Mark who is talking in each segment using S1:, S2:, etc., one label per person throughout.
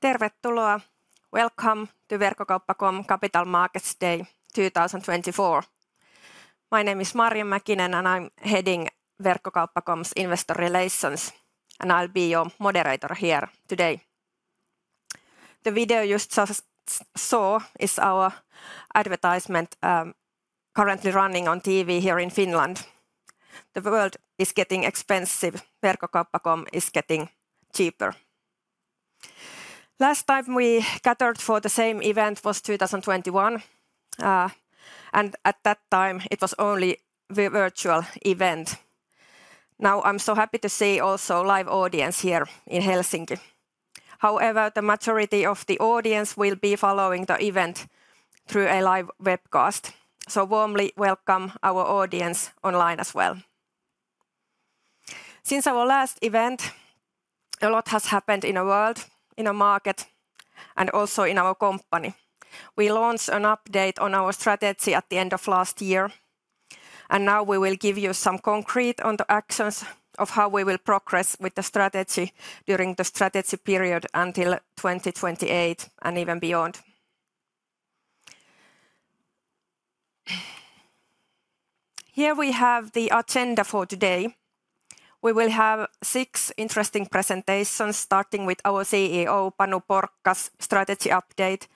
S1: Tervetuloa, welcome to Verkkokauppa.com Capital Markets Day 2024. My name is Marja Mäkinen, and I'm heading Verkkokauppa.com's Investor Relations, and I'll be your moderator here today. The video you just saw is our advertisement currently running on TV here in Finland. The world is getting expensive. Verkkokauppa.com is getting cheaper. Last time we gathered for the same event was 2021, and at that time it was only a virtual event. Now I'm so happy to see also a live audience here in Helsinki. However, the majority of the audience will be following the event through a live webcast, so warmly welcome our audience online as well. Since our last event, a lot has happened in the world, in the market, and also in our company. We launched an update on our strategy at the end of last year, and now we will give you some concrete actions of how we will progress with the strategy during the strategy period until 2028 and even beyond. Here we have the agenda for today. We will have six interesting presentations starting with our CEO, Panu Porkka's strategy update,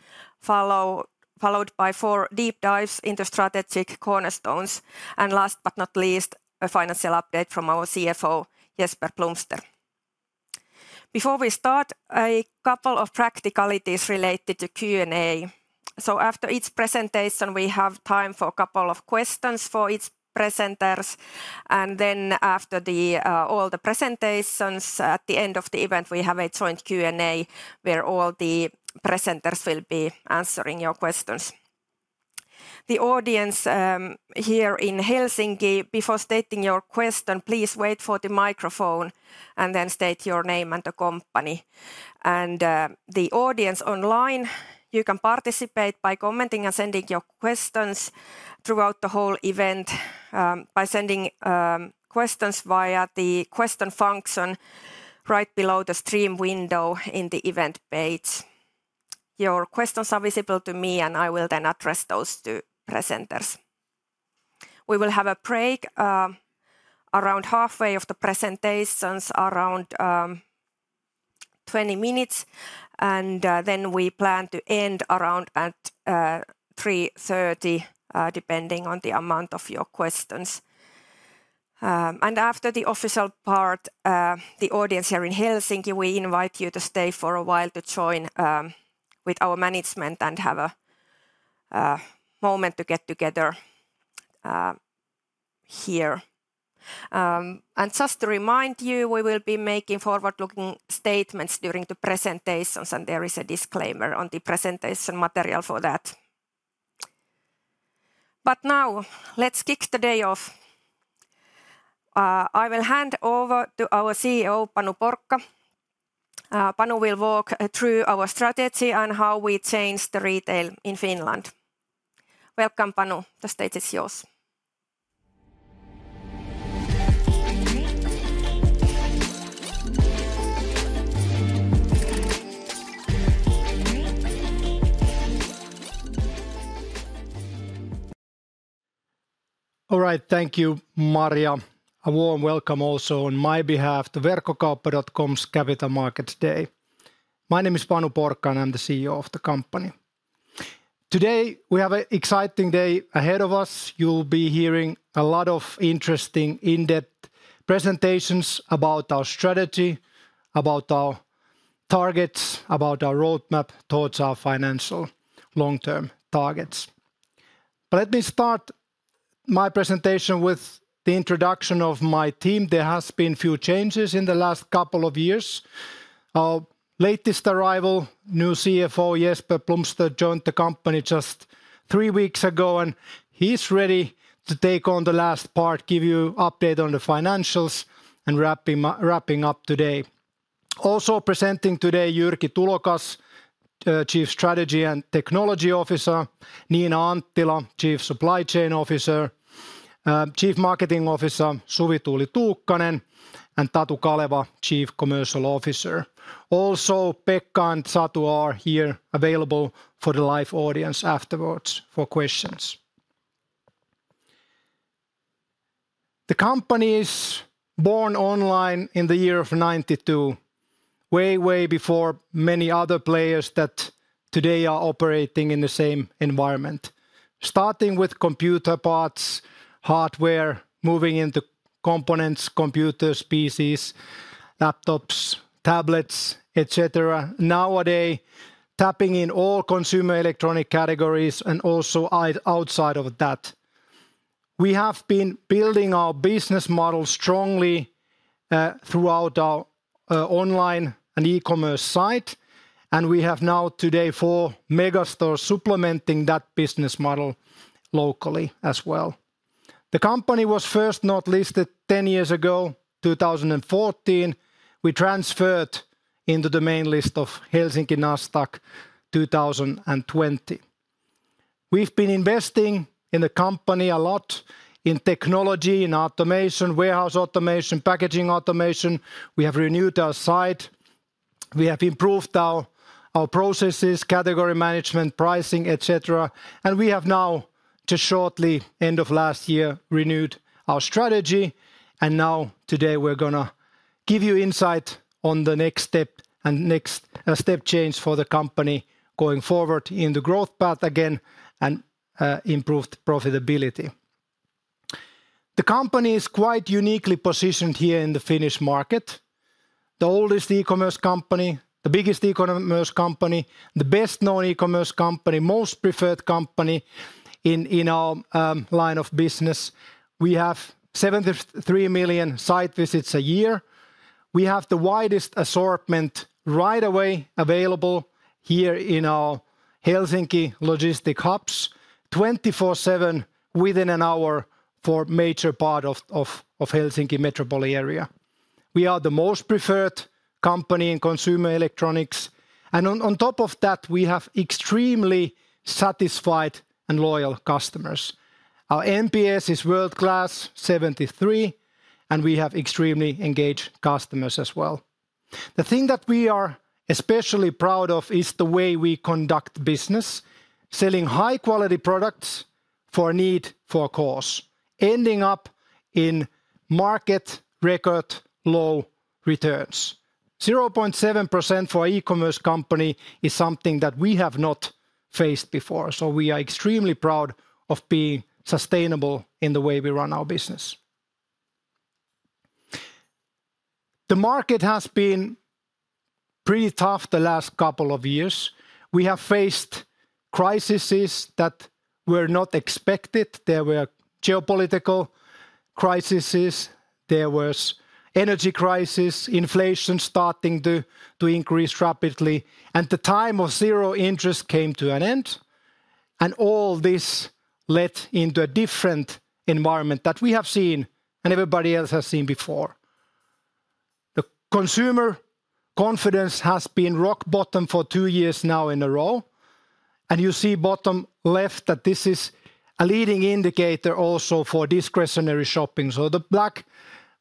S1: followed by four deep dives into strategic cornerstones, and last but not least, a financial update from our CFO, Jesper Blomster. Before we start, a couple of practicalities related to Q&A. After each presentation, we have time for a couple of questions for each presenter, and then after all the presentations, at the end of the event, we have a joint Q&A where all the presenters will be answering your questions. The audience here in Helsinki, before stating your question, please wait for the microphone and then state your name and the company. The audience online, you can participate by commenting and sending your questions throughout the whole event by sending questions via the question function right below the stream window in the event page. Your questions are visible to me, and I will then address those to presenters. We will have a break around halfway of the presentations, around 20 minutes, and then we plan to end around 3:30 P.M., depending on the amount of your questions. After the official part, the audience here in Helsinki, we invite you to stay for a while to join with our management and have a moment to get together here. Just to remind you, we will be making forward-looking statements during the presentations, and there is a disclaimer on the presentation material for that. Now, let's kick the day off. I will hand over to our CEO, Panu Porkka. Panu will walk through our strategy and how we change the retail in Finland. Welcome, Panu, the stage is yours.
S2: All right, thank you, Marja. A warm welcome also on my behalf to Verkkokauppa.com's Capital Markets Day. My name is Panu Porkka, and I'm the CEO of the company. Today we have an exciting day ahead of us. You'll be hearing a lot of interesting, in-depth presentations about our strategy, about our targets, about our roadmap towards our financial long-term targets. Let me start my presentation with the introduction of my team. There have been a few changes in the last couple of years. Latest arrival, new CFO, Jesper Blomster, joined the company just three weeks ago, and he's ready to take on the last part, give you an update on the financials, and wrapping up today. Also presenting today, Jyrki Tulokas, Chief Strategy and Technology Officer, Nina Anttila, Chief Supply Chain Officer, Chief Marketing Officer, Suvituuli Tuukkanen, and Tatu Kaleva, Chief Commercial Officer. Also, Pekka and Satu are here available for the live audience afterwards for questions. The company is born online in the year of 1992, way, way before many other players that today are operating in the same environment. Starting with computer parts, hardware, moving into components, computers, PCs, laptops, tablets, etc. Nowadays, tapping in all consumer electronic categories and also outside of that. We have been building our business model strongly throughout our online and e-commerce site, and we have now today four megastores supplementing that business model locally as well. The company was first not listed 10 years ago, 2014. We transferred into the main list of Nasdaq Helsinki 2020. We've been investing in the company a lot in technology, in automation, warehouse automation, packaging automation. We have renewed our site. We have improved our processes, category management, pricing, etc. And we have now, just shortly end of last year, renewed our strategy, and now today we're going to give you insight on the next step and next step change for the company going forward in the growth path again and improved profitability. The company is quite uniquely positioned here in the Finnish market. The oldest e-commerce company, the biggest e-commerce company, the best-known e-commerce company, most preferred company in our line of business. We have 73 million site visits a year. We have the widest assortment right away available here in our Helsinki logistics hubs, 24/7 within an hour for a major part of the Helsinki metropolitan area. We are the most preferred company in consumer electronics, and on top of that, we have extremely satisfied and loyal customers. Our NPS is world-class, 73, and we have extremely engaged customers as well. The thing that we are especially proud of is the way we conduct business, selling high-quality products for a need, for a cause, ending up in market-record low returns. 0.7% for an e-commerce company is something that we have not faced before, so we are extremely proud of being sustainable in the way we run our business. The market has been pretty tough the last couple of years. We have faced crises that were not expected. There were geopolitical crises. There was an energy crisis, inflation starting to increase rapidly, and the time of zero interest came to an end, and all this led into a different environment that we have seen and everybody else has seen before. Consumer confidence has been rock bottom for two years now in a row, and you see bottom left that this is a leading indicator also for discretionary shopping. The black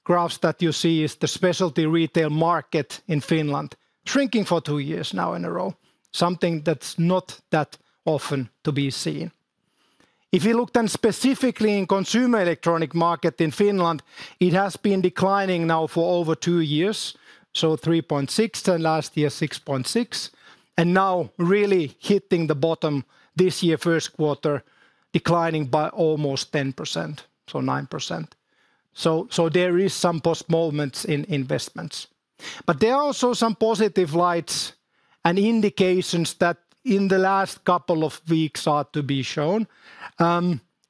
S2: graph that you see is the specialty retail market in Finland shrinking for 2 years now in a row, something that's not that often to be seen. If you look then specifically in the consumer electronic market in Finland, it has been declining now for over 2 years, so 3.6% last year, 6.6%, and now really hitting the bottom this year, first quarter, declining by almost 10%, so 9%. There are some post-movements in investments. But there are also some positive lights and indications that in the last couple of weeks are to be shown.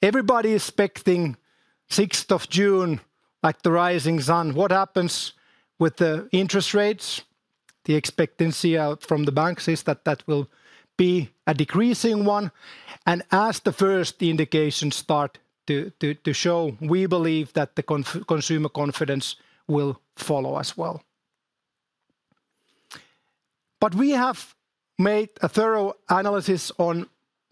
S2: Everybody is expecting June 6th, like the rising sun, what happens with the interest rates. The expectancy from the banks is that that will be a decreasing one, and as the first indications start to show, we believe that the consumer confidence will follow as well. But we have made a thorough analysis on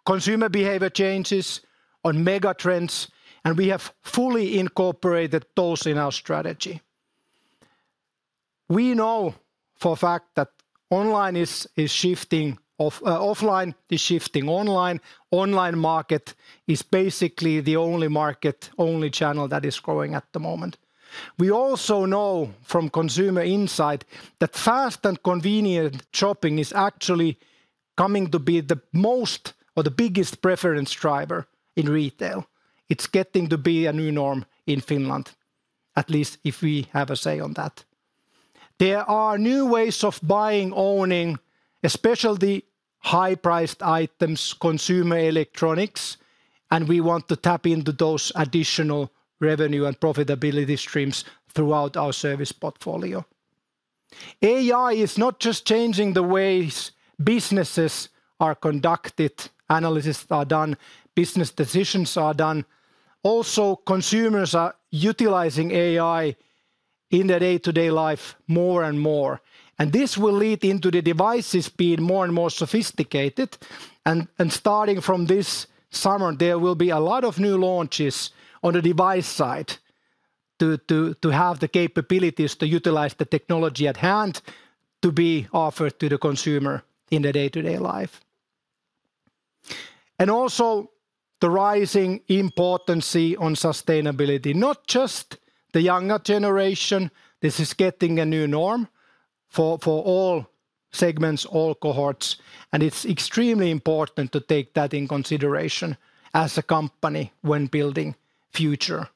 S2: consumer behavior changes, on megatrends, and we have fully incorporated those in our strategy. We know for a fact that online is shifting offline, is shifting online. The online market is basically the only market, only channel that is growing at the moment. We also know from consumer insight that fast and convenient shopping is actually coming to be the most or the biggest preference driver in retail. It's getting to be a new norm in Finland, at least if we have a say on that. There are new ways of buying, owning, especially high-priced items, consumer electronics, and we want to tap into those additional revenue and profitability streams throughout our service portfolio. AI is not just changing the ways businesses are conducted, analysis are done, business decisions are done. Also, consumers are utilizing AI in their day-to-day life more and more, and this will lead into the devices being more and more sophisticated. Starting from this summer, there will be a lot of new launches on the device side to have the capabilities to utilize the technology at hand to be offered to the consumer in their day-to-day life. Also, the rising importance on sustainability, not just the younger generation, this is getting a new norm for all segments, all cohorts, and it's extremely important to take that in consideration as a company when building future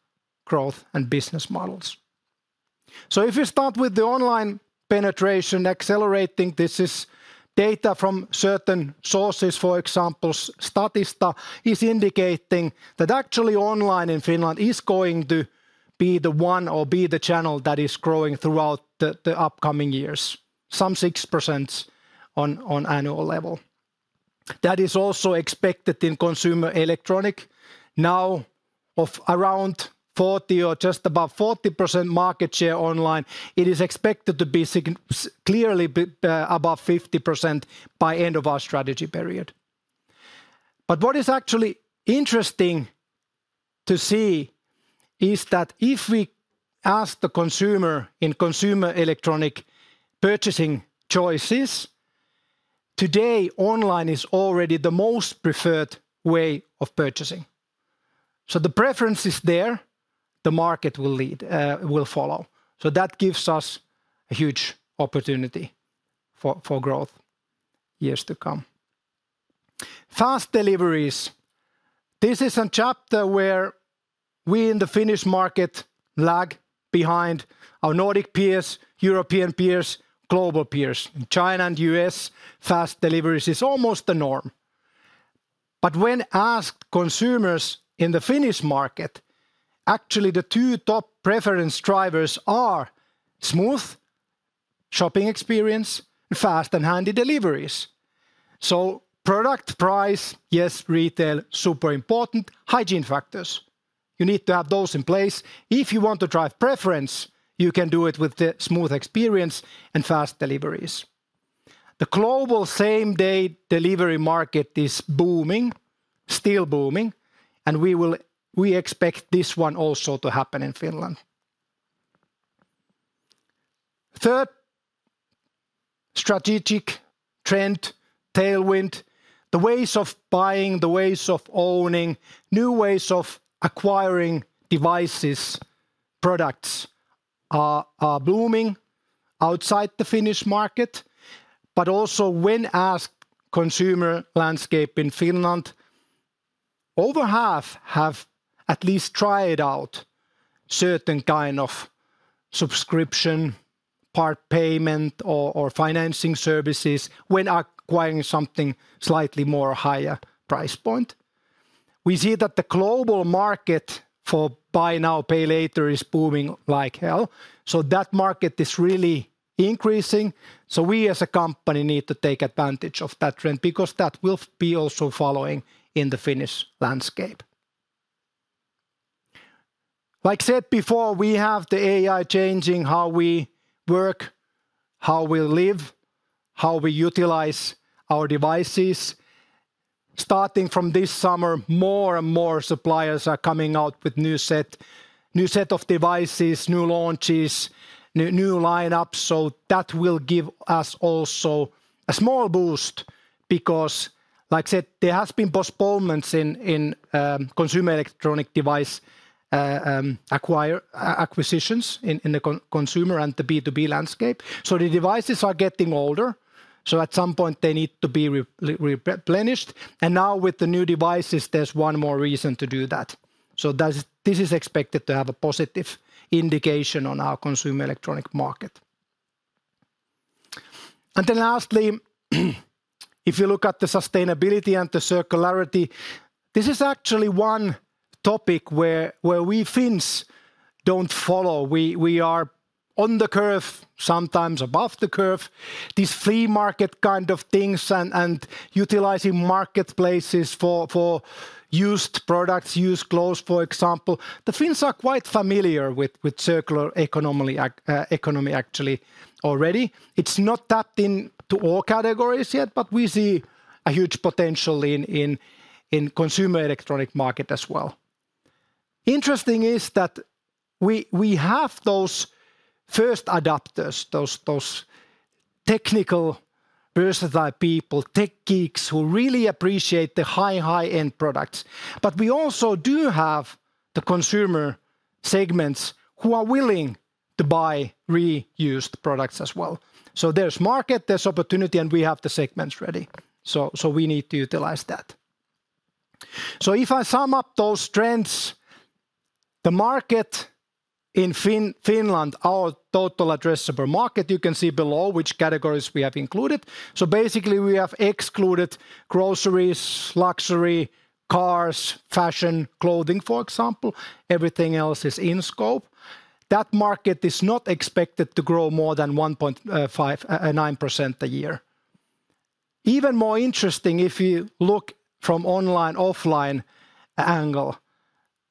S2: growth and business models. If we start with the online penetration accelerating, this is data from certain sources, for example, Statista, is indicating that actually online in Finland is going to be the one or be the channel that is growing throughout the upcoming years, some 6% on annual level. That is also expected in consumer electronics. Now, of around 40% or just above 40% market share online, it is expected to be clearly above 50% by the end of our strategy period. But what is actually interesting to see is that if we ask the consumer in consumer electronic purchasing choices, today online is already the most preferred way of purchasing. The preference is there, the market will follow. That gives us a huge opportunity for growth years to come. Fast deliveries. This is a chapter where we in the Finnish market lag behind our Nordic peers, European peers, global peers, China and the United States. Fast deliveries are almost the norm. But when asked consumers in the Finnish market, actually the two top preference drivers are smooth shopping experience and fast and handy deliveries. Product price, yes, retail, super important, hygiene factors. You need to have those in place. If you want to drive preference, you can do it with the smooth experience and fast deliveries. The global same-day delivery market is booming, still booming, and we expect this one also to happen in Finland. Third strategic trend, tailwind, the ways of buying, the ways of owning, new ways of acquiring devices, products are booming outside the Finnish market. But also, when asked consumer landscape in Finland, over half have at least tried out certain kinds of subscription, part payment, or financing services when acquiring something slightly more higher price point. We see that the global market for Buy Now, Pay Later is booming like hell. That market is really increasing. We as a company need to take advantage of that trend because that will be also following in the Finnish landscape. Like said before, we have the AI changing how we work, how we live, how we utilize our devices. Starting from this summer, more and more suppliers are coming out with a new set of devices, new launches, new lineups. That will give us also a small boost because, like said, there have been postponements in consumer electronic device acquisitions in the consumer and the B2B landscape. The devices are getting older, so at some point they need to be replenished. Now, with the new devices, there's one more reason to do that. This is expected to have a positive indication on our consumer electronic market. Lastly, if you look at the sustainability and the circularity, this is actually one topic where we Finns don't follow. We are on the curve, sometimes above the curve, these flea market kind of things and utilizing marketplaces for used products, used clothes, for example. The Finns are quite familiar with circular economy actually already. It's not tapped into all categories yet, but we see a huge potential in consumer electronic market as well. Interesting is that we have those first adopters, those technical versatile people, tech geeks who really appreciate the high, high-end products. But we also do have the consumer segments who are willing to buy reused products as well. There's market, there's opportunity, and we have the segments ready. We need to utilize that. If I sum up those trends, the market in Finland, our total addressable market, you can see below which categories we have included. Basically, we have excluded groceries, luxury, cars, fashion, clothing, for example. Everything else is in scope. That market is not expected to grow more than 1.9% a year. Even more interesting, if you look from an online-offline angle,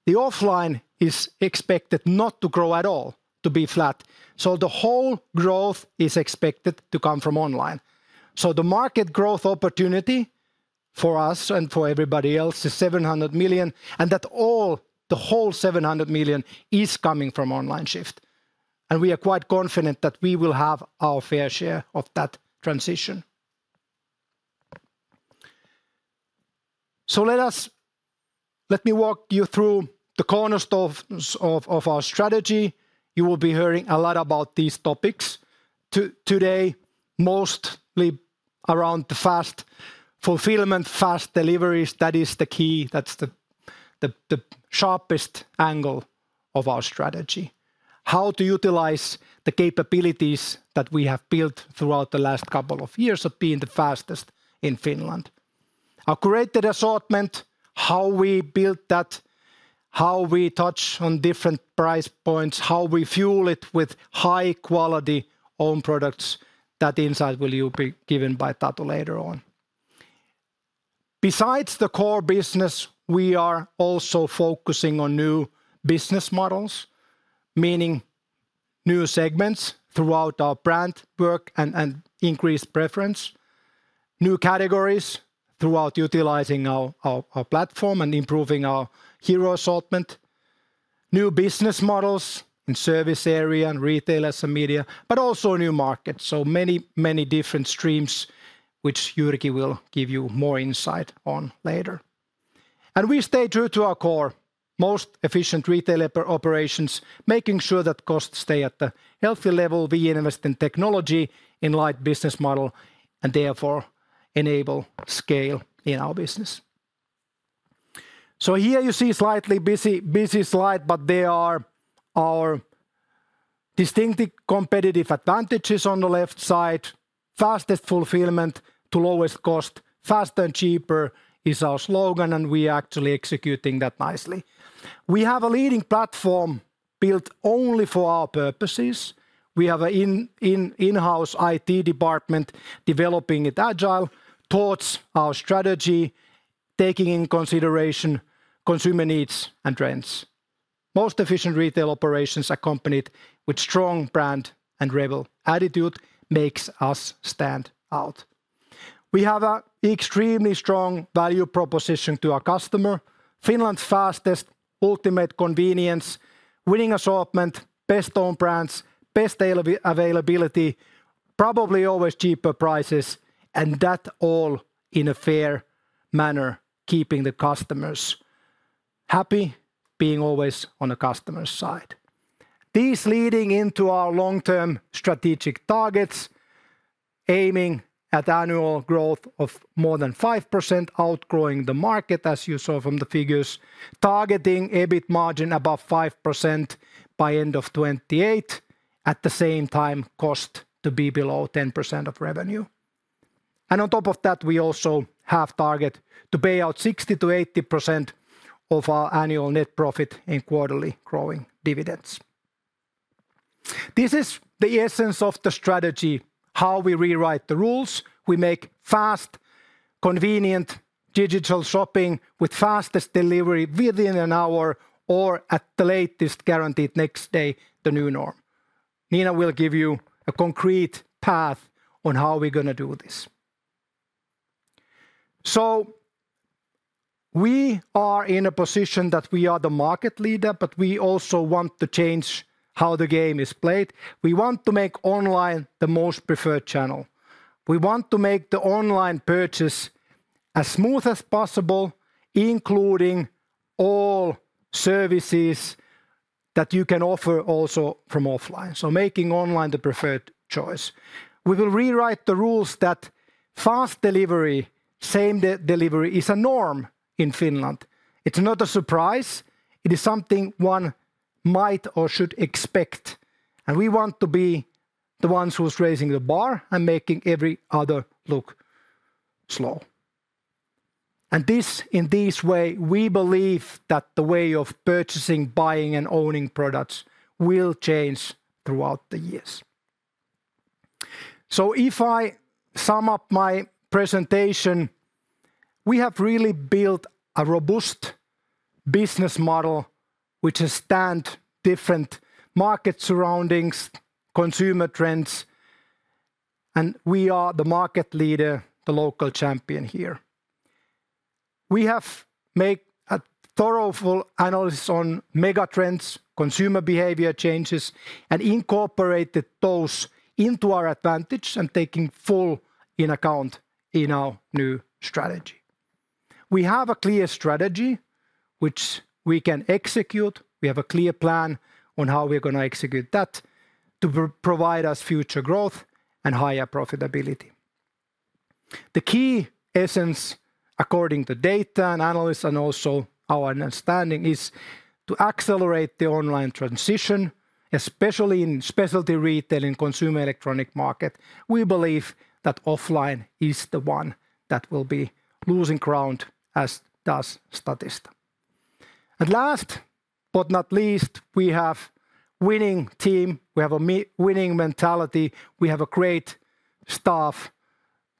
S2: the offline is expected not to grow at all, to be flat. The whole growth is expected to come from online. The market growth opportunity for us and for everybody else is 700 million, and that all, the whole 700 million is coming from online shift. We are quite confident that we will have our fair share of that transition. Let me walk you through the cornerstones of our strategy. You will be hearing a lot about these topics today, mostly around the fast fulfillment, fast deliveries. That is the key, that's the sharpest angle of our strategy. How to utilize the capabilities that we have built throughout the last couple of years of being the fastest in Finland. Our curated assortment, how we build that, how we touch on different price points, how we fuel it with high-quality owned products, that insight will be given by Tatu later on. Besides the core business, we are also focusing on new business models, meaning new segments throughout our brand work and increased preference, new categories throughout utilizing our platform and improving our hero assortment, new business models and service area and retailers and media, but also new markets. Many, many different streams, which Jyrki will give you more insight on later. We stay true to our core, most efficient retailer operations, making sure that costs stay at the healthy level. We invest in technology, in light business model, and therefore enable scale in our business. Here you see a slightly busy slide, but there are our distinctive competitive advantages on the left side. Fastest fulfillment to lowest cost, faster and cheaper is our slogan, and we are actually executing that nicely. We have a leading platform built only for our purposes. We have an in-house IT department developing it agile towards our strategy, taking in consideration consumer needs and trends. Most efficient retail operations accompanied with strong brand and rebel attitude make us stand out. We have an extremely strong value proposition to our customer. Finland's fastest, ultimate convenience, winning assortment, best owned brands, best availability, probably always cheaper prices, and that all in a fair manner, keeping the customers happy, being always on the customer's side. These leading into our long-term strategic targets, aiming at annual growth of more than 5%, outgrowing the market as you saw from the figures, targeting EBIT margin above 5% by the end of 2028, at the same time cost to be below 10% of revenue. On top of that, we also have a target to pay out 60%-80% of our annual net profit in quarterly growing dividends. This is the essence of the strategy, how we rewrite the rules. We make fast, convenient digital shopping with fastest delivery within an hour or at the latest guaranteed next day, the new norm. Nina will give you a concrete path on how we're going to do this. We are in a position that we are the market leader, but we also want to change how the game is played. We want to make online the most preferred channel. We want to make the online purchase as smooth as possible, including all services that you can offer also from offline. Making online the preferred choice. We will rewrite the rules that fast delivery, same-day delivery is a norm in Finland. It's not a surprise. It is something one might or should expect. We want to be the ones who are raising the bar and making every other look slow. In this way, we believe that the way of purchasing, buying, and owning products will change throughout the years. If I sum up my presentation, we have really built a robust business model which has stood different market surroundings, consumer trends, and we are the market leader, the local champion here. We have made a thorough analysis on mega trends, consumer behavior changes, and incorporated those into our advantage and taking full account in our new strategy. We have a clear strategy which we can execute. We have a clear plan on how we're going to execute that to provide us future growth and higher profitability. The key essence, according to data and analysts and also our understanding, is to accelerate the online transition, especially in specialty retail and consumer electronic market. We believe that offline is the one that will be losing ground, as does Statista. Last but not least, we have a winning team. We have a winning mentality. We have a great staff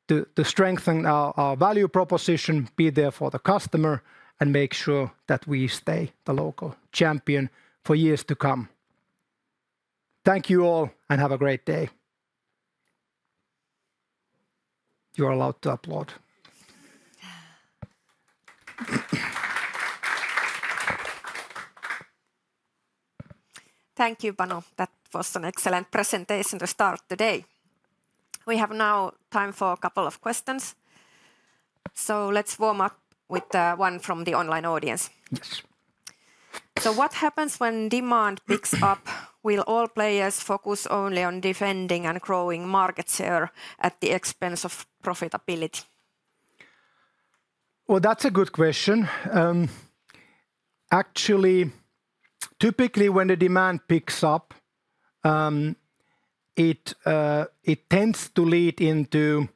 S2: to strengthen our value proposition, be there for the customer, and make sure that we stay the local champion for years to come. Thank you all and have a great day. You are allowed to applaud. Thank you, Panu. That was an excellent presentation to start today. We have now time for a couple of questions. Let's warm up with one from the online audience. What happens when demand picks up? Will all players focus only on defending and growing market share at the expense of profitability? That's a good question. Actually, typically when the demand picks up, it tends to lead into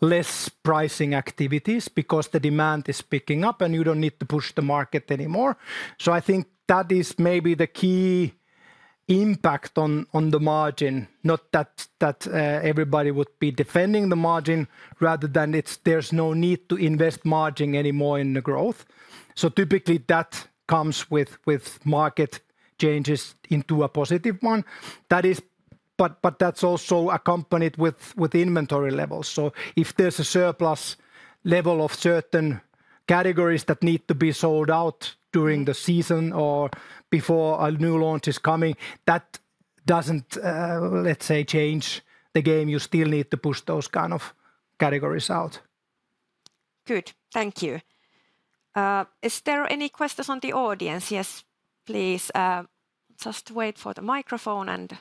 S2: less pricing activities because the demand is picking up and you don't need to push the market anymore. I think that is maybe the key impact on the margin, not that everybody would be defending the margin rather than there's no need to invest margin anymore in the growth. Typically, that comes with market changes into a positive one. But that's also accompanied with inventory levels. If there's a surplus level of certain categories that need to be sold out during the season or before a new launch is coming, that doesn't, let's say, change the game. You still need to push those kind of categories out.
S1: Good. Thank you. Is there any questions from the audience? Yes, please. Just wait for the microphone and-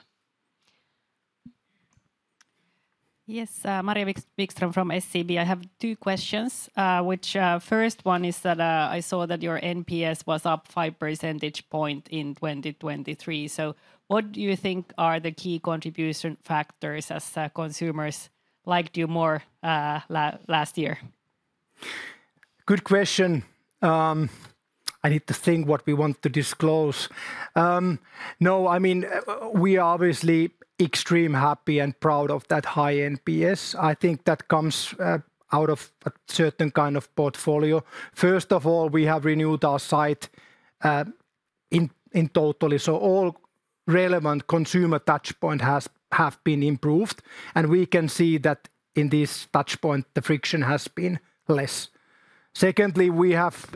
S3: Yes, Maria Wikström from SEB. I have two questions. First one is that I saw that your NPS was up 5 percentage points in 2023. What do you think are the key contribution factors as consumers liked you more last year?
S2: Good question. I need to think what we want to disclose. No, I mean we are obviously extremely happy and proud of that high NPS. I think that comes out of a certain kind of portfolio. First of all, we have renewed our site entirely. All relevant consumer touchpoints have been improved. We can see that in this touchpoint, the friction has been less. Secondly, we have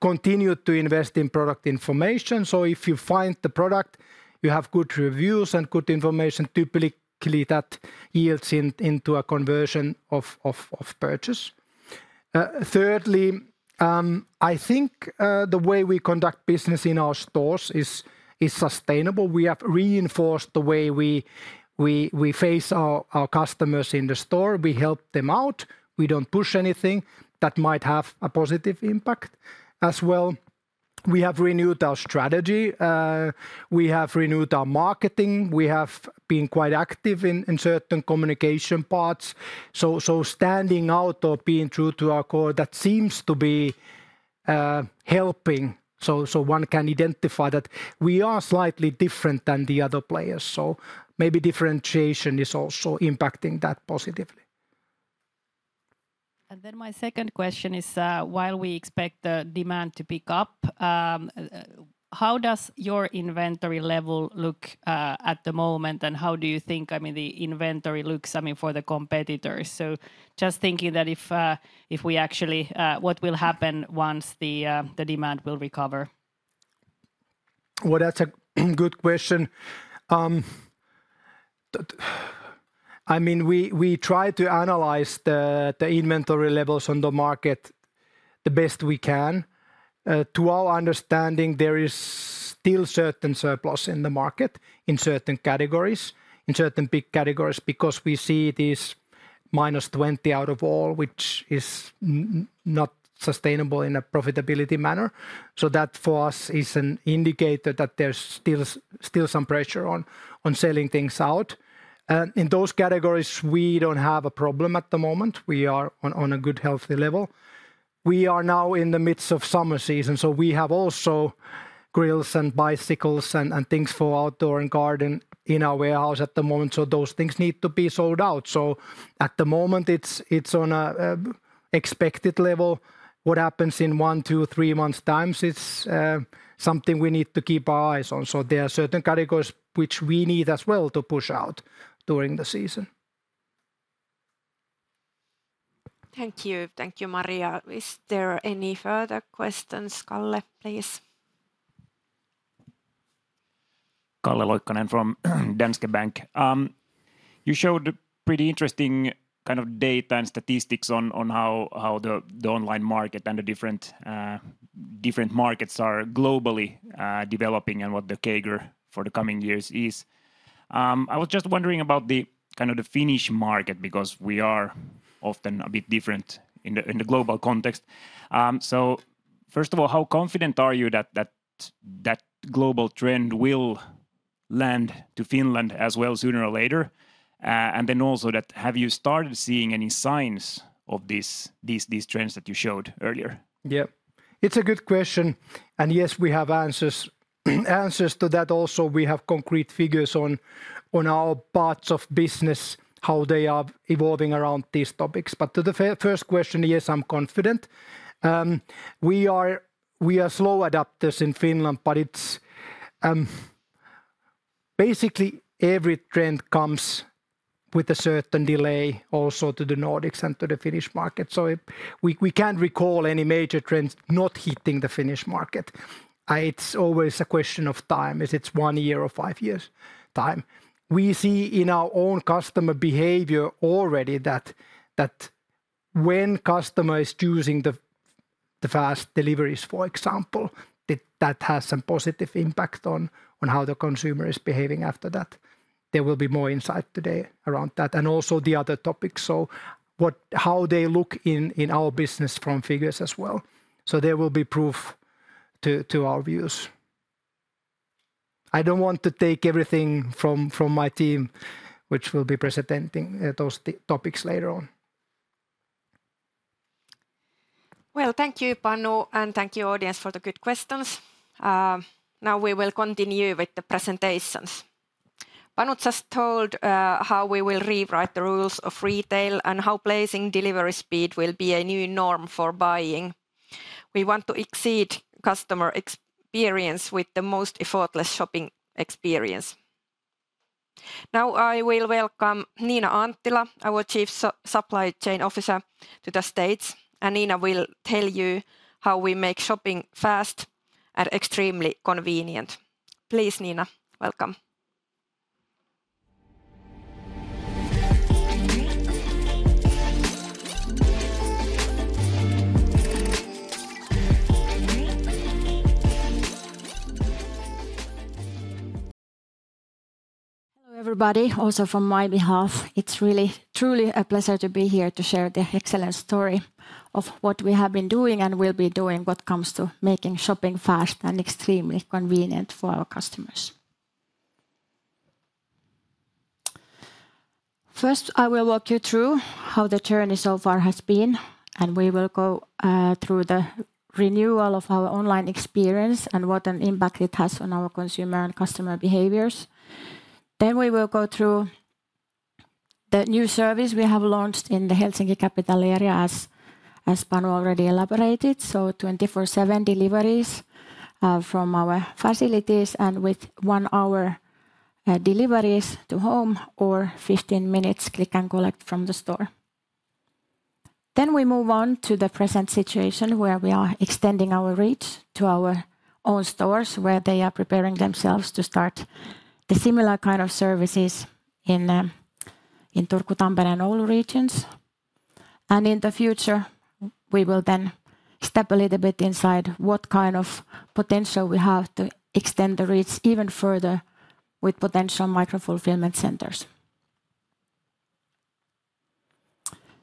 S2: continued to invest in product information. If you find the product, you have good reviews and good information, typically that yields into a conversion of purchase. Thirdly, I think the way we conduct business in our stores is sustainable. We have reinforced the way we face our customers in the store. We help them out. We don't push anything that might have a positive impact as well. We have renewed our strategy. We have renewed our marketing. We have been quite active in certain communication parts. Standing out or being true to our core, that seems to be helping. One can identify that we are slightly different than the other players. Maybe differentiation is also impacting that positively.
S3: Then my second question is, while we expect the demand to pick up, how does your inventory level look at the moment and how do you think the inventory looks for the competitors? Just thinking that if we actually, what will happen once the demand will recover?
S2: That's a good question. I mean we try to analyze the inventory levels on the market the best we can. To our understanding, there is still certain surplus in the market, in certain categories, in certain big categories because we see this minus 20 out of all, which is not sustainable in a profitability manner. That for us is an indicator that there's still some pressure on selling things out. In those categories, we don't have a problem at the moment. We are on a good, healthy level. We are now in the midst of summer season, so we have also grills and bicycles and things for outdoor and garden in our warehouse at the moment. Those things need to be sold out. At the moment, it's on an expected level. What happens in one, two, three months' time is something we need to keep our eyes on. There are certain categories which we need as well to push out during the season.
S1: Thank you. Thank you, Maria. Is there any further questions? Kalle, please.
S4: Kalle Loikkanen from Danske Bank. You showed pretty interesting kind of data and statistics on how the online market and the different markets are globally developing and what the CAGR for the coming years is. I was just wondering about the kind of the Finnish market because we are often a bit different in the global context. First of all, how confident are you that that global trend will land to Finland as well sooner or later? Then also, have you started seeing any signs of these trends that you showed earlier?
S2: Yeah, it's a good question. Yes, we have answers to that also. We have concrete figures on our parts of business, how they are evolving around these topics. To the first question, yes, I'm confident. We are slow adapters in Finland, but basically every trend comes with a certain delay also to the Nordics and to the Finnish market. We can't recall any major trends not hitting the Finnish market. It's always a question of time. Is it one year or five years' time? We see in our own customer behavior already that when customer is choosing the fast deliveries, for example, that has some positive impact on how the consumer is behaving after that. There will be more insight today around that and also the other topics, how they look in our business from figures as well. There will be proof to our views. I don't want to take everything from my team, which will be presenting those topics later on.
S1: Well, thank you, Panu, and thank you, audience, for the good questions. Now we will continue with the presentations. Panu just told how we will rewrite the rules of retail and how placing delivery speed will be a new norm for buying. We want to exceed customer experience with the most effortless shopping experience. Now I will welcome Nina Anttila, our Chief Supply Chain Officer, to the stage. Nina will tell you how we make shopping fast and extremely convenient. Please, Nina, welcome.
S5: Hello everybody, also from my behalf. It's really truly a pleasure to be here to share the excellent story of what we have been doing and will be doing when it comes to making shopping fast and extremely convenient for our customers. First, I will walk you through how the journey so far has been, and we will go through the renewal of our online experience and what an impact it has on our consumer and customer behaviors. Then we will go through the new service we have launched in the Helsinki capital area, as Panu already elaborated, so 24/7 deliveries from our facilities and with one-hour deliveries to home or 15 minutes Click and Collect from the store. Then we move on to the present situation where we are extending our reach to our own stores where they are preparing themselves to start the similar kind of services in Turku, Tampere, and Oulu regions. In the future, we will then step a little bit inside what kind of potential we have to extend the reach even further with potential micro-fulfillment centers.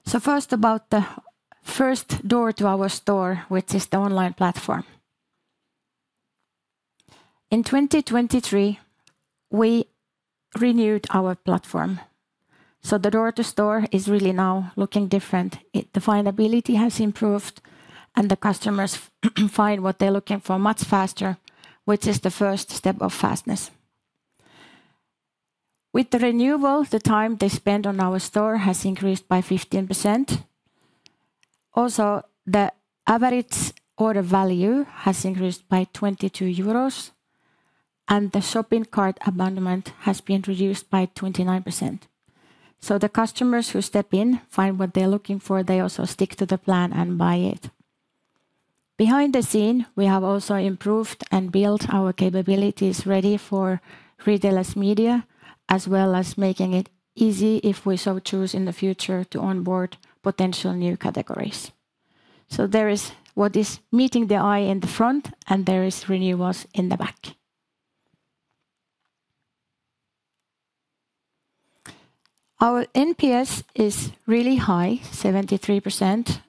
S5: First about the first door to our store, which is the online platform. In 2023, we renewed our platform. The door to store is really now looking different. The findability has improved, and the customers find what they're looking for much faster, which is the first step of fastness. With the renewal, the time they spend on our store has increased by 15%. Also, the average order value has increased by 22 euros, and the shopping cart abandonment has been reduced by 29%. The customers who step in find what they're looking for. They also stick to the plan and buy it. Behind the scenes, we have also improved and built our capabilities ready for retailers' media, as well as making it easy if we so choose in the future to onboard potential new categories. There is what is meeting the eye in the front, and there is renewals in the back. Our NPS is really high, 73%,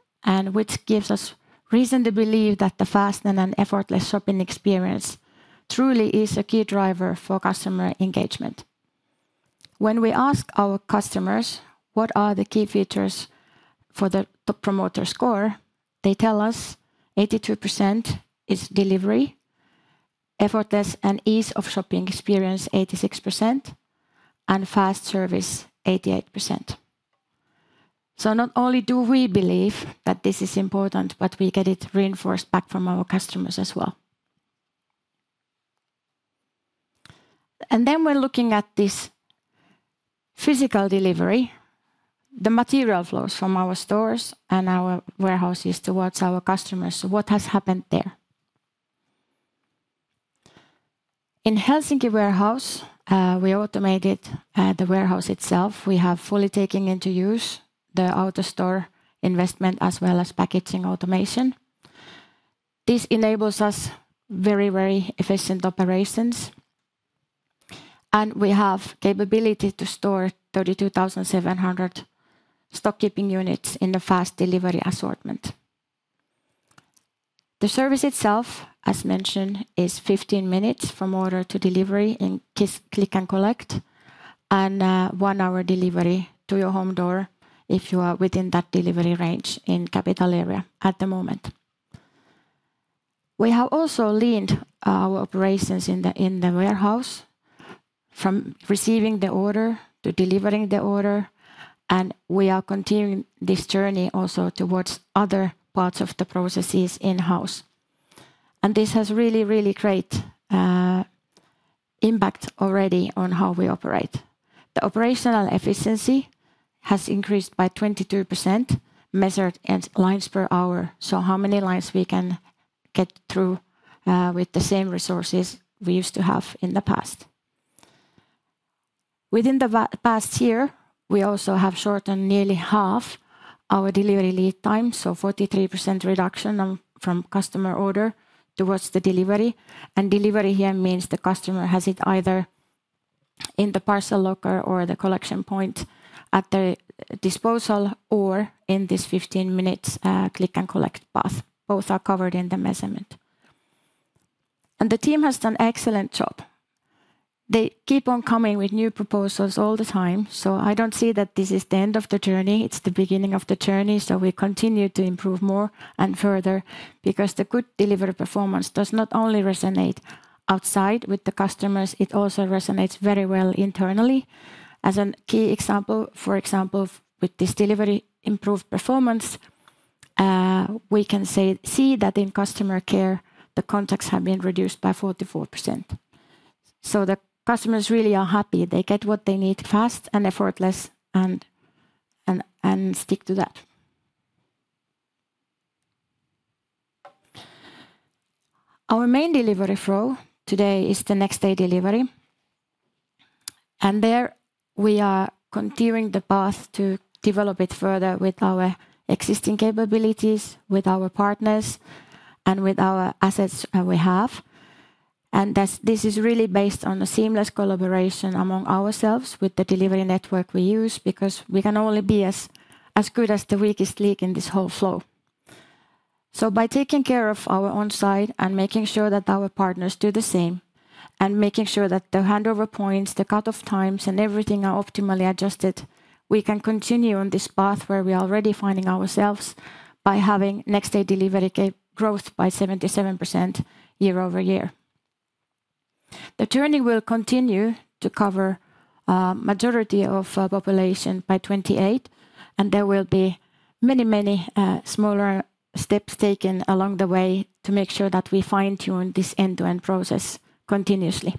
S5: which gives us reason to believe that the fast and effortless shopping experience truly is a key driver for customer engagement. When we ask our customers what are the key features for the top promoter score, they tell us 82% is delivery, effortless and ease of shopping experience 86%, and fast service 88%. Not only do we believe that this is important, but we get it reinforced back from our customers as well. Then when looking at this physical delivery, the material flows from our stores and our warehouses towards our customers. What has happened there? In Helsinki warehouse, we automated the warehouse itself. We have fully taken into use the AutoStore investment as well as packaging automation. This enables us very, very efficient operations. We have the capability to store 32,700 stock-keeping units in the fast delivery assortment. The service itself, as mentioned, is 15 minutes from order to delivery in Click and Collect and one-hour delivery to your home door if you are within that delivery range in the capital area at the moment. We have also leaned our operations in the warehouse from receiving the order to delivering the order, and we are continuing this journey also towards other parts of the processes in-house. This has really, really great impact already on how we operate. The operational efficiency has increased by 22% measured in lines per hour, so how many lines we can get through with the same resources we used to have in the past. Within the past year, we also have shortened nearly half our delivery lead time, so 43% reduction from customer order towards the delivery. Delivery here means the customer has it either in the parcel locker or the collection point at their disposal or in this 15-minute Click and Collect path. Both are covered in the measurement. The team has done an excellent job. They keep on coming with new proposals all the time, so I don't see that this is the end of the journey. It's the beginning of the journey, so we continue to improve more and further because the good delivery performance does not only resonate outside with the customers, it also resonates very well internally. As a key example, for example, with this delivery improved performance, we can see that in customer care, the contacts have been reduced by 44%. The customers really are happy. They get what they need fast and effortless and stick to that. Our main delivery flow today is the next-day delivery. There we are continuing the path to develop it further with our existing capabilities, with our partners, and with our assets we have. This is really based on a seamless collaboration among ourselves with the delivery network we use because we can only be as good as the weakest link in this whole flow. By taking care of our on-site and making sure that our partners do the same and making sure that the handover points, the cut-off times, and everything are optimally adjusted, we can continue on this path where we are already finding ourselves by having next-day delivery growth by 77% year-over-year. The journey will continue to cover the majority of the population by 2028, and there will be many, many smaller steps taken along the way to make sure that we fine-tune this end-to-end process continuously.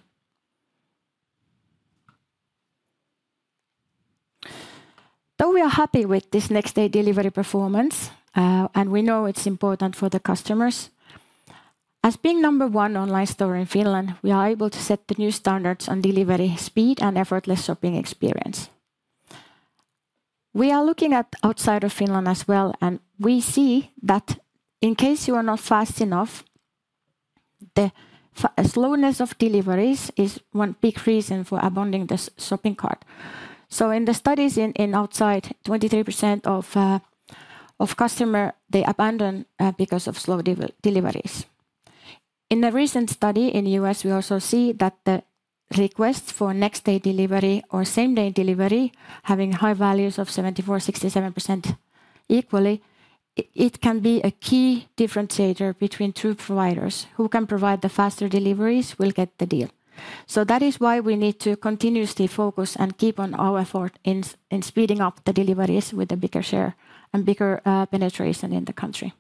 S5: Though we are happy with this next-day delivery performance and we know it's important for the customers, as being number one online store in Finland, we are able to set the new standards on delivery speed and effortless shopping experience. We are looking at outside of Finland as well, and we see that in case you are not fast enough, the slowness of deliveries is one big reason for abandoning the shopping cart. In the studies outside, 23% of customers, they abandon because of slow deliveries. In a recent study in the U.S., we also see that the requests for next-day delivery or same-day delivery, having high values of 74%, 67% equally, can be a key differentiator between true providers who can provide the faster deliveries will get the deal. That is why we need to continuously focus and keep on our effort in speeding up the deliveries with a bigger share and bigger penetration in the country.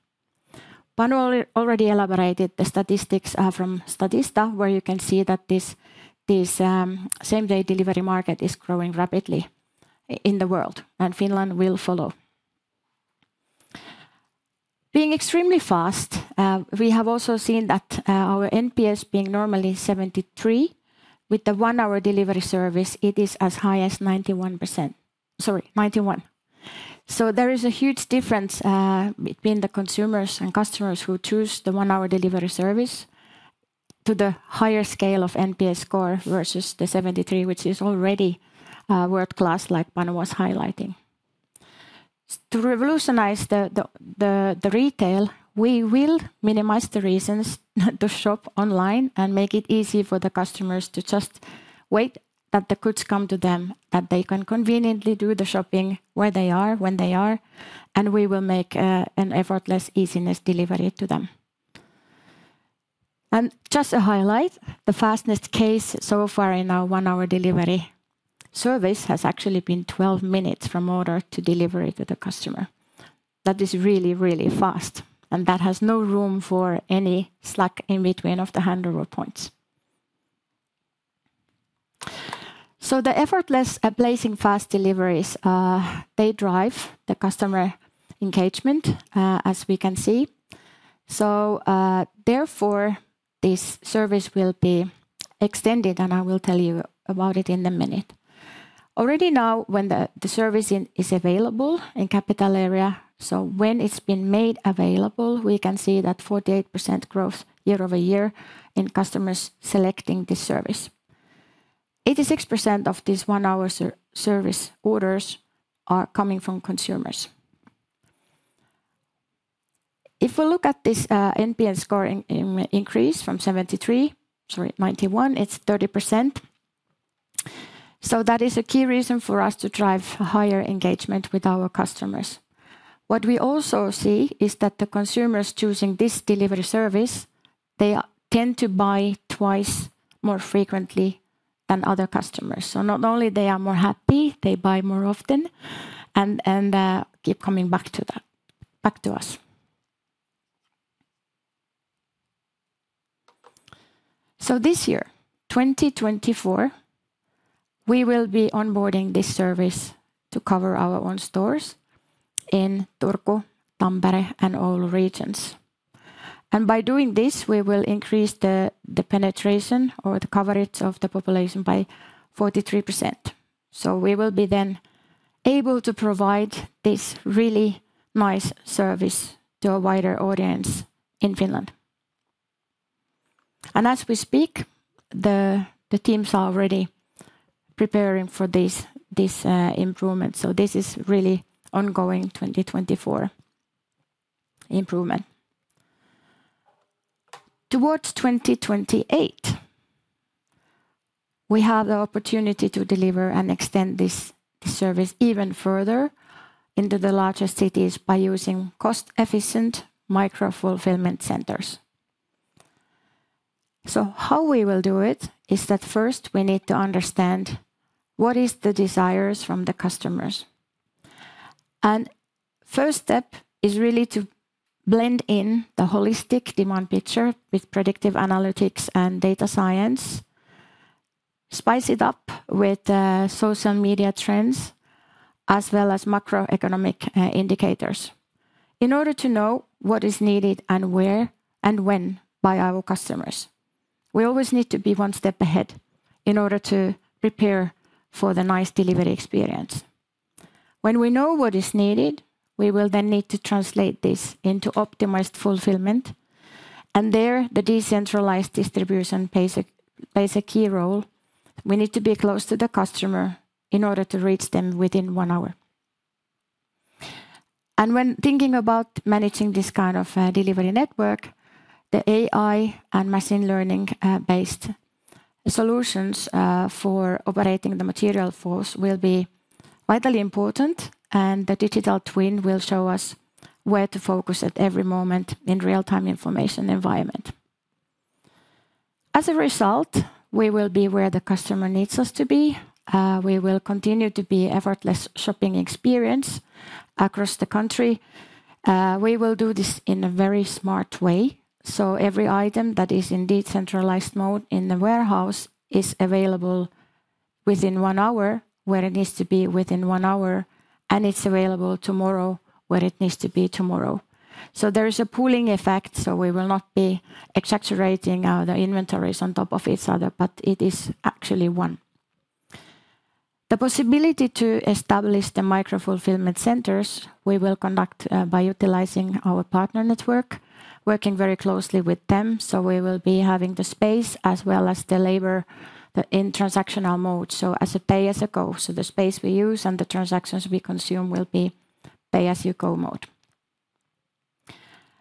S5: Panu already elaborated the statistics from Statista where you can see that this same-day delivery market is growing rapidly in the world, and Finland will follow. Being extremely fast, we have also seen that our NPS being normally 73, with the one-hour delivery service, it is as high as 91%. Sorry, 91. There is a huge difference between the consumers and customers who choose the one-hour delivery service to the higher scale of NPS score versus the 73, which is already world-class, like Panu was highlighting. To revolutionize the retail, we will minimize the reasons to shop online and make it easy for the customers to just wait that the goods come to them, that they can conveniently do the shopping where they are, when they are, and we will make an effortless easiness delivery to them. Just a highlight, the fastest case so far in our one-hour delivery service has actually been 12 minutes from order to delivery to the customer. That is really, really fast, and that has no room for any slack in between of the handover points. The effortless placing fast deliveries, they drive the customer engagement, as we can see. Therefore, this service will be extended, and I will tell you about it in a minute. Already now, when the service is available in the capital area, so when it's been made available, we can see that 48% growth year-over-year in customers selecting this service. 86% of these one-hour service orders are coming from consumers. If we look at this NPS score increase from 73, sorry, 91, it's 30%. That is a key reason for us to drive higher engagement with our customers. What we also see is that the consumers choosing this delivery service, they tend to buy twice more frequently than other customers. Not only are they more happy, they buy more often and keep coming back to us. This year, 2024, we will be onboarding this service to cover our own stores in Turku, Tampere, and Oulu regions. By doing this, we will increase the penetration or the coverage of the population by 43%. We will be then able to provide this really nice service to a wider audience in Finland. As we speak, the teams are already preparing for this improvement, so this is really an ongoing 2024 improvement. Towards 2028, we have the opportunity to deliver and extend this service even further into the larger cities by using cost-efficient micro-fulfillment centers. How we will do it is that first we need to understand what are the desires from the customers. The first step is really to blend in the holistic demand picture with predictive analytics and data science, spice it up with social media trends as well as macroeconomic indicators in order to know what is needed and where and when by our customers. We always need to be one step ahead in order to prepare for the nice delivery experience. When we know what is needed, we will then need to translate this into optimized fulfillment, and there the decentralized distribution plays a key role. We need to be close to the customer in order to reach them within one hour. When thinking about managing this kind of delivery network, the AI and machine learning-based solutions for operating the material flows will be vitally important, and the digital twin will show us where to focus at every moment in the real-time information environment. As a result, we will be where the customer needs us to be. We will continue to be an effortless shopping experience across the country. We will do this in a very smart way, so every item that is in decentralized mode in the warehouse is available within one hour where it needs to be within one hour, and it's available tomorrow where it needs to be tomorrow. There is a pooling effect, so we will not be exaggerating the inventories on top of each other, but it is actually one. The possibility to establish the micro-fulfillment centers, we will conduct by utilizing our partner network, working very closely with them, so we will be having the space as well as the labor in transactional mode, so as a pay-as-you-go, so the space we use and the transactions we consume will be pay-as-you-go mode.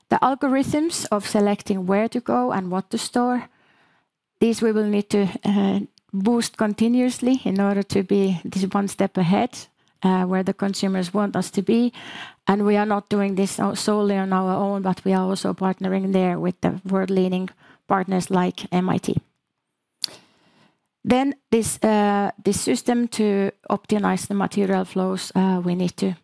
S5: The algorithms of selecting where to go and what to store, these we will need to boost continuously in order to be this one step ahead where the consumers want us to be. We are not doing this solely on our own, but we are also partnering there with the world-leading partners like MIT. Then this system to optimize the material flows, we need to.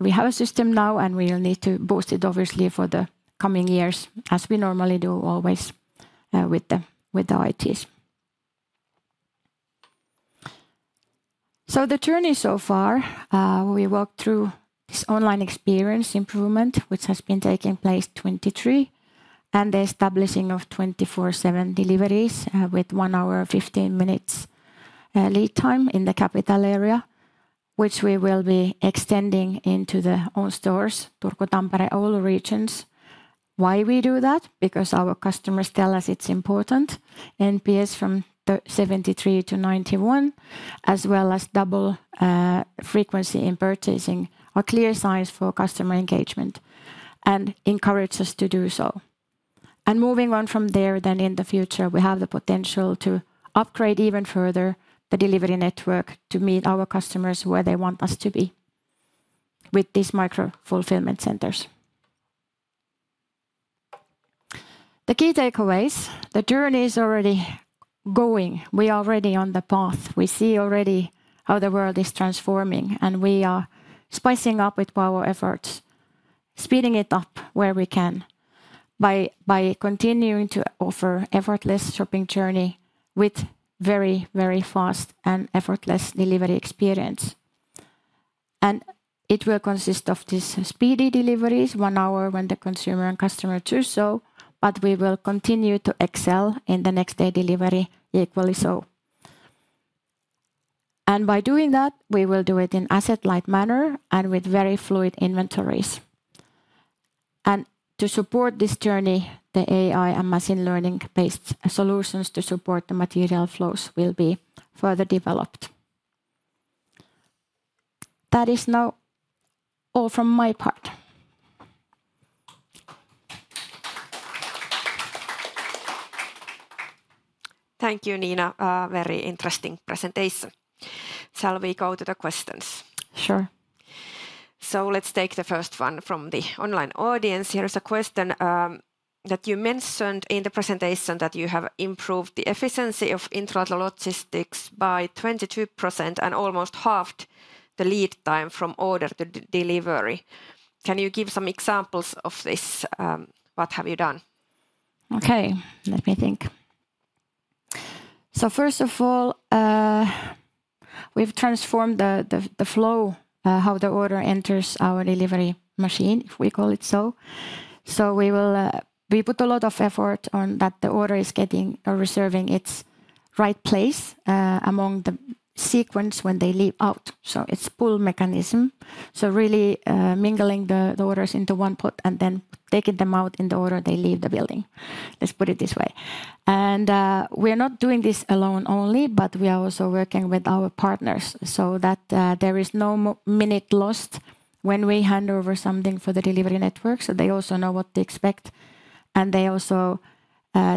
S5: We have a system now, and we will need to boost it, obviously, for the coming years as we normally do always with the ITs. The journey so far, we walked through this online experience improvement, which has been taking place in 2023, and the establishing of 24/7 deliveries with 1 hour and 15 minutes lead time in the capital area, which we will be extending into the own stores, Turku, Tampere, and Oulu regions. Why we do that? Because our customers tell us it's important. NPS from 73-91, as well as double frequency in purchasing, are clear signs for customer engagement and encourage us to do so. Moving on from there, then in the future, we have the potential to upgrade even further the delivery network to meet our customers where they want us to be with these micro-fulfillment centers. The key takeaways, the journey is already going. We are already on the path. We see already how the world is transforming, and we are spicing up with our efforts, speeding it up where we can by continuing to offer an effortless shopping journey with a very, very fast and effortless delivery experience. It will consist of these speedy deliveries, one hour when the consumer and customer do so, but we will continue to excel in the next-day delivery equally so. By doing that, we will do it in an asset-light manner and with very fluid inventories. To support this journey, the AI and machine learning-based solutions to support the material flows will be further developed. That is now all from my part. Thank you, Nina. Very interesting presentation. Shall we go to the questions? Sure. Let's take the first one from the online audience. Here is a question that you mentioned in the presentation that you have improved the efficiency of intralogistics by 22% and almost halved the lead time from order to delivery. Can you give some examples of this? What have you done? Okay, let me think. First of all, we've transformed the flow, how the order enters our delivery machine, if we call it so. We put a lot of effort on that the order is getting or reserving its right place among the sequence when they leave out. It's a pull mechanism, so really mingling the orders into one pot and then taking them out in the order they leave the building. Let's put it this way. We are not doing this alone only, but we are also working with our partners so that there is no minute lost when we hand over something for the delivery network, so they also know what to expect, and they also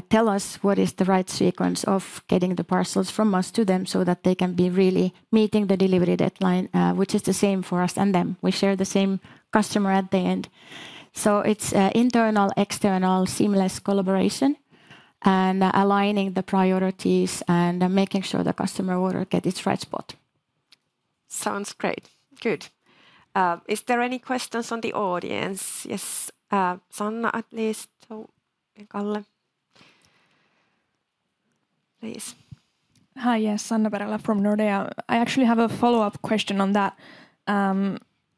S5: tell us what is the right sequence of getting the parcels from us to them so that they can be really meeting the delivery deadline, which is the same for us and them. We share the same customer at the end. It's internal, external, seamless collaboration, and aligning the priorities and making sure the customer order gets its right spot.
S1: Sounds great. Good. Is there any questions from the audience? Yes, Sanna, at least. Kalle, please.
S6: Hi, yes, Sanna Perälä from Nordea. I actually have a follow-up question on that.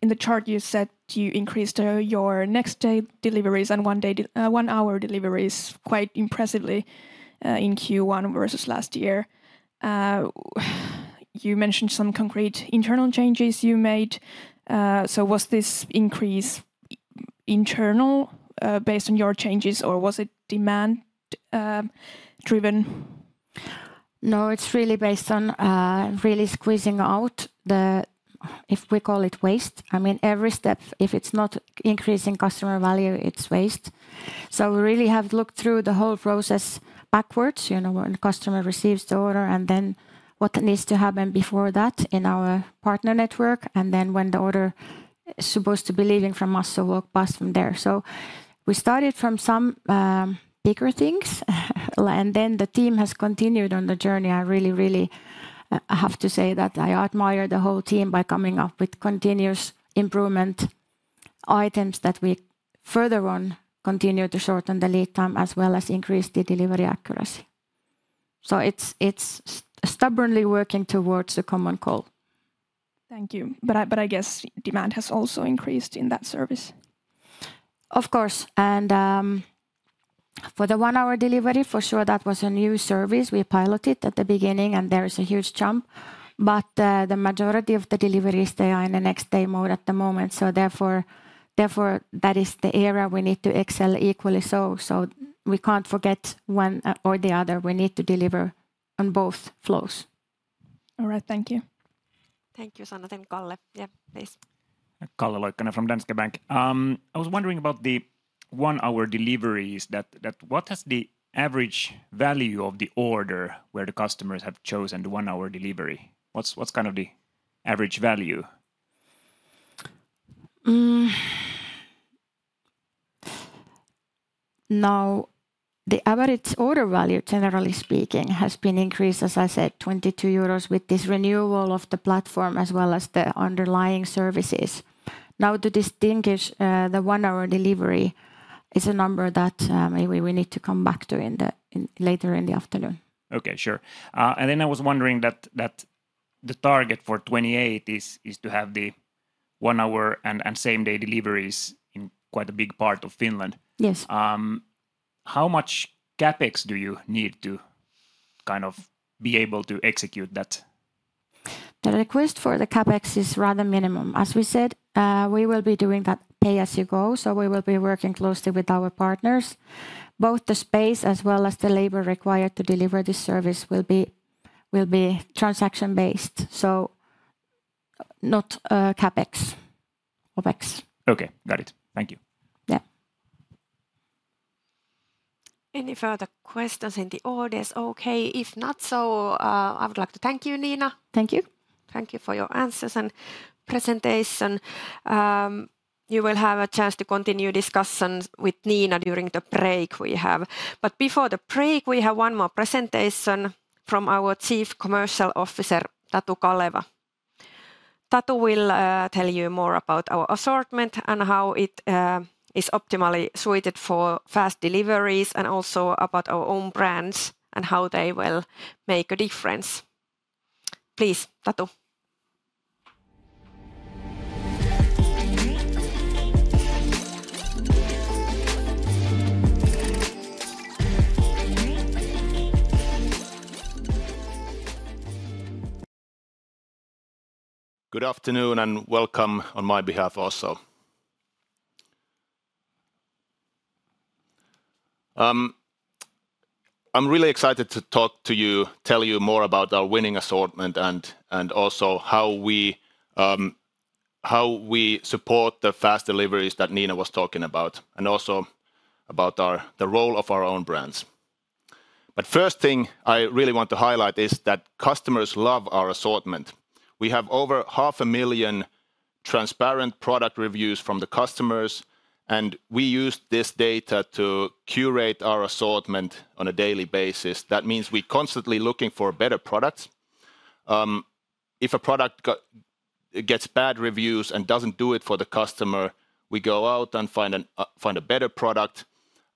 S6: In the chart, you said you increased your next-day deliveries and one-hour deliveries quite impressively in Q1 versus last year. You mentioned some concrete internal changes you made. Was this increase internal based on your changes, or was it demand-driven?
S5: No, it's really based on really squeezing out the, if we call it waste. I mean, every step, if it's not increasing customer value, it's waste. We really have looked through the whole process backwards, when the customer receives the order and then what needs to happen before that in our partner network, and then when the order is supposed to be leaving from us, so we'll pass from there. We started from some bigger things, and then the team has continued on the journey. I really, really have to say that I admire the whole team by coming up with continuous improvement items that we further on continue to shorten the lead time as well as increase the delivery accuracy. It's stubbornly working towards a common goal.
S6: Thank you. But I guess demand has also increased in that service?
S5: Of course. For the one-hour delivery, for sure, that was a new service. We piloted it at the beginning, and there is a huge jump, but the majority of the deliveries stay in the next-day mode at the moment. Therefore, that is the area we need to excel equally so. We can't forget one or the other. We need to deliver on both flows.
S6: All right, thank you.
S1: Thank you, Sanna. Then Kalle, yeah, please.
S4: Kalle Loikkanen from Danske Bank. I was wondering about the one-hour deliveries. What is the average value of the order where the customers have chosen the one-hour delivery? What's kind of the average value?
S5: Now, the average order value, generally speaking, has been increased, as I said, 22 euros with this renewal of the platform as well as the underlying services. Now, to distinguish the one-hour delivery, it's a number that we need to come back to later in the afternoon.
S4: Okay, sure. Then I was wondering that the target for 2028 is to have the one-hour and same-day deliveries in quite a big part of Finland.
S5: Yes.
S4: How much CapEx do you need to kind of be able to execute that?
S5: The request for the CapEx is rather minimum. As we said, we will be doing that pay-as-you-go, so we will be working closely with our partners. Both the space as well as the labor required to deliver this service will be transaction-based, so not CapEx, OpEx.
S4: Okay, got it. Thank you.
S5: Yeah.
S1: Any further questions in the audience? Okay. If not, I would like to thank you, Nina.
S5: Thank you.
S1: Thank you for your answers and presentation. You will have a chance to continue discussions with Nina during the break we have. Before the break, we have one more presentation from our Chief Commercial Officer, Tatu Kaleva. Tatu will tell you more about our assortment and how it is optimally suited for fast deliveries, and also about our own brands and how they will make a difference. Please, Tatu.
S7: Good afternoon and welcome on my behalf also. I'm really excited to talk to you, tell you more about our winning assortment, and also how we support the fast deliveries that Nina was talking about, and also about the role of our own brands. But the first thing I really want to highlight is that customers love our assortment. We have over 500,000 transparent product reviews from the customers, and we use this data to curate our assortment on a daily basis. That means we're constantly looking for better products. If a product gets bad reviews and doesn't do it for the customer, we go out and find a better product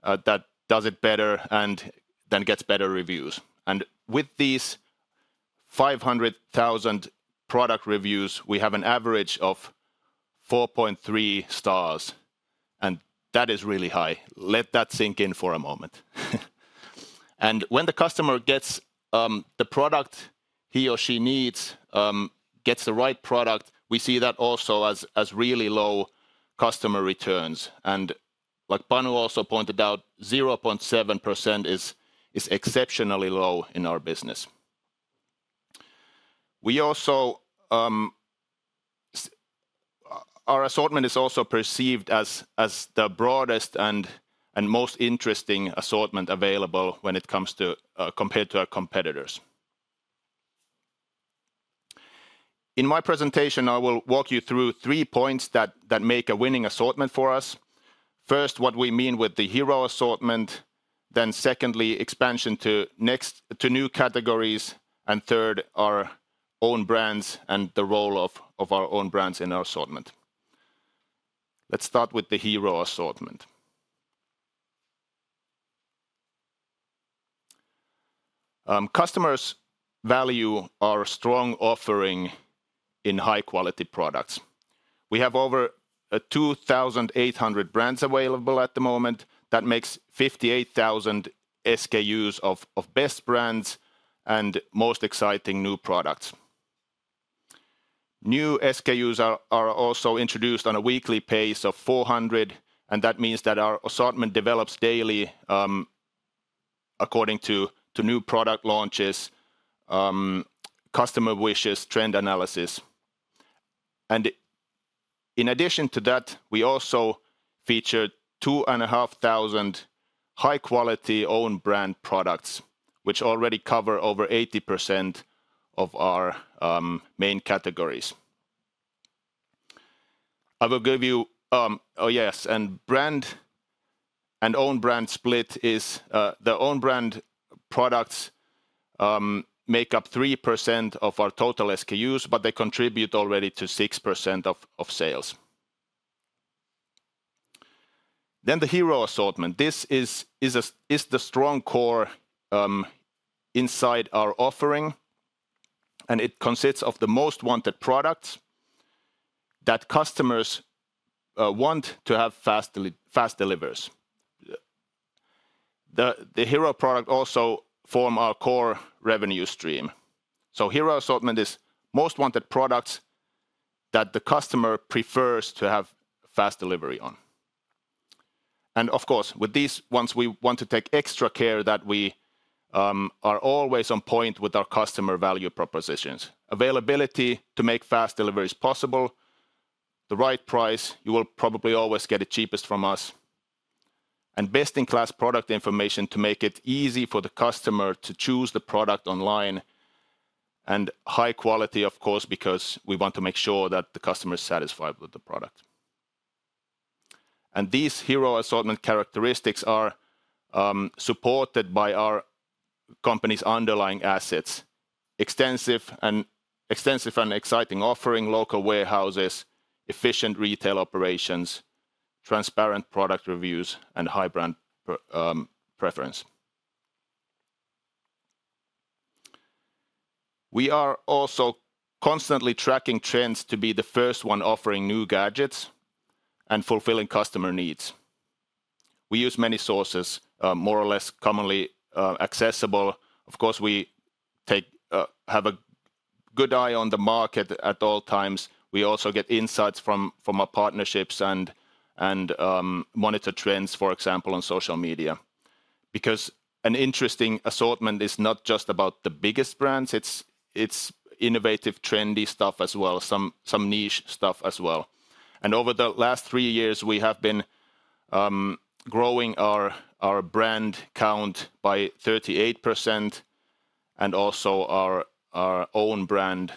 S7: that does it better and then gets better reviews. With these 500,000 product reviews, we have an average of 4.3 stars, and that is really high. Let that sink in for a moment. When the customer gets the product he or she needs, gets the right product, we see that also as really low customer returns. Like Panu also pointed out, 0.7% is exceptionally low in our business. Our assortment is also perceived as the broadest and most interesting assortment available when it comes to compare to our competitors. In my presentation, I will walk you through three points that make a winning assortment for us. First, what we mean with the hero assortment. Then secondly, expansion to new categories. And third, our own brands and the role of our own brands in our assortment. Let's start with the hero assortment. Customers value our strong offering in high-quality products. We have over 2,800 brands available at the moment. That makes 58,000 SKUs of best brands and most exciting new products. New SKUs are also introduced on a weekly pace of 400, and that means that our assortment develops daily according to new product launches, customer wishes, and trend analysis. In addition to that, we also feature 2,500 high-quality own-brand products, which already cover over 80% of our main categories. I will give you. Oh, yes. And own-brand split is. The own-brand products make up 3% of our total SKUs, but they contribute already to 6% of sales. Then the hero assortment. This is the strong core inside our offering, and it consists of the most wanted products that customers want to have fast deliveries. The hero products also form our core revenue stream. Hero assortment is most wanted products that the customer prefers to have fast delivery on. Of course, with these ones, we want to take extra care that we are always on point with our customer value propositions. Availability to make fast deliveries possible, the right price. You will probably always get it cheapest from us. Best-in-class product information to make it easy for the customer to choose the product online. High quality, of course, because we want to make sure that the customer is satisfied with the product. These hero assortment characteristics are supported by our company's underlying assets: extensive and exciting offering, local warehouses, efficient retail operations, transparent product reviews, and high-brand preference. We are also constantly tracking trends to be the first one offering new gadgets and fulfilling customer needs. We use many sources, more or less commonly accessible. Of course, we have a good eye on the market at all times. We also get insights from our partnerships and monitor trends, for example, on social media. Because an interesting assortment is not just about the biggest brands. It's innovative, trendy stuff as well, some niche stuff as well. Over the last three years, we have been growing our brand count by 38% and also our own brand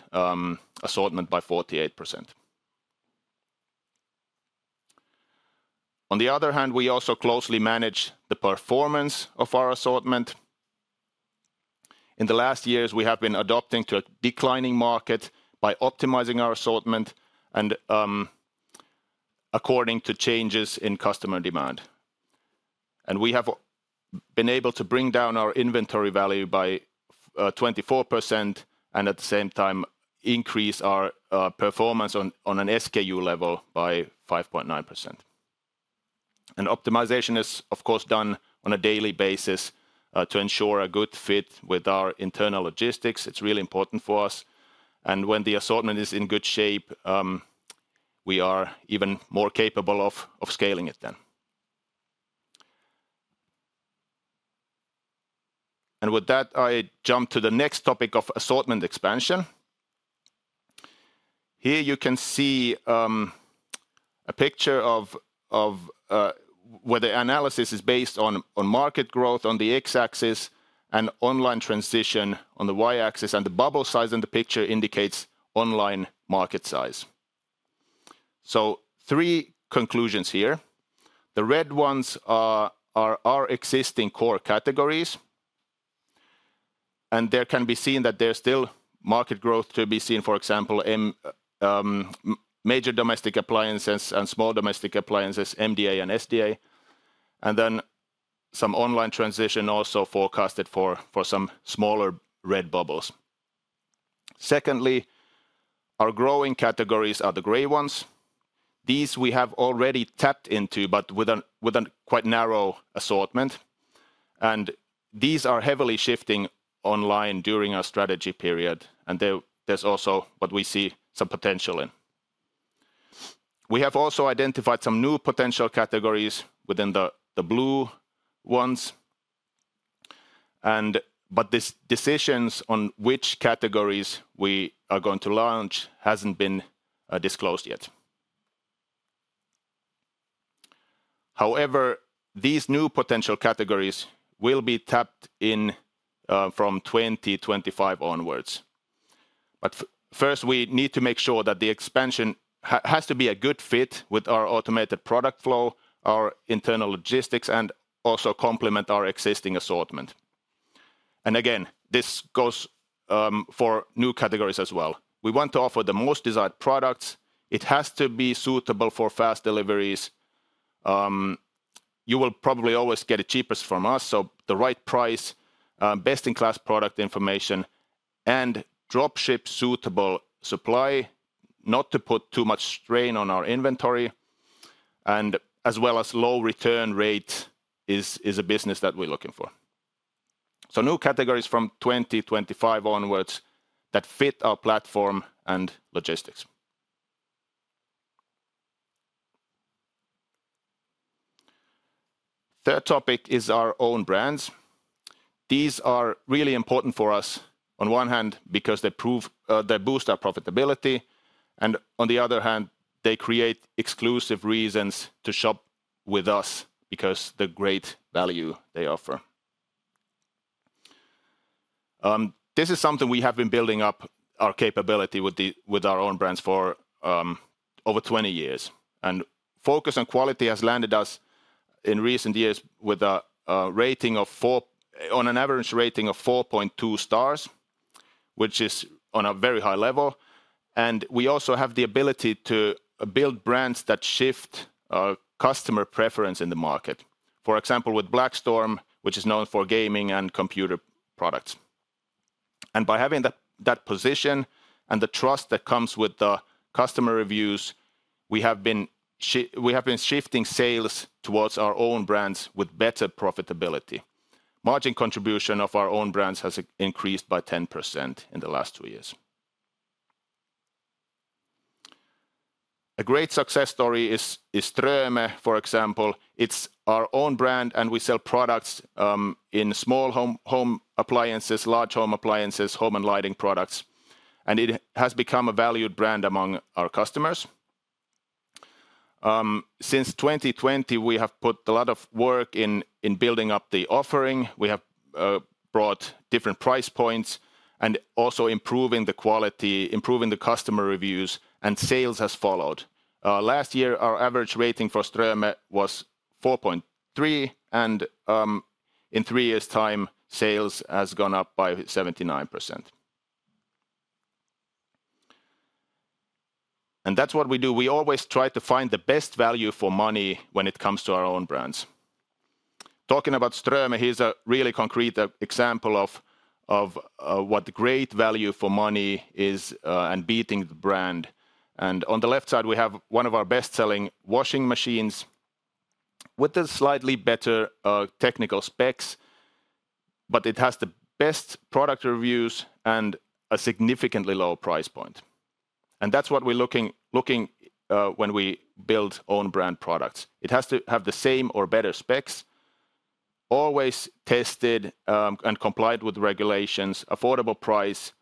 S7: assortment by 48%. On the other hand, we also closely manage the performance of our assortment. In the last years, we have been adapting to a declining market by optimizing our assortment and according to changes in customer demand. We have been able to bring down our inventory value by 24% and at the same time increase our performance on an SKU level by 5.9%. Optimization is, of course, done on a daily basis to ensure a good fit with our internal logistics. It's really important for us. When the assortment is in good shape, we are even more capable of scaling it then. With that, I jump to the next topic of assortment expansion. Here you can see a picture of where the analysis is based on market growth on the x-axis and online transition on the y-axis, and the bubble size in the picture indicates online market size. So three conclusions here. The red ones are our existing core categories, and there can be seen that there's still market growth to be seen, for example, major domestic appliances and small domestic appliances, MDA and SDA, and then some online transition also forecasted for some smaller red bubbles. Secondly, our growing categories are the gray ones. These we have already tapped into, but with a quite narrow assortment. These are heavily shifting online during our strategy period, and there's also what we see some potential in. We have also identified some new potential categories within the blue ones, but this decision on which categories we are going to launch hasn't been disclosed yet. However, these new potential categories will be tapped in from 2025 onwards. But first, we need to make sure that the expansion has to be a good fit with our automated product flow, our internal logistics, and also complement our existing assortment. Again, this goes for new categories as well. We want to offer the most desired products. It has to be suitable for fast deliveries. You will probably always get it cheapest from us, so the right price, best-in-class product information, and dropship-suitable supply, not to put too much strain on our inventory, and as well as low return rate is a business that we're looking for. New categories from 2025 onwards that fit our platform and logistics. The third topic is our own brands. These are really important for us, on one hand, because they boost our profitability, and on the other hand, they create exclusive reasons to shop with us because of the great value they offer. This is something we have been building up our capability with our own brands for over 20 years. Focus on quality has landed us in recent years with an average rating of 4.2 stars, which is on a very high level. We also have the ability to build brands that shift customer preference in the market. For example, with Blackstorm, which is known for gaming and computer products. By having that position and the trust that comes with the customer reviews, we have been shifting sales towards our own brands with better profitability. Margin contribution of our own brands has increased by 10% in the last two years. A great success story is Ströme, for example. It's our own brand, and we sell products in small home appliances, large home appliances, home and lighting products. It has become a valued brand among our customers. Since 2020, we have put a lot of work in building up the offering. We have brought different price points and also improving the quality, improving the customer reviews, and sales have followed. Last year, our average rating for Ströme was 4.3, and in three years' time, sales have gone up by 79%. And that's what we do. We always try to find the best value for money when it comes to our own brands. Talking about Ströme, here's a really concrete example of what the great value for money is and beating the brand. And on the left side, we have one of our best-selling washing machines with slightly better technical specs, but it has the best product reviews and a significantly low price point. And that's what we're looking at when we build own-brand products. It has to have the same or better specs, always tested and complied with regulations, affordable price,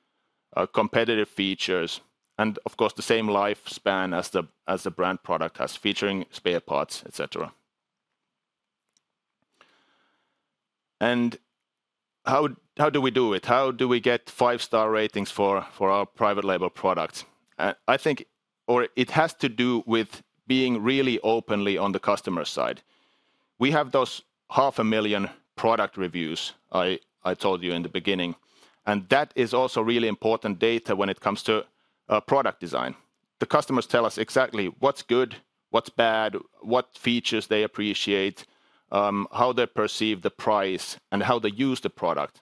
S7: competitive features, and of course, the same lifespan as the brand product has, featuring spare parts, etc. And how do we do it? How do we get five-star ratings for our private label products? I think it has to do with being really openly on the customer side. We have those 500,000 product reviews, I told you in the beginning, and that is also really important data when it comes to product design. The customers tell us exactly what's good, what's bad, what features they appreciate, how they perceive the price, and how they use the product.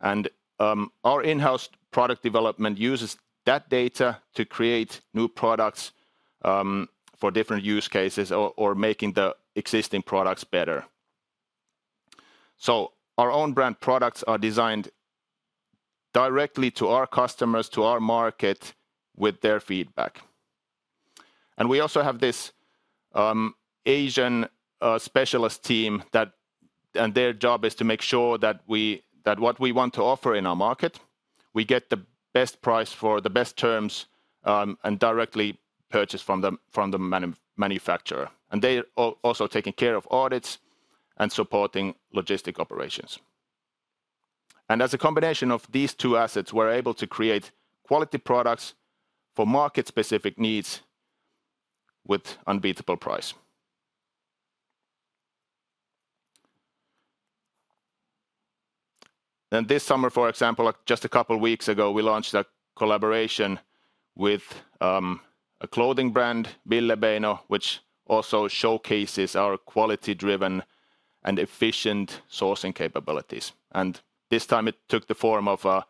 S7: And our in-house product development uses that data to create new products for different use cases or making the existing products better. So our own-brand products are designed directly to our customers, to our market, with their feedback. We also have this Asian specialist team, and their job is to make sure that what we want to offer in our market, we get the best price for the best terms and directly purchase from the manufacturer. They're also taking care of audits and supporting logistic operations. As a combination of these two assets, we're able to create quality products for market-specific needs with unbeatable price. Then this summer, for example, just a couple of weeks ago, we launched a collaboration with a clothing brand, Billebeino, which also showcases our quality-driven and efficient sourcing capabilities. This time, it took the form of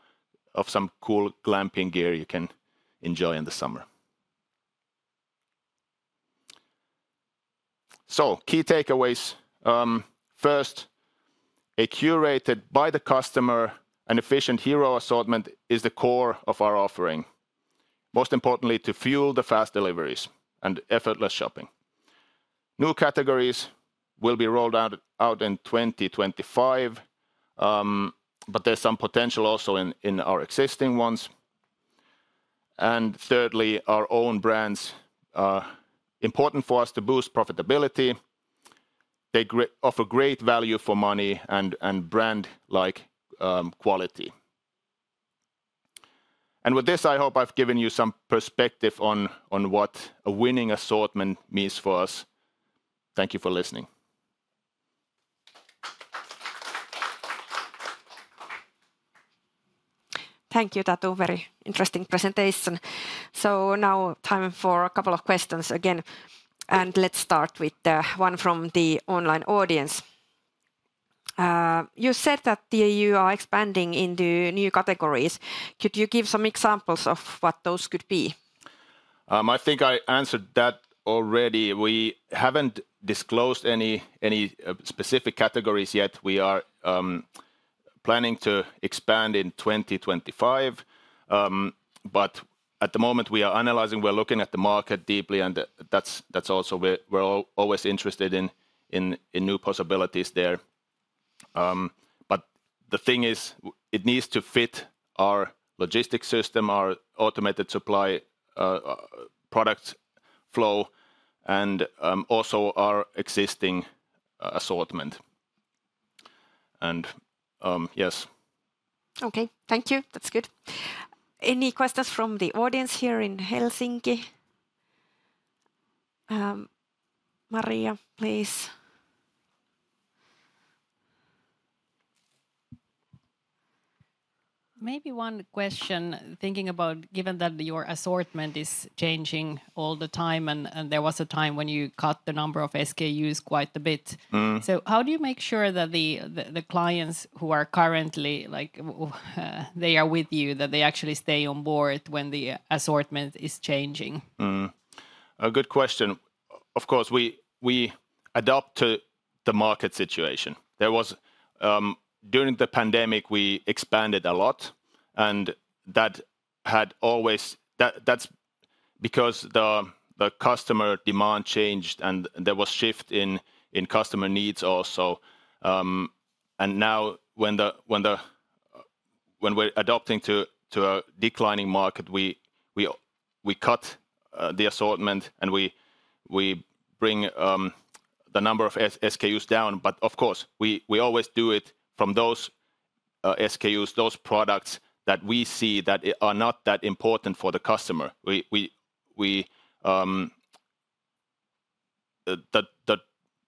S7: some cool glamping gear you can enjoy in the summer. Key takeaways. First, a curated by the customer and efficient hero assortment is the core of our offering, most importantly to fuel the fast deliveries and effortless shopping. New categories will be rolled out in 2025, but there's some potential also in our existing ones. And thirdly, our own brands are important for us to boost profitability. They offer great value for money and brand-like quality. And with this, I hope I've given you some perspective on what a winning assortment means for us. Thank you for listening. Thank you, Tatu. Very interesting presentation. So now time for a couple of questions again. And let's start with one from the online audience. You said that you are expanding into new categories. Could you give some examples of what those could be? I think I answered that already. We haven't disclosed any specific categories yet. We are planning to expand in 2025. But at the moment, we are analyzing. We're looking at the market deeply, and that's also where we're always interested in new possibilities there. But the thing is, it needs to fit our logistics system, our automated supply product flow, and also our existing assortment. And yes.
S1: Okay. Thank you. That's good. Any questions from the audience here in Helsinki? Maria, please.
S3: Maybe one question, thinking about given that your assortment is changing all the time, and there was a time when you cut the number of SKUs quite a bit. So how do you make sure that the clients who are currently, they are with you, that they actually stay on board when the assortment is changing?
S7: A good question. Of course, we adapt to the market situation. During the pandemic, we expanded a lot, and that had always that's because the customer demand changed, and there was a shift in customer needs also. Now, when we're adapting to a declining market, we cut the assortment, and we bring the number of SKUs down. But of course, we always do it from those SKUs, those products that we see that are not that important for the customer. The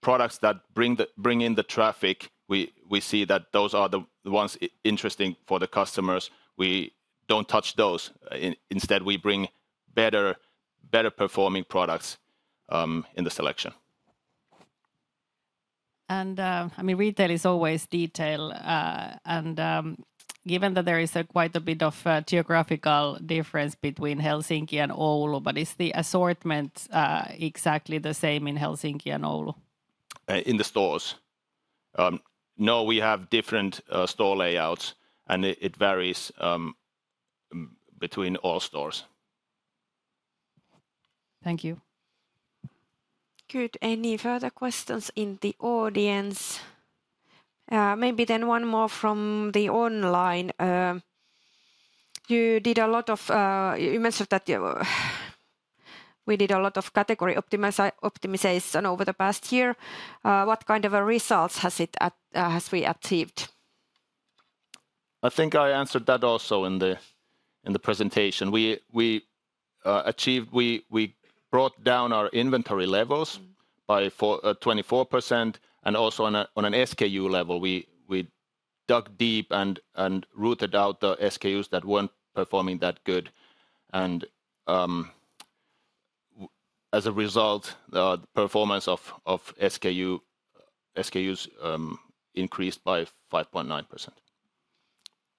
S7: products that bring in the traffic, we see that those are the ones interesting for the customers. We don't touch those. Instead, we bring better performing products in the selection.
S3: And I mean, retail is always detail. Given that there is quite a bit of geographical difference between Helsinki and Oulu, but is the assortment exactly the same in Helsinki and Oulu?
S7: In the stores. No, we have different store layouts, and it varies between all stores.
S1: Thank you. Good. Any further questions in the audience? Maybe then one more from the online. You mentioned that we did a lot of category optimization over the past year. What kind of results has we achieved?
S7: I think I answered that also in the presentation. We brought down our inventory levels by 24%, and also on an SKU level, we dug deep and rooted out the SKUs that weren't performing that good. And as a result, the performance of SKUs increased by 5.9%.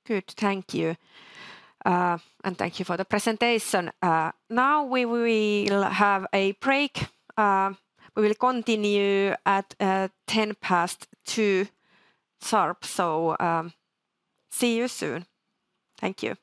S1: Good. Thank you. Thank you for the presentation. Now we will have a break. We will continue at 2:10 P.M. sharp. So see you soon. Thank you.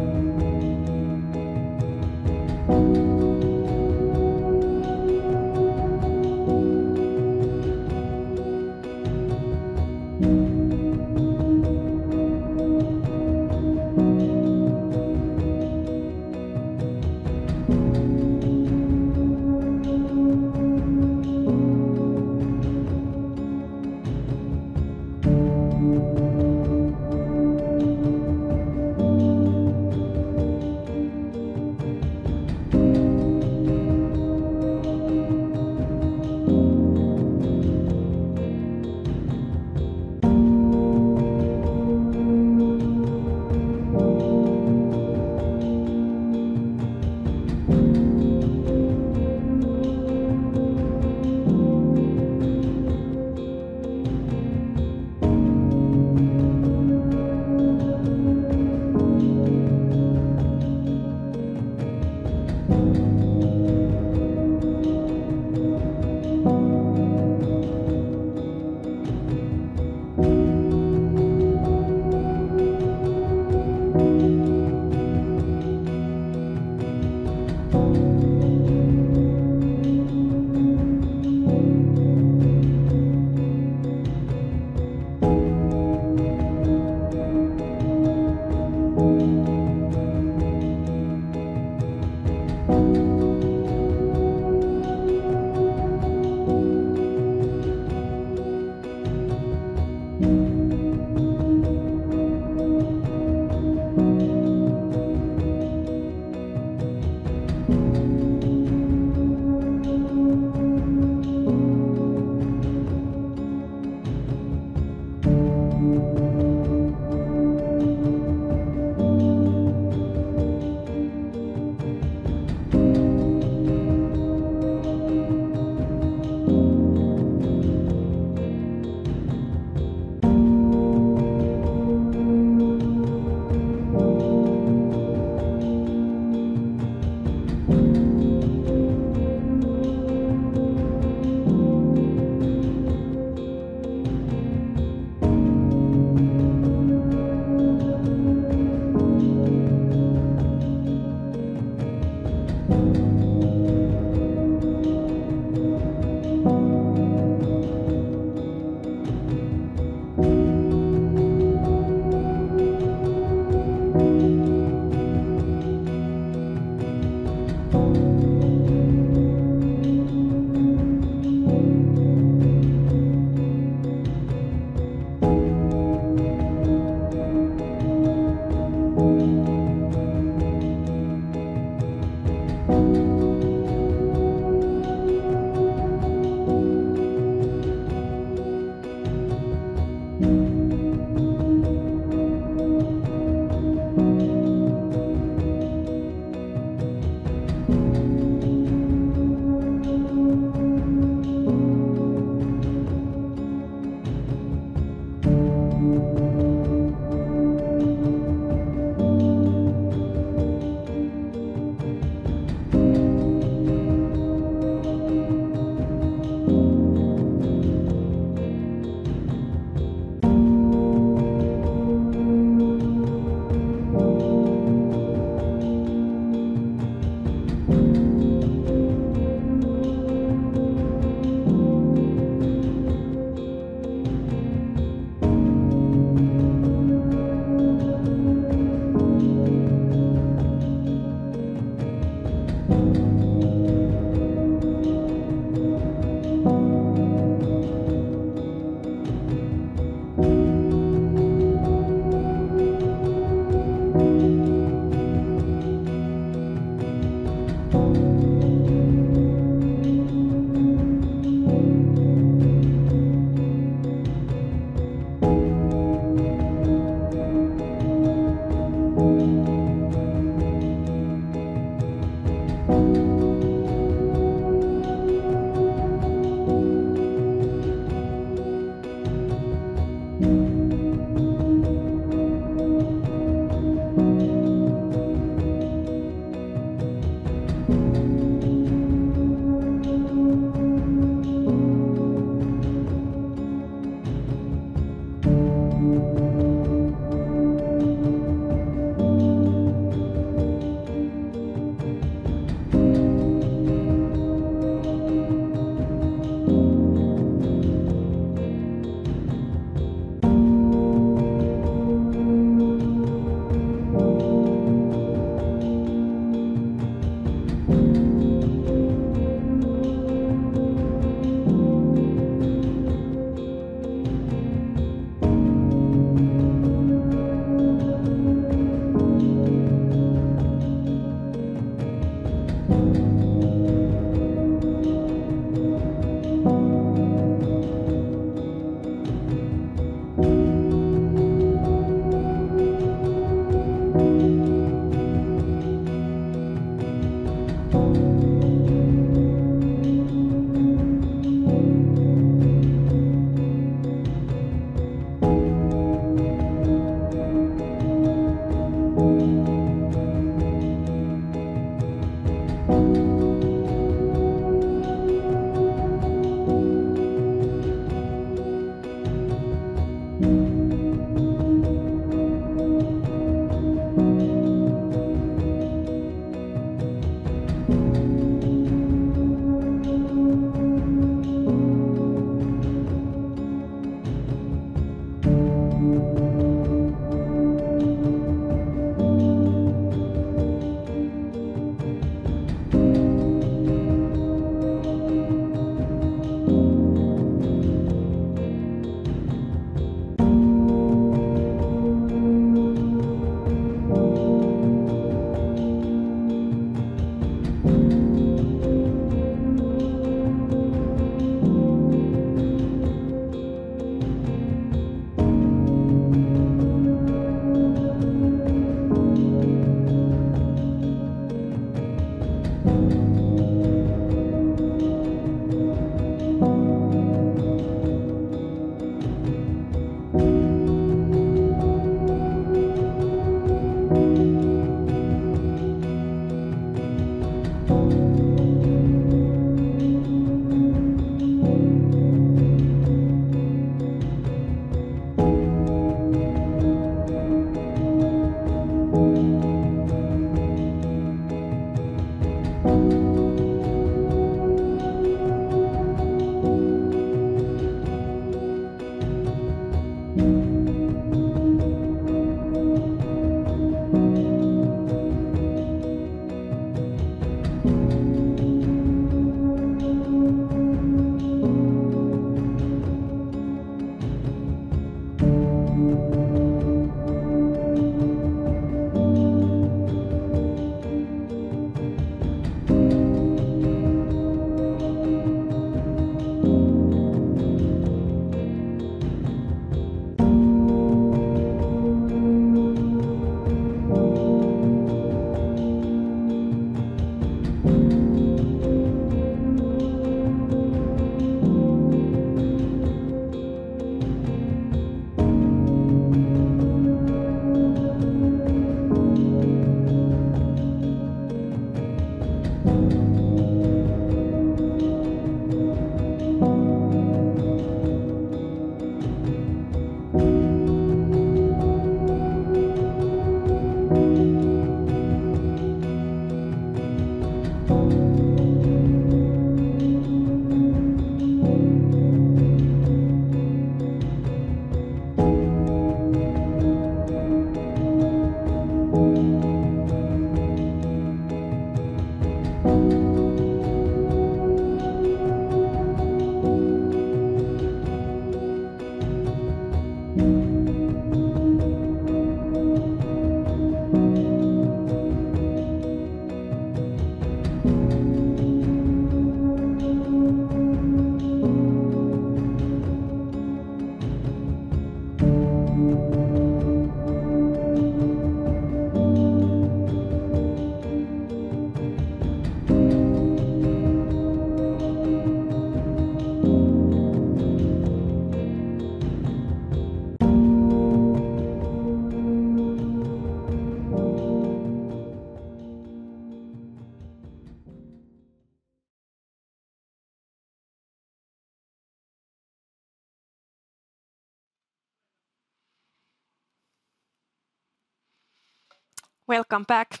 S1: Welcome back.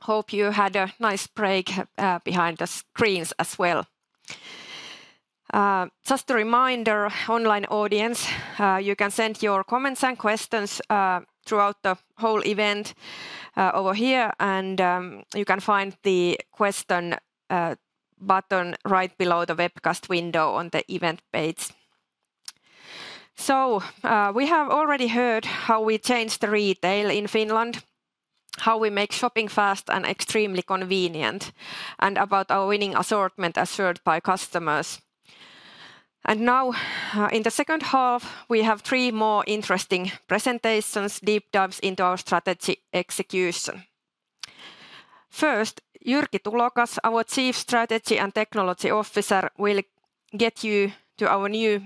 S1: I hope you had a nice break behind the screens as well. Just a reminder, online audience, you can send your comments and questions throughout the whole event over here, and you can find the question button right below the webcast window on the event page. We have already heard how we changed the retail in Finland, how we make shopping fast and extremely convenient, and about our winning assortment assured by customers. Now in the second half we have three more interesting presentations, deep dives into our strategy execution. First, Jyrki Tulokas, our Chief Strategy and Technology Officer will get you to our new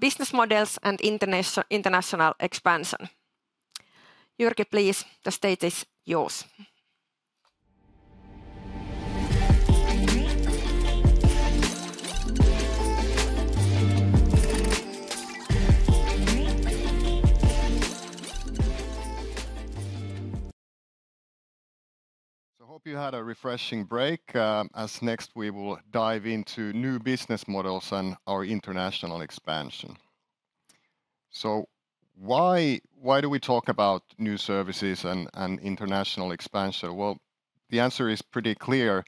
S1: business models and international expansion. Jyrki, please, the stage is yours.
S8: So I hope you had a refreshing break. And next we will dive into new business models and our international expansion. So why do we talk about new services and international expansion? Well, the answer is pretty clear.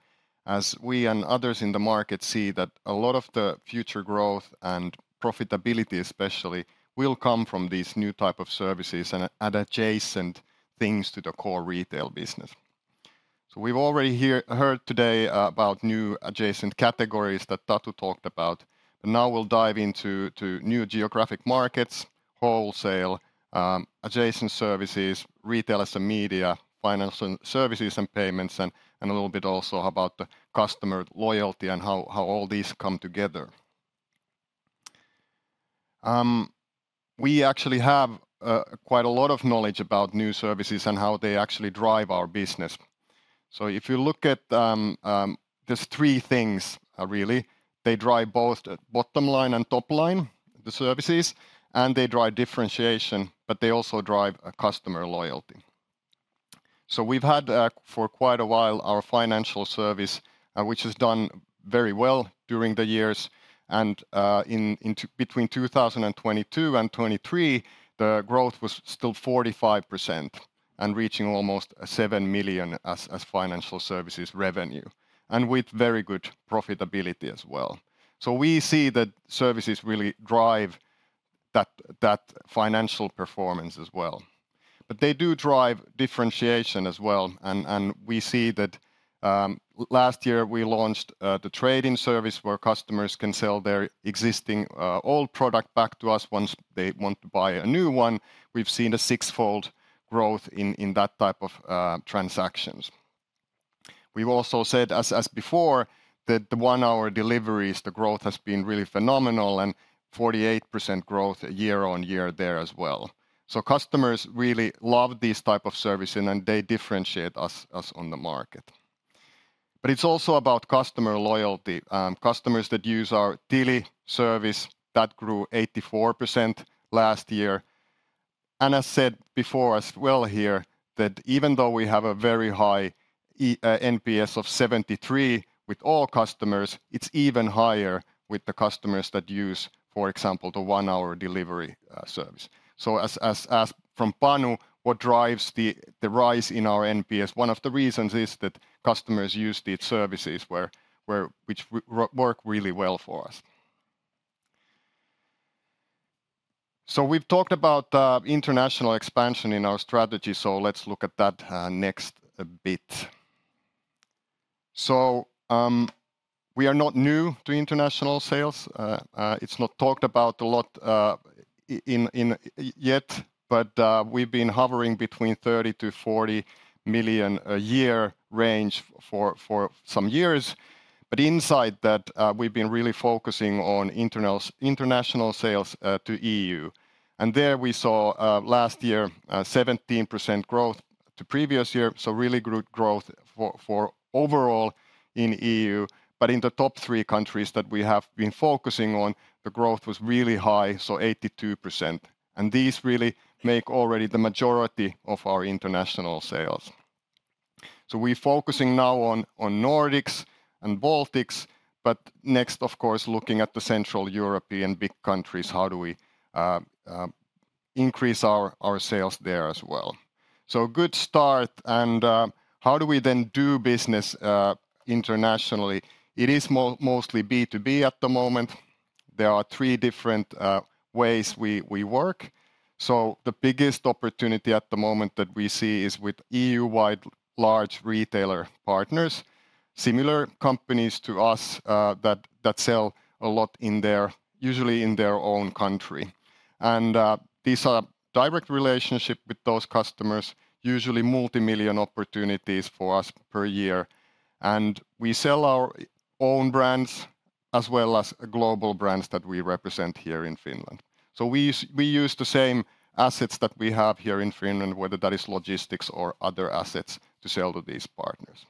S8: As we and others in the market see that a lot of the future growth and profitability especially, will come from these new types of services and adjacent things to the core retail business. So we've already heard today about new adjacent categories that Tatu talked about and now we'll dive into new geographic wholesale. adjacent services, Retail as a Media, financial services and payment and a little bit also about the customer loyalty and how all these come together. We actually have quite a lot of knowledge about services. and how they actually drive our business. So if you look at just three really. they drive both bottom line and top line, services. and they drive differentiation, but they also drive customer loyalty. So we've had for quite a while our service. which has done very well during the years. and in between 2022 and 2023 the growth was 45%. and reaching almost 7 million as financial revenue. and with very good profitability as well. So we see that services really drive that financial performance as well. But they do drive differentiation well. and we see that last year we launched the service. where customers can sell their existing old product back us. once they want to buy a new one. We've seen a six-fold growth in that type of transactions. We've also said as before that the deliveries. the growth has been phenomenal. and 48% growth year-on-year there as well. So customers really love these types services. and they differentiate us on the market. But it's also about customer loyalty. Customers that use our Tili service, that grew 84% last year. And as said before as well here. that even though we have a very high NPS of 73 with customers. it's even higher with the customers use. for example the one-hour delivery service. So as asked from Panu, what drives the rise in our NPS? One of the reasons is that customers use services. which work really well for us. So we've talked about international expansion in strategy. so let's look at that next bit. So we are not new to international sales. It's not talked about a lot yet. but we've been hovering between 30-40 million a year range for some years. But inside that we've been really focusing on international sales to EU. And there we saw last year 17% growth to year. so really good growth for overall in EU. But in the top three countries that we have been focusing on. The growth was really high, so 82%. These really make already the majority of our international sales. We're focusing now on Nordics and Baltics, but next of course looking at the Central European big countries, how do we increase our sales there as well. So a good start. How do we then do business internationally? It is mostly B2B at the moment. There are three different ways we work. The biggest opportunity at the moment that we see is with EU-wide large retailer partners. Similar companies to us that sell a lot in their usually in their own country. These are direct relationships with those customers, usually multimillion opportunities for us per year. We sell our own brands as well as global brands that we represent here in Finland. We use the same assets that we have here in Finland. whether that is logistics or other assets to sell to these partners.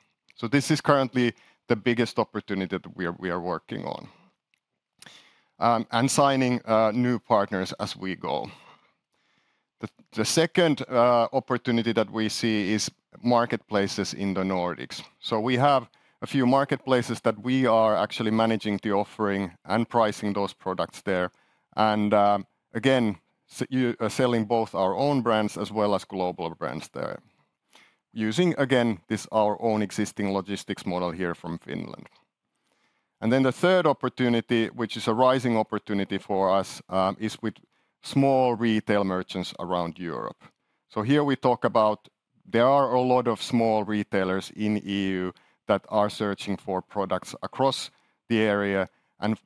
S8: This is currently the biggest opportunity that we are working on, and signing new partners as we go. The second opportunity that we see is marketplaces in the Nordics. We have a few marketplaces that we are actually managing offering. and pricing those products there. Again, selling both our own brands as well as global brands there, using again our own existing logistics model here from Finland. Then the third opportunity, which is a rising opportunity us. is with small retail merchants around Europe. Here we talk about there are a lot of small retailers EU. that are searching for products across the area.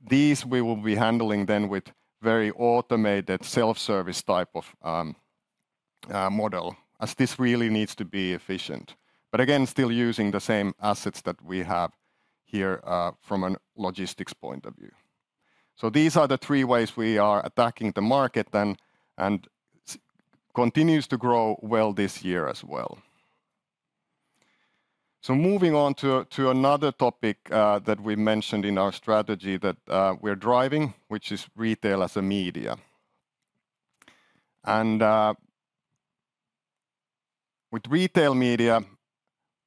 S8: These we will be handling then with very automated self-service type of model, as this really needs to be efficient. But again, still using the same assets that we have here from a logistics point of view. So these are the three ways we are attacking the market and continues to grow well this year as well. So moving on to another topic that we mentioned in our strategy that we're driving, which is Retail as a Media. And with retail media,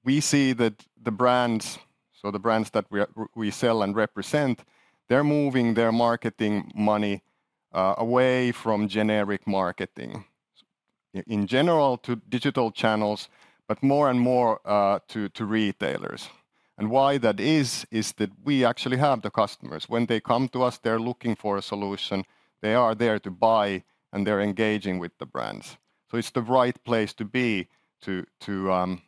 S8: we see that the brands so the brands that we sell and represent they're moving their marketing money away from generic marketing. In general to digital channels but more and more to retailers. And why that is, is that we actually have the customers. When they come to us, they're looking for a solution. They are there to buy and they're engaging with the brands. So it's the right place to be to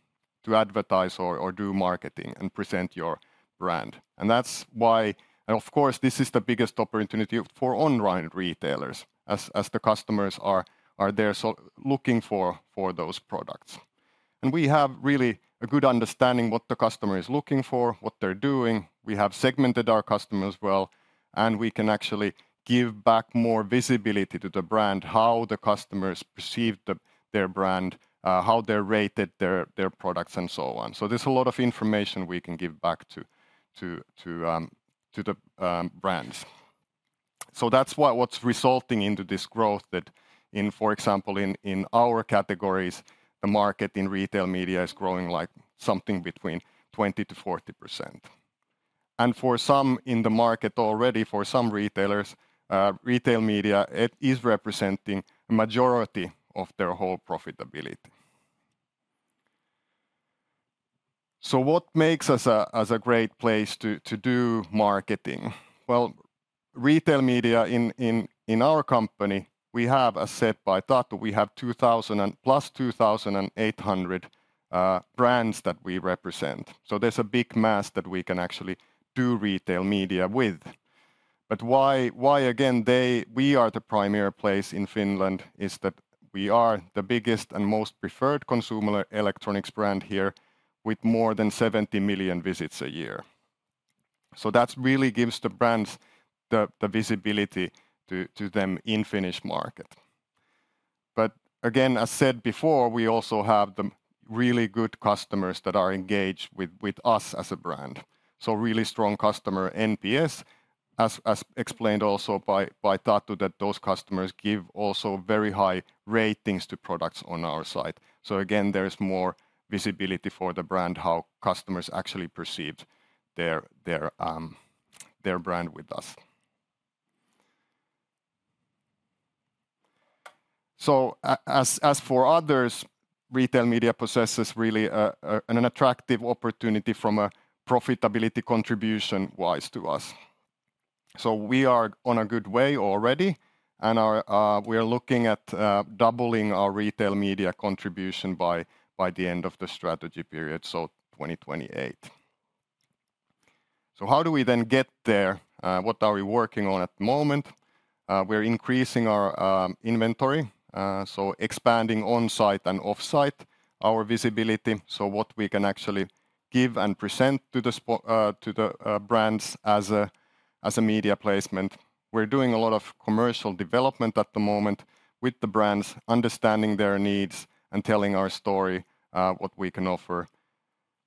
S8: advertise or do marketing and present your brand. And that's why. And of course this is the biggest opportunity for online retailers, as the customers are there looking for those products. And we have really a good understanding what the customer is looking for, what they're doing. We have segmented our customers well, and we can actually give back more visibility to the brand, how the customers perceive their brand, how they're rated, their products and so on. So there's a lot of information we can give back to the brands. So that's what's resulting into this growth that, in for example in our categories, the market in retail media is growing like something between 20%-40%. And for some in the market already, for some retailers, retail media is representing a majority of their whole profitability. So what makes us a great place to do marketing? Well, retail media in our company. We have a set by Tatu. We have plus 2,800 brands that we represent. So there's a big mass that we can actually do retail media with. But why again we are the primary place in Finland is that we are the biggest and most preferred consumer electronics brand here with more than 70 million visits a year. So that really gives the brands the visibility to them in Finnish market. But again, as said before, we also have the really good customers that are engaged with us as a brand. So really strong customer NPS, as explained also by Tatu, that those customers give also very high ratings to products on our site. So again, there's more visibility for the brand how customers actually perceive their brand with us. So as for others, retail media possesses really an attractive opportunity from a profitability contribution wise to us. So we are on a good way already, and we are looking at doubling our retail media contribution by the end of the strategy period, so 2028. So how do we then get there? What are we working on at the moment? We're increasing our inventory. So expanding on-site and off-site our visibility. So what we can actually give and present to the brands as a media placement. We're doing a lot of commercial development at the moment with the brands, understanding their needs and telling our story what we can offer.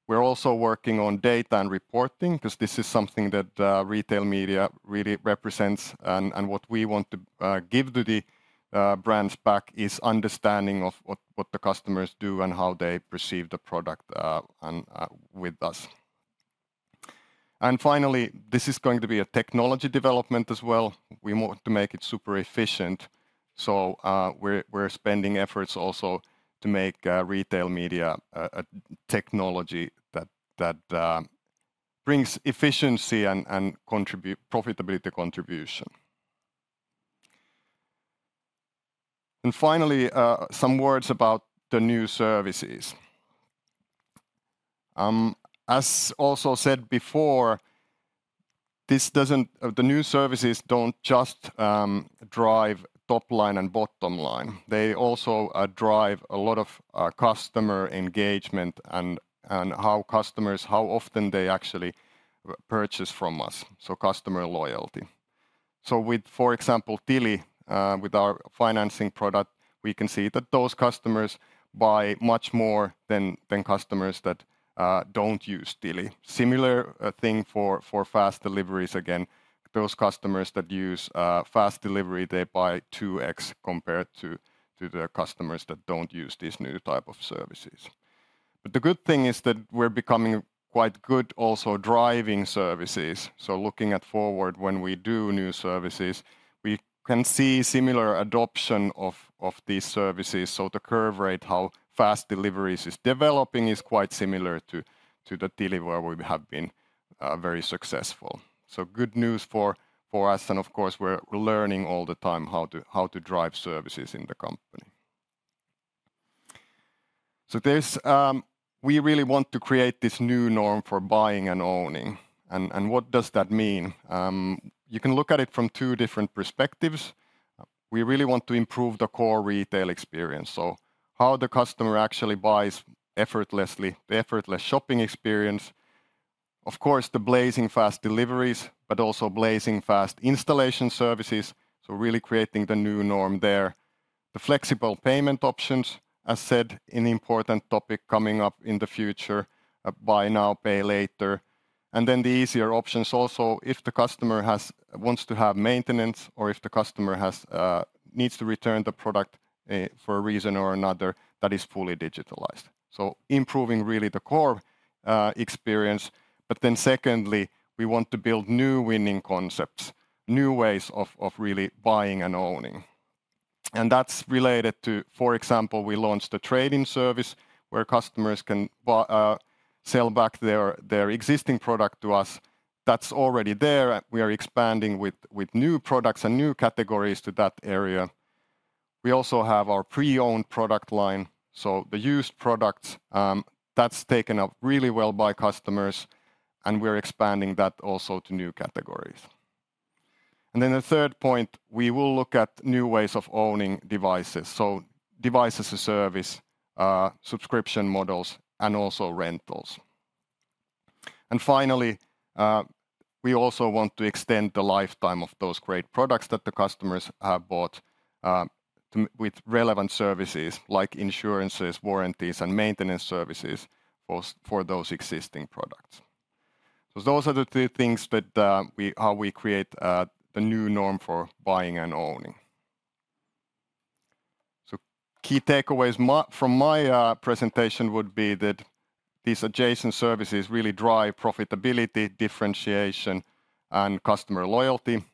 S8: We're also working on data and reporting, because this is something that retail media really represents, and what we want to give to the brands back is understanding of what the customers do and how they perceive the product with us. And finally, this is going to be a technology development as well. We want to make it super efficient. So we're spending efforts also to make retail media technology. that brings efficiency and profitability contribution. And finally, some words about the new services. As also before. the new services don't just drive top line and bottom line. They also drive a lot of engagement. and how customers, how often they actually purchase from us. So customer loyalty. So, with, for example, Tili, with our product. we can see that those customers buy much more than customers that don't use Tili. Similar thing for fast deliveries again. Those customers that use fast delivery, they buy 2x compared to customers. that don't use these new type of services. But the good thing is that we're becoming quite good also driving services. So, looking forward, when we do new services. We can see similar adoption of these services. So the curve rate, how fast deliveries developing. is quite similar to the Tili where we have been very successful. So good news for us and of course we're learning all time. how to drive services in the company. So there's we really want to create this new norm for buying and owning. And what does that mean? You can look at it from two different perspectives. We really want to improve the core retail experience. So how the customer actually buys effortlessly. The effortless shopping experience. Of course the blazing deliveries. but also blazing fast installation services. So really creating the new norm there. The flexible payment options, as said an important topic coming up in the future. Buy Now, Pay Later. And then the easier also. if the customer wants to have maintenance. or if the customer needs to return the product for a reason or another, that is fully digitalized. Improving really the core experience. Then, secondly, we want to build new winning concepts. New ways of really buying and owning. That's related to, for example, we launched a trade-in service, where customers can sell back their existing product to us. That's already there and we are expanding with new products and new categories to that area. We also have our pre-owned product line. The used products, that's taken up really well by customers. We're expanding that also to new categories. Then the third point, we will look at new ways of owning devices. Devices as a service, subscription models and also rentals. Finally, we also want to extend the lifetime of those great products that the customers have bought with relevant services. like insurances, warranties and maintenance services for those existing products. So those are the two things that's how we create the new norm for buying and owning. So key takeaways from my presentation would be that these adjacent services really drive profitability, differentiation and customer loyalty.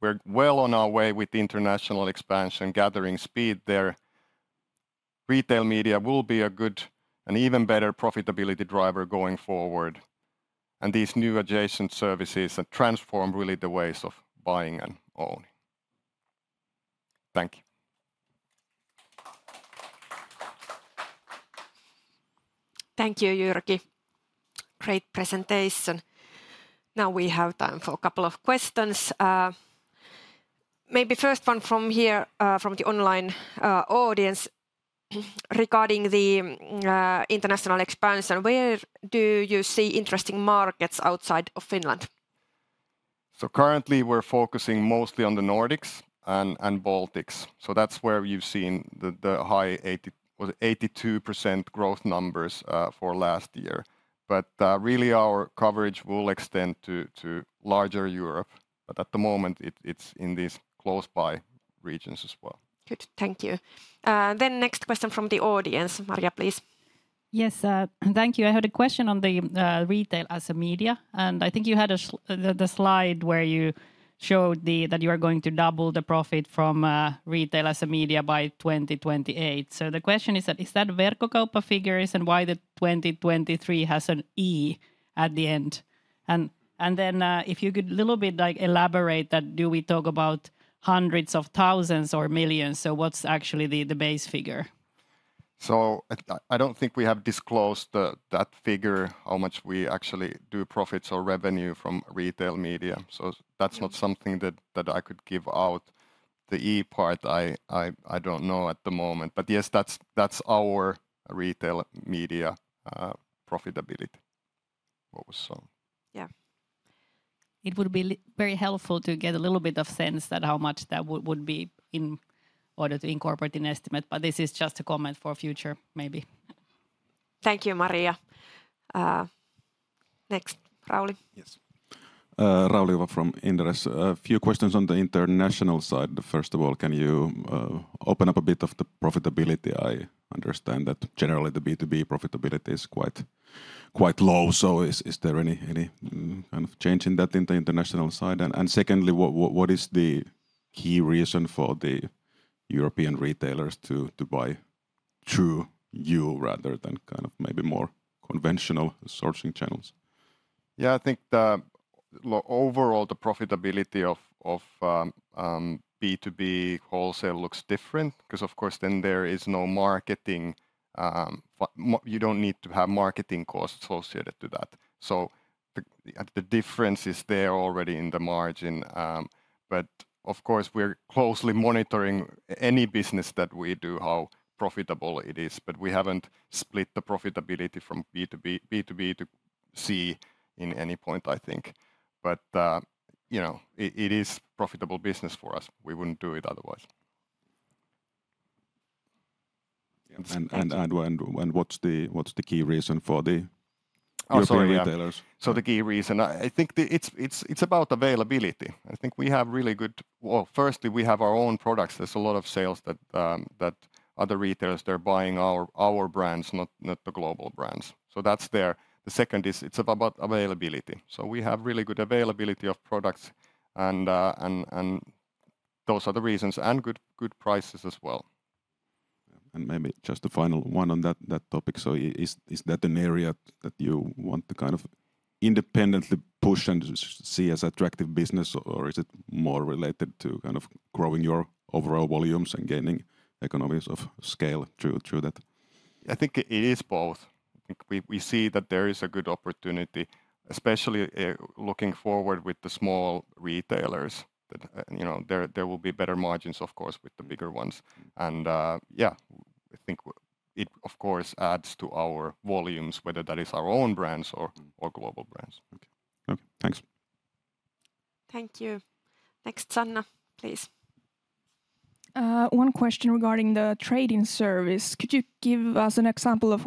S8: We're well on our way with international expansion gathering speed there. Retail media will be a good and even better profitability driver going forward. And these new adjacent services that transform really the ways of buying and owning. Thank you.
S1: Thank you, Jyrki. Great presentation. Now we have time for a couple of questions. Maybe first one from here from the online audience. Regarding the international expansion, where do you see interesting markets outside of Finland?
S8: So currently we're focusing mostly on the Nordics and Baltics. So that's where we've seen the high 82% growth numbers for last year. But really our coverage will extend to larger Europe. But at the moment it's in these close by regions as well.
S1: Good, thank you. Then next question from the audience. Maria, please.
S3: Yes, thank you. I had a question on the Retail as a Media. I think you had the slide where you showed that you are going to double the profit from Retail as a Media by 2028. So the question is that is that Verkkokauppa figures and why the 2023 has an E at the end? Then if you could a little bit elaborate that do we talk about hundreds of thousands or millions? So what's actually the base figure?
S8: So I don't think we have disclosed that figure how much we actually do profits or revenue from retail media. So that's not something that I could give out. The E part I don't know at the moment. But yes, that's our retail media profitability.
S3: Yeah. It would be very helpful to get a little bit of sense that how much that would be in order to incorporate in estimate. But this is just a comment for future maybe.
S1: Thank you, Maria. Next, Rauli.
S9: Yes. Rauli from Inderes. A few questions on the international side. First of all, can you open up a bit of the profitability? I understand that generally the B2B profitability is quite low. So is there any kind of change in that in the international side? And secondly, what is the key reason for the European retailers to buy through you rather than kind of maybe more conventional sourcing channels?
S8: Yeah, I think overall the profitability of B2B wholesale looks different. Because of course then there is no marketing. You don't need to have marketing costs associated to that. So the difference is there already in the margin. But of course we're closely monitoring any business that do. how profitable it is. But we haven't split the profitability from B2B to C in any point I think. But you know it is profitable business for us. We wouldn't do it otherwise.
S9: And what's the key reason for the European retailers?
S8: So the key reason, I think it's about availability. I think we have good. Well, firstly we have our own products. There's a lot of sales that retailers. they're buying our brands, not the global brands. So that's there. The second is it's about availability. So we have really good availability of products. And those are the reasons. And good prices as well.
S9: And maybe just a final one on that topic. So is that an area that you want to kind of independently push and see as attractive business? Or is it more related to kind of growing your overall volumes and gaining economies of scale through that?
S8: I think it is both. We see that there is a good opportunity. Especially looking forward with the small retailers. That you know there will be better margins of course with the bigger ones. And yeah, I think it of course adds to our volumes whether that is our own brands or global brands.
S9: Okay, thanks.
S1: Thank you. Next, Sanna, please.
S6: One question regarding the trade-in service. Could you give us an example of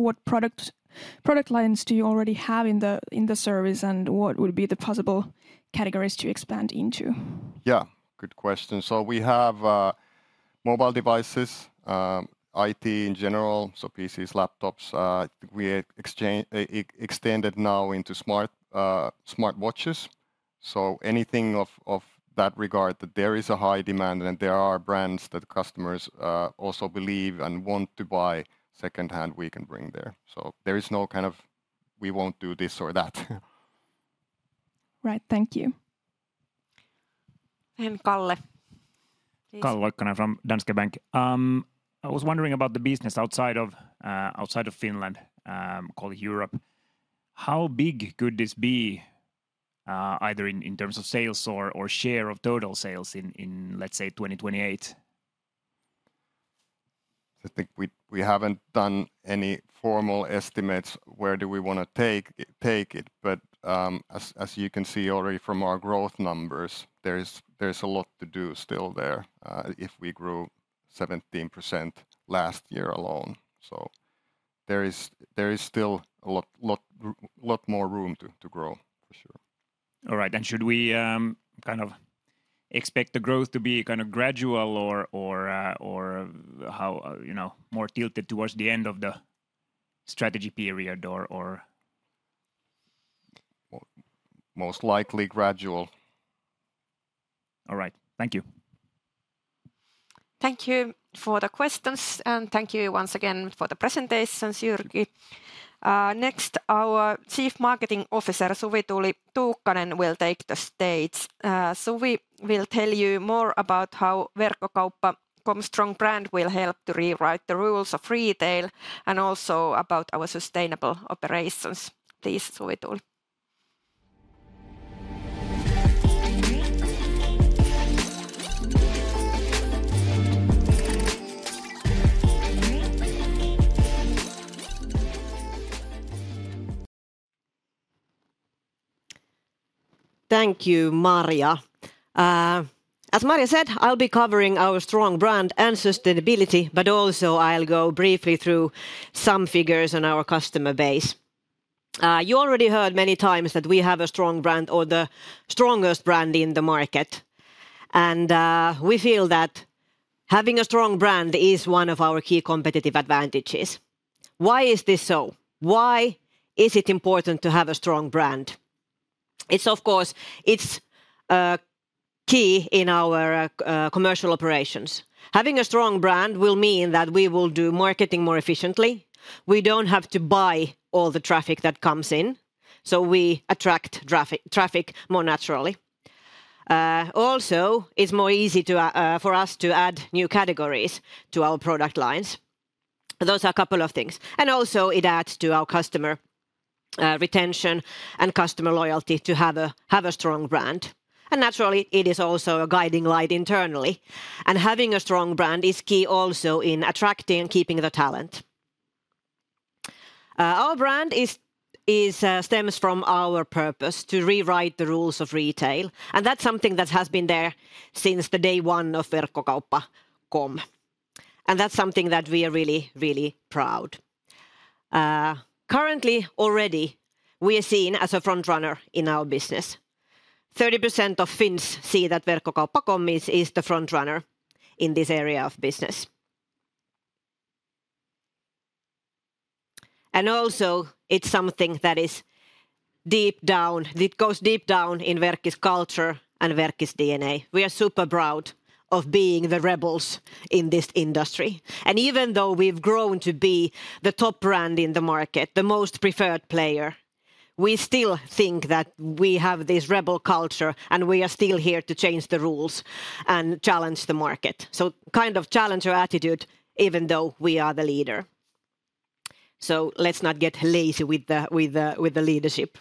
S6: what product lines do you already have in the service and what would be the possible categories to expand into?
S8: Yeah, good question. So we have mobile devices. IT in general, so PCs, laptops. We extended now into smart watches. So anything of that regard that there is a demand. and there are brands that customers also believe and want buy. second hand we can bring there. So there is no kind of we won't do this or that.
S6: Right, thank you.
S1: And Kalle.
S4: Kalle Loikkanen from Danske Bank. I was wondering about the business outside Finland. called Europe. How big could this be? Either in terms of sales or share of total sales in let's say 2028?
S8: I think we haven't done any estimates. where do we want to take it. But as you can see already from our numbers. there is a lot to do still there. If we grew 17% last year alone. So there is still a lot more room to grow for sure.
S4: All right, and should we kind of expect the growth to be kind gradual. or how, you know, more tilted towards the end of the strategy period or?
S8: Most likely gradual.
S4: All right, thank you.
S1: Thank you for the questions. Thank you once again for the presentations, Jyrki. Next, our Chief Marketing Officer, Suvituuli Tuukkanen. will take the stage. Suvi will tell you more about how Verkkokauppa.com's brand. will help to rewrite the rules retail. and also about our sustainable operations. Please, Suvituuli.
S10: Thank you, Marja. As Marja said, I'll be covering our strong brand sustainability. but also I'll go briefly through some figures on our customer base. You already heard many times that we have a strong brand. or the strongest brand in the market. We feel that having a brand. is one of our key competitive advantages. Why is this so? Why is it important to have a strong brand? It's of course key in our commercial operations. Having a strong brand will mean that we will do marketing more efficiently. We don't have to buy all the traffic that comes in. We attract traffic more naturally. Also, it's more easy for us to add new categories to our product lines. Those are a couple of things. It adds to our customer retention and loyalty. to have a strong brand. Naturally it is also a guiding light internally. Having a strong brand is key also in attracting and keeping the talent. Our brand stems from our purpose to rewrite the rules of retail. That's something that has been there since day one of Verkkokauppa.com. And that's something that we are really, really proud. Currently already we are seen as a frontrunner in our business. 30% of Finns see that Verkkokauppa.com is frontrunner. in this area of business. And also it's something that is down. that goes deep down in Verkkis culture and Verkkis DNA. We are super proud of being the rebels in this industry. And even though we've grown to be the top brand in market. the most player. we still think that we have this culture. and we are still here to change the rules and challenge the market. So kind of challenge your attitude even though we are the leader. So let's not get lazy with the leadership.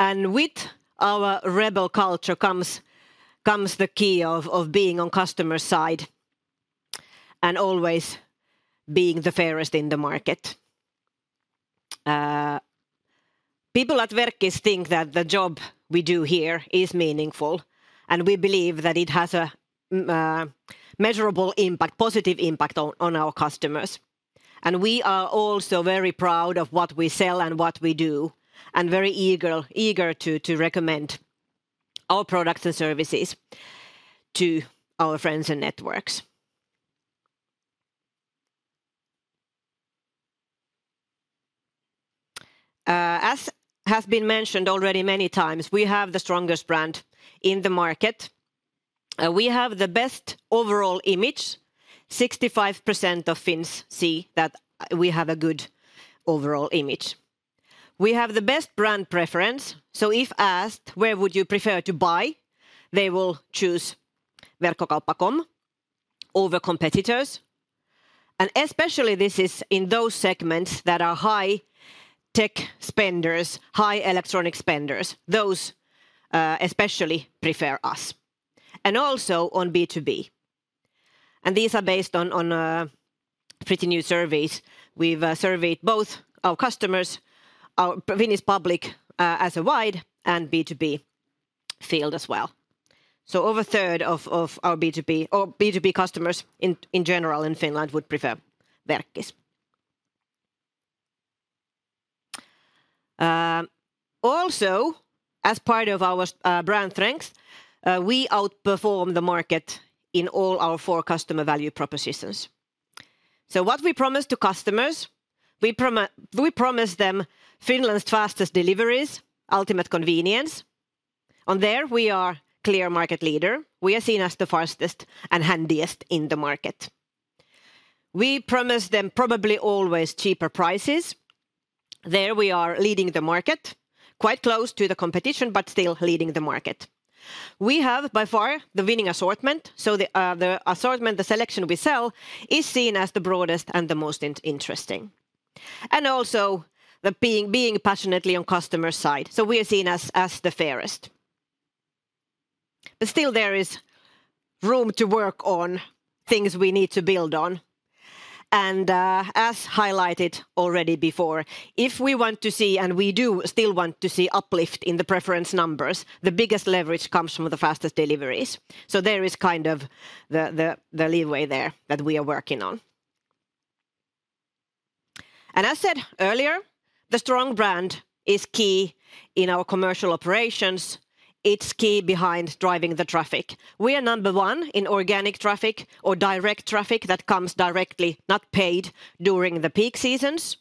S10: And with our rebel culture comes the key of being on customer's side. Always being the fairest in the market. People at Verkkis think that the job we do here is meaningful. We believe that it has a impact. positive impact on our customers. We are also very proud of what we sell and what we do. Very eager to recommend our products services. to our friends and networks. As has been mentioned already times. we have the strongest brand in the market. We have the best overall image. 65% of Finns see that we have a good overall image. We have the best brand preference. If asked where would you prefer buy. they will choose Verkkokauppa.com over competitors. Especially this is in those segments that are high spenders. high electronic spenders. Those especially prefer us. Also on B2B. These are based on a pretty new survey.
S11: We've surveyed both customers. our Finnish public as a whole and B2B field as well. So over a third of our B2B customers in general Finland. would prefer Verkkis. Also, as part of our strengths. we outperform the market in all our four customer value propositions. So what we promised customers. we promised them Finland's deliveries. ultimate convenience. On that we are a clear market leader. We are seen as the fastest and handiest in the market. We promised them probably always cheaper prices. There we are leading the market. Quite close to the competition but still leading the market. We have by far the winning assortment. So the assortment, the selection sell. is seen as the broadest and the most interesting. And also the being passionately on customer's side. So we are seen as the fairest. But still there is room to work on things we need to build on. As highlighted before. if we want to see and we do still want to see uplift in the numbers. the biggest leverage comes from the fastest deliveries. There is kind of the leeway there that we are working on. As earlier. the strong brand is key in our commercial operations. It's key behind driving the traffic. We are number one in traffic. or direct traffic that directly. not paid during the peak seasons.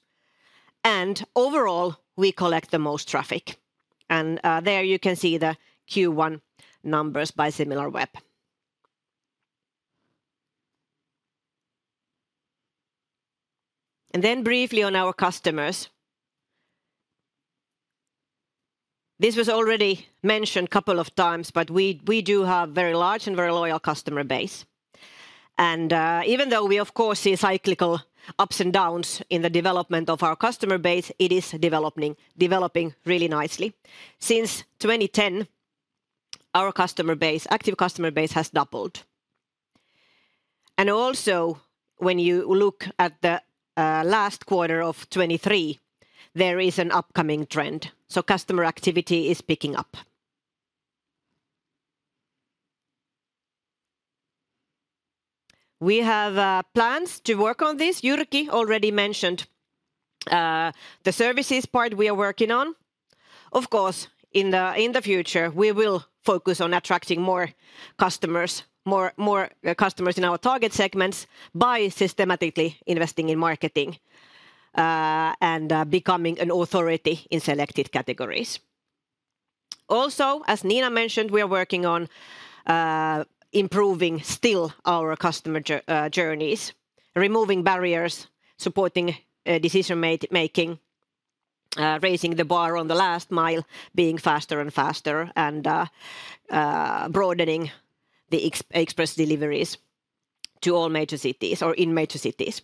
S11: Overall we collect the most traffic. There you can see the Q1 numbers by Similarweb. Then briefly on our customers. This was already mentioned a couple times. but we do have a very large and very loyal customer base. And even though we of course see cyclical ups downs. in the development of our base. it is developing really nicely. 2010. our customer base, active customer base has doubled. And also when you look at the last quarter 2023. there is an upcoming trend. So customer activity is picking up. We have plans to work on this. Jyrki already mentioned the services part we are working on. Of course in the future we will focus on attracting customers. more customers in our segments. by systematically investing marketing. and becoming an authority in selected categories. Also as Nina mentioned we are working on improving still our customer journeys. Removing barriers, supporting making. raising the bar on the mile. being faster faster. and broadening the deliveries. to all major cities or in major cities.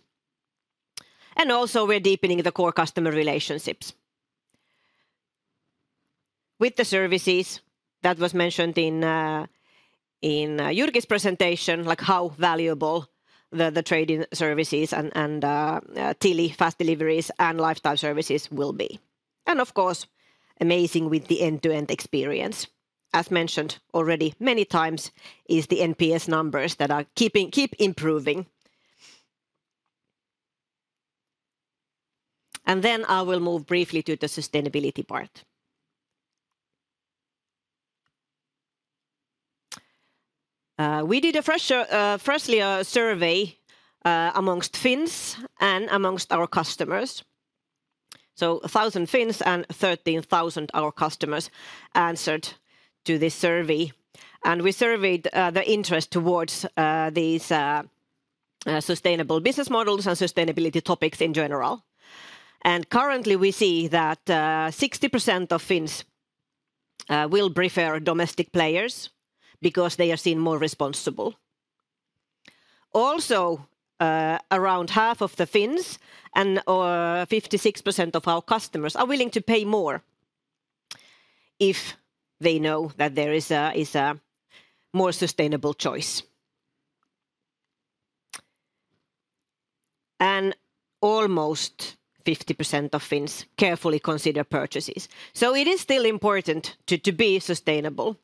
S11: Also we're deepening the core customer relationships. With the services that was mentioned in presentation. like how valuable the trade-in services and Tili deliveries. and lifetime services will be. Of course amazing with the end-to-end experience. As mentioned already times. is the NPS numbers that are keeping improving. Then I will move briefly to the sustainability part. We did a fresh survey among Finns and among our customers. So 1,000 Finns and 13,000 our customers answered to this survey. We surveyed the interest towards these sustainable models. and sustainability topics in general. Currently we see that 60% of Finns will prefer players. because they are seen more responsible. Also around half of the Finns and 56% of customers. are willing to more. if they know that there is a more sustainable choice. Almost 50% of Finns carefully consider purchases. It is still important to be sustainable.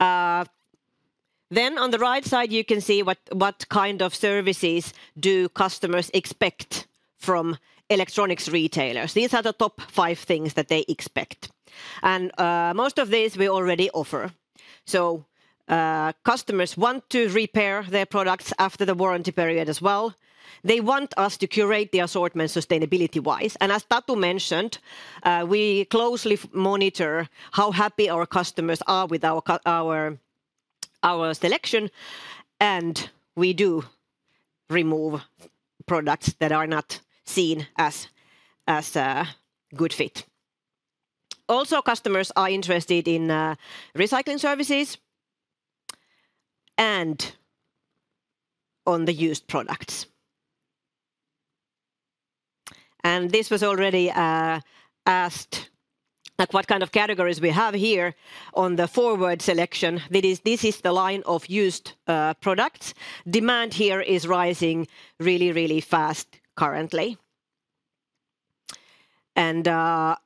S11: On the right side you can see what kind of services do customers expect from electronics retailers. These are the top five things that they expect. Most of these we already offer. Customers want to repair their products after the warranty period as well. They want us to curate the assortment sustainability-wise. As Tatu mentioned, we closely monitor how happy our customers are with our selection. We do remove products that are not seen as a good fit. Customers are also interested in recycling services and used products. This was already asked, what kind of categories we have here on the forward selection. This is the line of used products. Demand here is rising really, really fast currently. 75%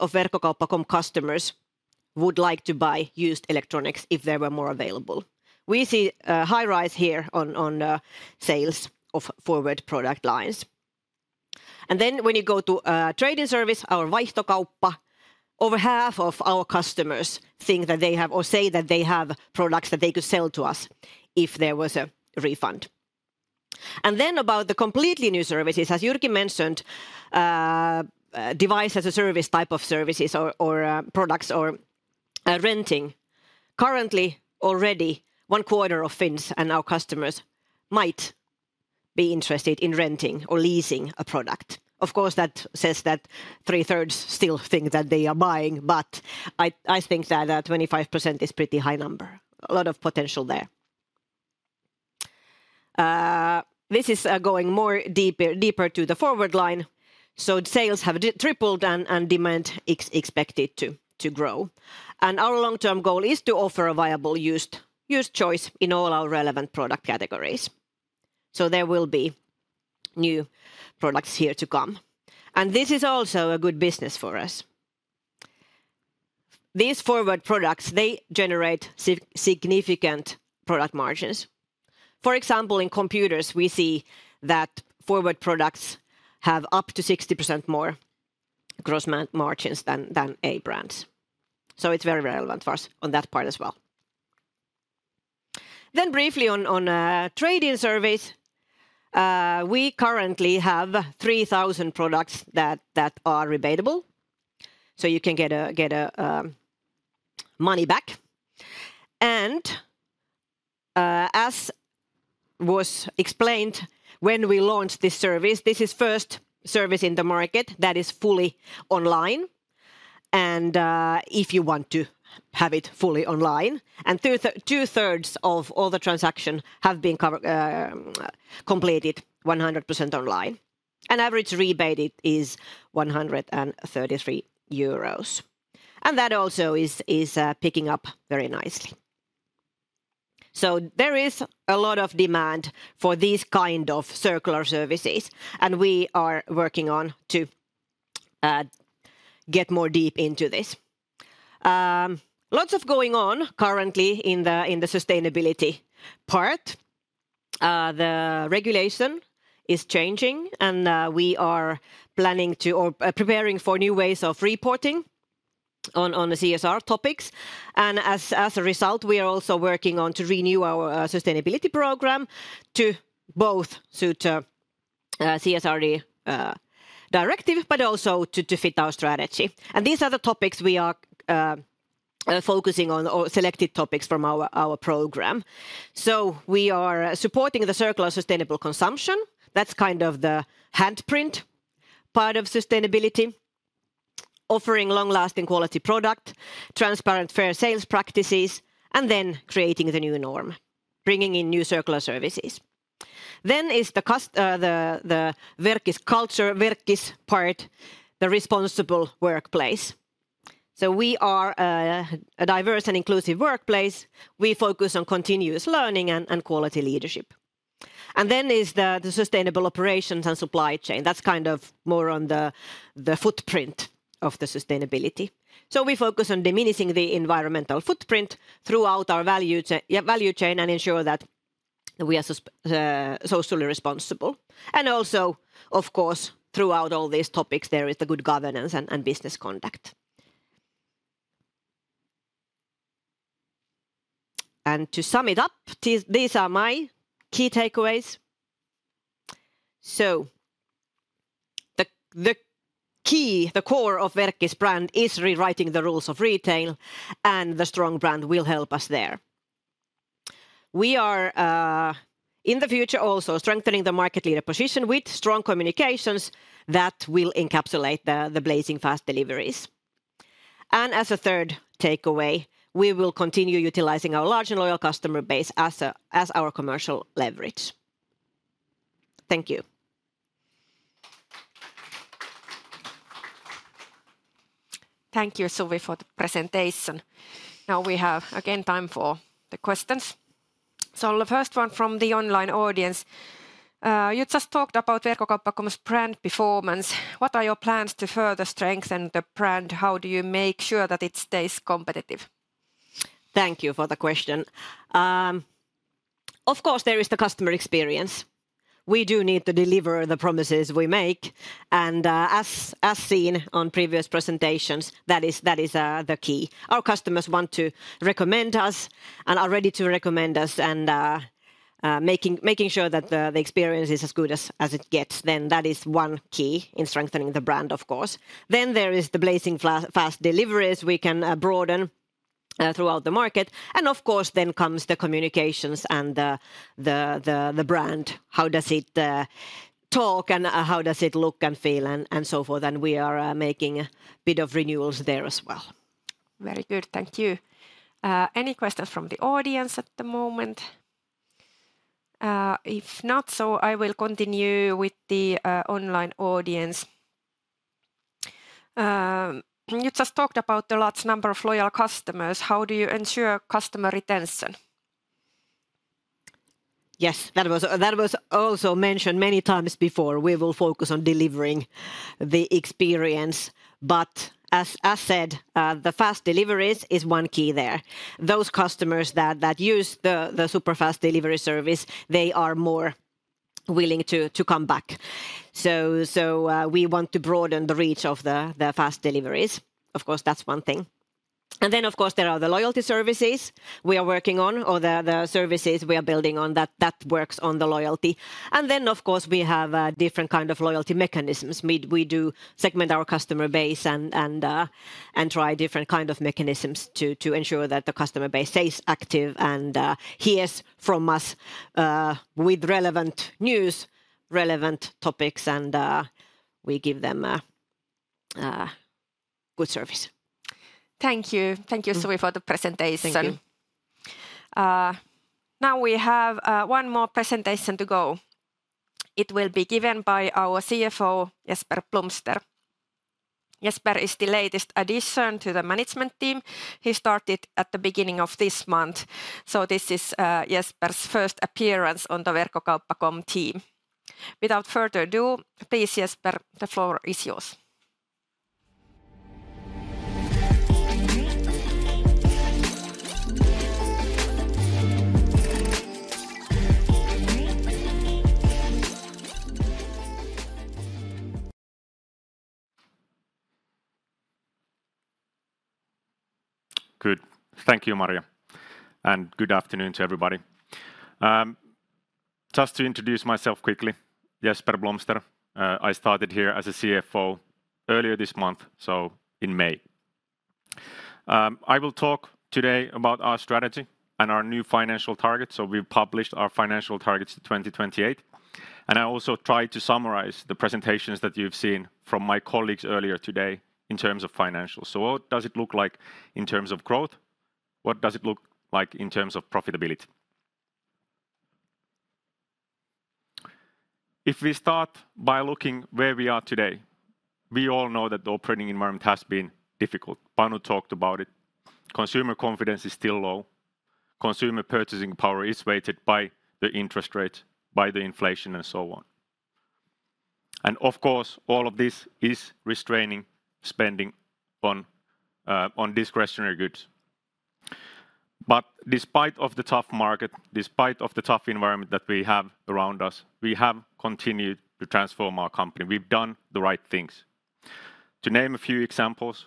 S11: of Verkkokauppa.com customers. would like to buy used electronics if there were more available. We see a high rise here on the sales of refurbished eproduct lines. Then when you go to trade-in service, Vaihtokauppa. over half of our customers think that they have or say that they products. that they could sell to us if there was a refund. Then about the completely new services, as mentioned. device as a service type of services or products or renting. Currently already one quarter of Finns and customers. might be interested in renting or leasing a product. Of course that says that two-thirds still think that they buying. but I think that 25% is a pretty high number. A lot of potential there. This is going more deeper to the refurbished line. Sales have tripled and demand is expected to grow. Our long-term goal is to offer a viable choice. in all our relevant product categories. There will be new products here to come. This is also a good business for us. These forward products they generate significant product margins. For example in computers we see that products. have up to 60% more gross margins than A-brands. It's very relevant for us on that part as well. Briefly on trade-in service. We currently have 3,000 products that are rebatable. So you can get money back. As was explained when we launched service. this is the first service in the market that is fully online. And if you want to have it fully online. Two-thirds of all the transactions have been completed 100% online. An average rebate is 133 euros. That also is picking up very nicely. There is a lot of demand for these kind of circular services. We are working on to get more deep into this. Lots of going on currently in the sustainability part. The regulation is changing and we are to. or preparing for new ways of reporting on the CSR topics. As a result we are also working on to renew our program. to both suit the CSRD directive but also to fit our strategy. These are the topics we are on. or selected topics from our program. We are supporting the circular sustainable consumption. That's kind of the handprint part of sustainability. Offering long-lasting product. transparent fair practices. and then creating the new norm. Bringing in new circular services. Then is the Verkkis culture, Verkkis part. The responsible workplace. We are a diverse and inclusive workplace. We focus on continuous learning and quality leadership. And then is the sustainable operations and supply chain. That's kind of more on the footprint of the sustainability. So we focus on diminishing the environmental footprint throughout our value chain and ensure that we are socially responsible. And also of course throughout all these topics there is the good governance and business conduct. And to sum it up, these are my key takeaways. So the key, the core of Verkkis brand is rewriting the rules of retail and the strong brand will help us there. We are in the future also strengthening the market leader position with strong communications that will encapsulate the blazing fast deliveries. And as a third takeaway, we will continue utilizing our large and loyal customer base as our commercial leverage. Thank you.
S1: Thank you Suvi for the presentation. Now we have again time for the questions. So the first one from the online audience. You just talked about Verkkokauppa.com's brand performance. What are your plans to further strengthen the brand? How do you make sure that it stays competitive?
S10: Thank you for the question. Of course there is the customer experience. We do need to deliver the promises we make. As seen on previous presentations, that is the key. Our customers want to recommend us and are ready to us. and making sure that the experience is as good as it gets. That is one key in strengthening the brand of course. There is the blazing fast deliveries. We can broaden throughout the market. Of course then comes the communications and the brand. How does it talk and how does it look and feel and so forth. We are making a bit of renewals there as well.
S1: Very good, thank you. Any questions from the audience at the moment? If not, so I will continue with the online audience. You just talked about the large number of loyal customers. How do you ensure customer retention?
S10: Yes, that was also mentioned many times before. We will focus on delivering the experience. But as said, the fast deliveries is one key there. Those customers that use the super fast delivery service they are more willing to come back. So we want to broaden the reach of the fast deliveries. Of course that's one thing. And then of course there are the loyalty services we are on. or the services we are building on that works on the loyalty. And then of course we have different kind of loyalty mechanisms. We do segment our customer base and and try different kind of mechanisms. to ensure that the customer base stays active and hears us. with relevant news, relevant topics and we give them good service.
S1: Thank you, thank you Suvi for the presentation. Now we have one more presentation to go. It will be given by our CFO Jesper Blomster. Jesper is the latest addition to the management team. He started at the beginning of this month. So this is Jesper's first appearance on the Verkkokauppa.com team. Without further ado, please, Jesper, the floor is yours.
S12: Good, thank you Marja. And good afternoon to everybody. Just to introduce myself quickly, Jesper Blomster. I started here as a CFO earlier this month so in May. I will talk today about our strategy and our new financial targets. So we published our financial targets in 2028. And I also tried to summarize the presentations that you've seen. From my colleagues earlier today in terms of financials. So what does it look like in terms of growth? What does it look like in terms of profitability? If we start by looking where we today. we all know that the operating environment has been difficult. Panu talked about it. Consumer confidence is still low. Consumer purchasing power is weighted by the rates. by the inflation and so on. And of course all of this is spending. on discretionary goods. But despite of the market. despite of the tough environment that we have us. we have continued to transform our company. We've done the right things. To name a examples.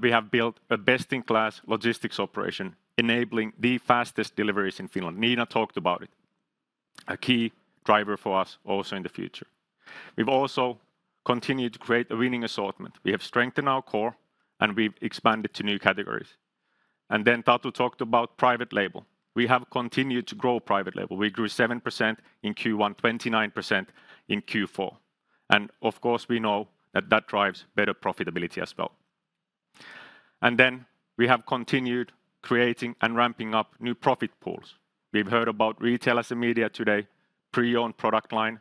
S12: we have built a best-in-class operation. enabling the fastest deliveries in Finland. Nina talked about it. A key driver for us also in the future. We've also continued to create a winning assortment. We have strengthened our core and we've expanded to new categories. And then Tatu talked about private label. We have continued to grow private label. We grew 7% in Q1, 29% in Q4. And of course we know that that drives better profitability as well. And then we have continued creating and ramping up new profit pools. We've heard about Retail as a Media today. pre-owned product line,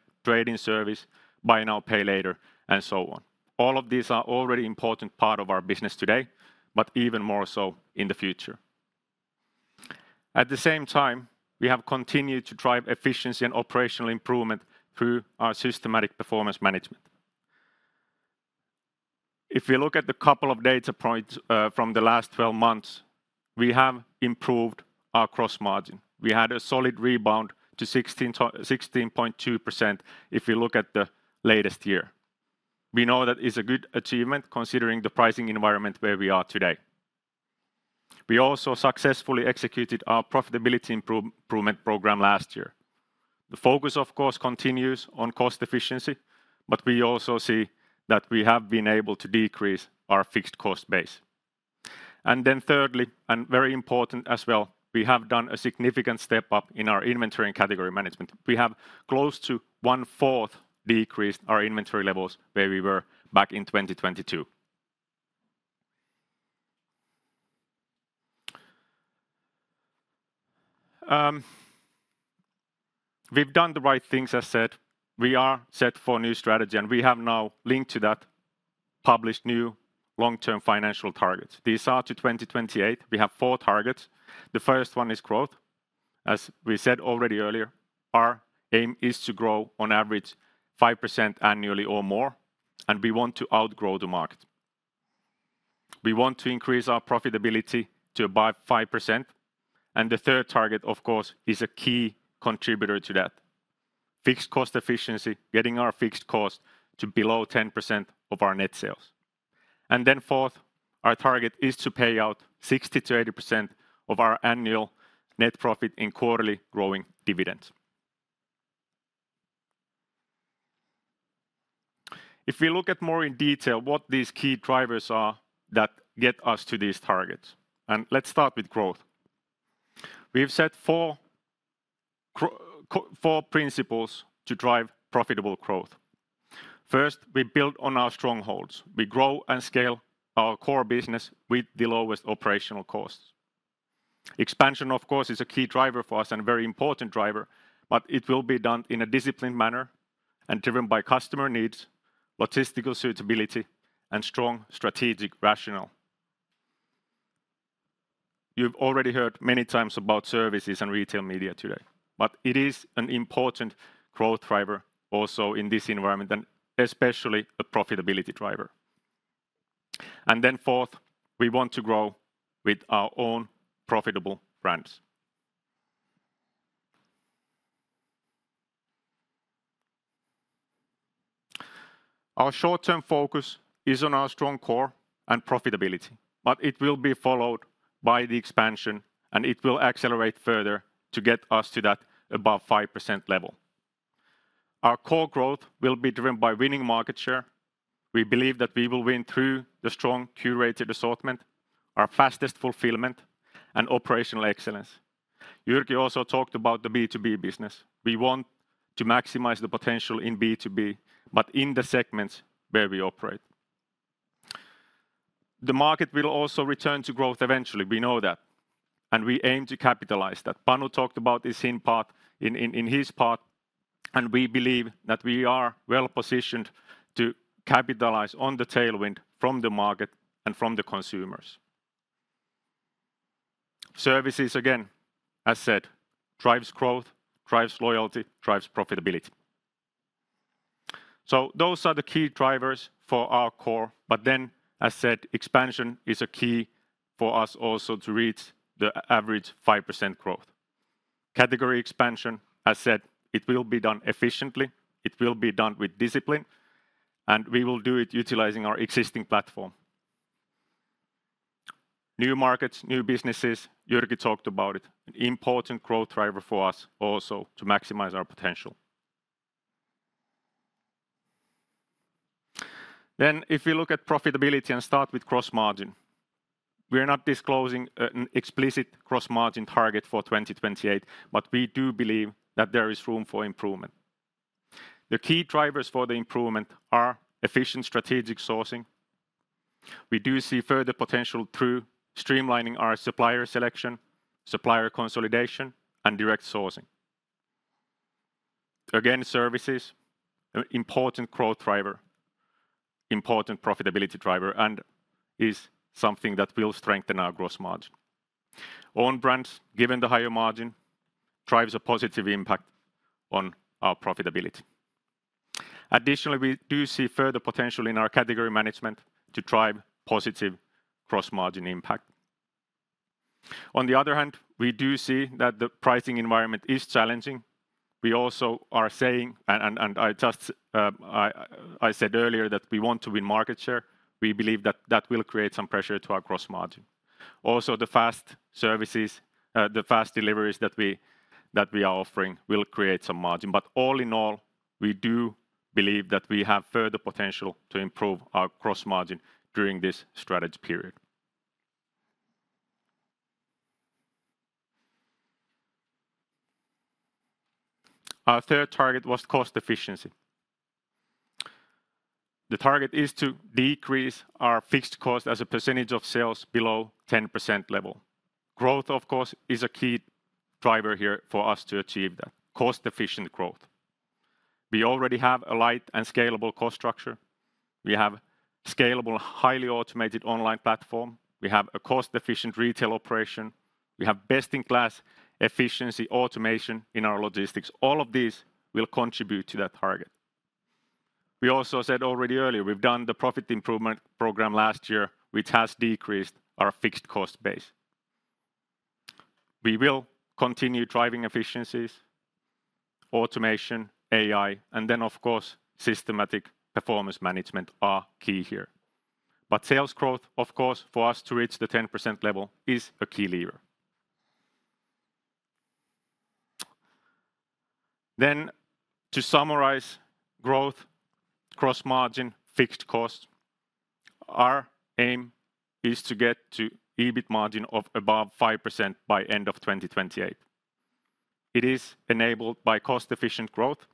S12: service. Buy Now Pay Later and so on. All of these are already an important part of our today. but even more so in the future. At the same time we have continued to efficiency. and operational improvement through our systematic performance management. If we look at a couple of data points from the last months. we have improved our gross margin. We had a solid rebound 16.2%. if we look at the latest year. We know that is a good achievement considering the environment. where we are today. We also successfully executed our profitability improvement program last year. The focus of course continues on efficiency. but we also see that we have been able to decrease our fixed cost base. And then thirdly and very important well. we have done a significant step up in our inventory and category management. We have close to one-fourth decreased our levels. where we were back in 2022. We've done the right things as said. We are set for a new strategy and we have now linked that. published new long-term financial targets. These are to 2028. We have four targets. The first one is growth. As we said earlier. our aim is to grow on average 5% annually more. and we want to outgrow the market. We want to increase our profitability to 5%. and the third target of course is a key contributor to that. Fixed cost efficiency, getting our cost. to below 10% of our net sales. And then fourth our target is to pay 60%-80%. of our annual net profit in quarterly growing dividends. If we look at more in detail what these key are. that get us to these targets. And let's start with growth. We've set four principles to drive profitable growth. First we build on our strongholds. We grow and scale our core business with the lowest operational costs. Expansion of course is a key driver for us and a very driver. but it will be done in a manner. and driven by needs. logistical suitability and strong strategic rationale. You've already heard many times about services and retail media today. but it is an important growth driver also in environment. and especially a profitability driver. And then fourth we want to grow with our own profitable brands. Our short-term focus is on our strong core profitability. but it will be followed by expansion. and it will accelerate further to get us to that above 5% level. Our core growth will be driven by winning market share. We believe that we will win through the strong assortment. our fastest fulfillment and operational excellence. Jyrki also talked about the B2B business. We want to maximize the potential B2B. but in the segments where we operate. The market will also return to growth eventually, we know that. And we aim to capitalize that. Panu talked about this in part. and we believe that we are well positioned. To capitalize on the tailwind from the market and from the consumers. Services again as said drives growth, drives loyalty, drives profitability. So those are the key drivers for core. but then as said expansion is a key for also. to reach the average 5% growth. Category expansion as said it will be efficiently. it will be done discipline. and we will do it utilizing our existing platform. New markets, new businesses, Jyrki talked about it. An important growth driver for us also to maximize our potential. Then if we look at profitability and start with gross margin. We are not disclosing an explicit gross margin target 2028. but we do believe that there is room for improvement. The key drivers for the improvement are efficient strategic sourcing. We do see further potential through streamlining our selection. supplier consolidation and direct sourcing. Again, services [are] an important growth driver. [It is an] important profitability driver and is something that will strengthen our gross margin. Own brands, given the higher margin, drives a positive impact on our profitability. Additionally, we do see further potential in our category management to drive positive gross margin impact. On the other hand, we do see that the pricing environment is challenging. We also are saying, and I just said earlier, that we want to win market share. We believe that that will create some pressure to our gross margin. Also, the fast services, the fast deliveries that we are offering, will create some margin. But all in all, we do believe that we have further potential to improve our gross margin during this strategy period. Our third target was cost efficiency. The target is to decrease our fixed cost as a percentage of sales below 10% level. Growth of course is a key driver here for us to achieve that. Cost efficient growth. We already have a light and scalable cost structure. We have scalable, highly automated online platform. We have a cost efficient retail operation. We have best-in-class efficiency automation in our logistics. All of these will contribute to that target. We also said already earlier we've done the profit improvement program last year, which has decreased our fixed cost base. We will continue driving efficiencies. Automation, AI, and then of course systematic performance management are key here. But sales growth of course for us to reach the 10% level is a key lever. Then to summarize growth, gross margin, fixed cost. Our aim is to get to EBIT margin of above 5% by end of 2028. It is enabled by cost efficient growth,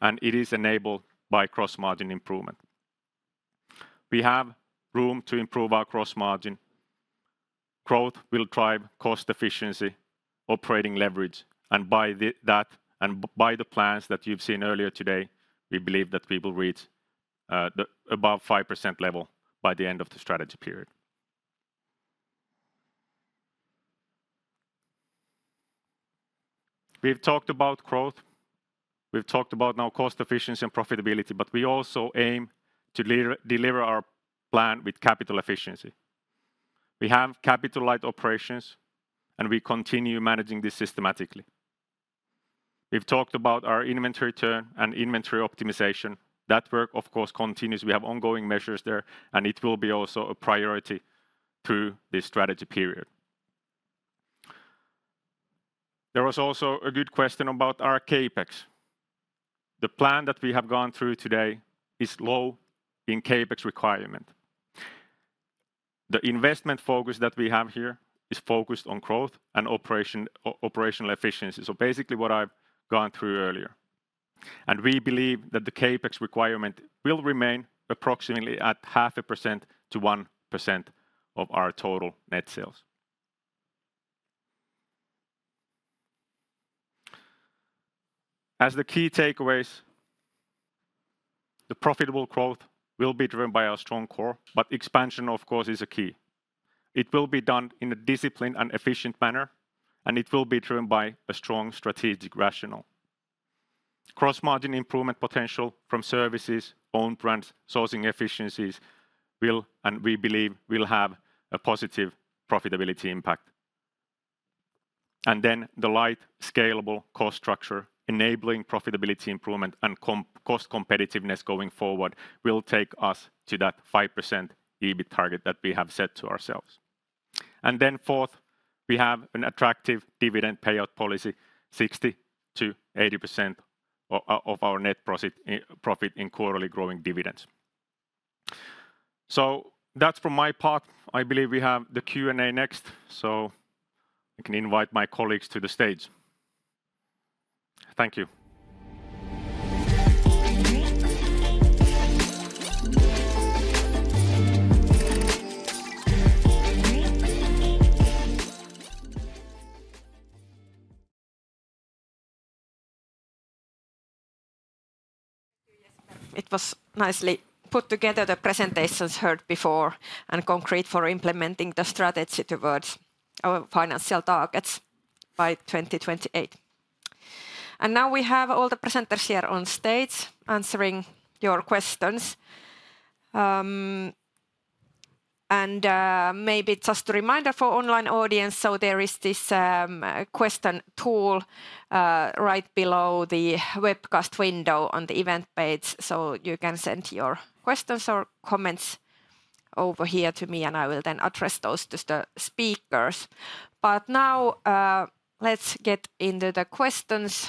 S12: and it is enabled by gross margin improvement. We have room to improve our gross margin. Growth will drive cost efficiency, leverage. and by that and by the plans that you've seen today. we believe that we will reach the above level. by the end of the strategy period. We've talked about growth. We've talked about now cost efficiency profitability. but we also aim to deliver our plan with capital efficiency. We have capital operations. and we continue managing this systematically. We've talked about our inventory turn and inventory optimization. That work of course continues. We have ongoing measures there and it will be also priority. through this strategy period. There was also a good question about our CapEx. The plan that we have gone through today is low in CapEx requirement. The investment focus that we have here is focused growth. and operational efficiency. So basically what I've gone through earlier. And we believe that the CapEx requirement will remain approximately at 0.5%-1% of our total net sales. As the takeaways. the profitable growth will be driven by our core. but expansion of course is a key. It will be done in a disciplined and manner. and it will be driven by a strong strategic rationale. Gross margin improvement potential services. own brands, efficiencies. will and we believe will have a positive profitability impact. And then the light scalable structure. enabling profitability improvement and cost competitiveness forward. will take us to that 5% EBIT target that we have set to ourselves. And then fourth we have an attractive dividend policy. 60%-80% of our net profit in quarterly growing dividends. So that's from my part. I believe we have the next. so I can invite my colleagues to the stage. Thank you.
S1: It was nicely put together, the presentations before. and concrete for implementing the strategy towards our financial targets by 2028. And now we have all the presenters here on stage answering your questions. And maybe just a reminder for audience. so there is this question tool right below the window. on the event page so you can send your questions comments. over here to me and I will then address those to the speakers. But now let's get into the questions.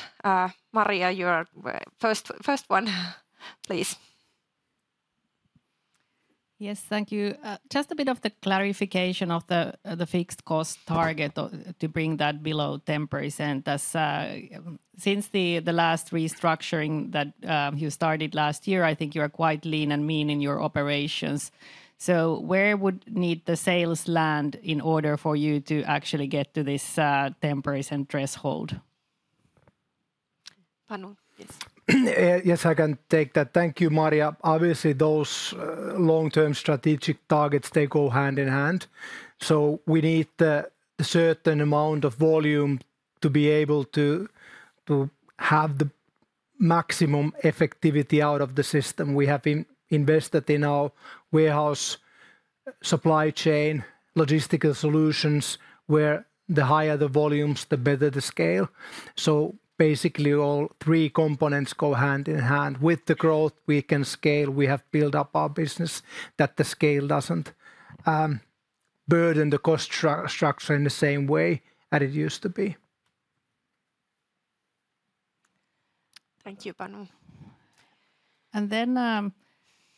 S1: Maria, your first one please.
S3: Yes, thank you. Just a bit of clarification of the fixed target. to bring that below 10%. Since the last restructuring that you started last year. I think you are quite lean and mean in your operations. So where would need the sales land in order you. to actually get to this 10% threshold?
S1: Panu, please.
S2: Yes, I can take that. Thank you, Maria. Obviously those long-term strategic targets they go hand in hand. So we need a certain amount volume. to be able to have the maximum effectivity out of the system. We have invested in our warehouse chain. logistical solutions where the higher the volumes the better the scale. So basically all three components go hand in hand. With the growth we can scale, we have built up business. that the scale doesn't burden the cost structure in the way. as it used to be.
S3: Thank you, Panu.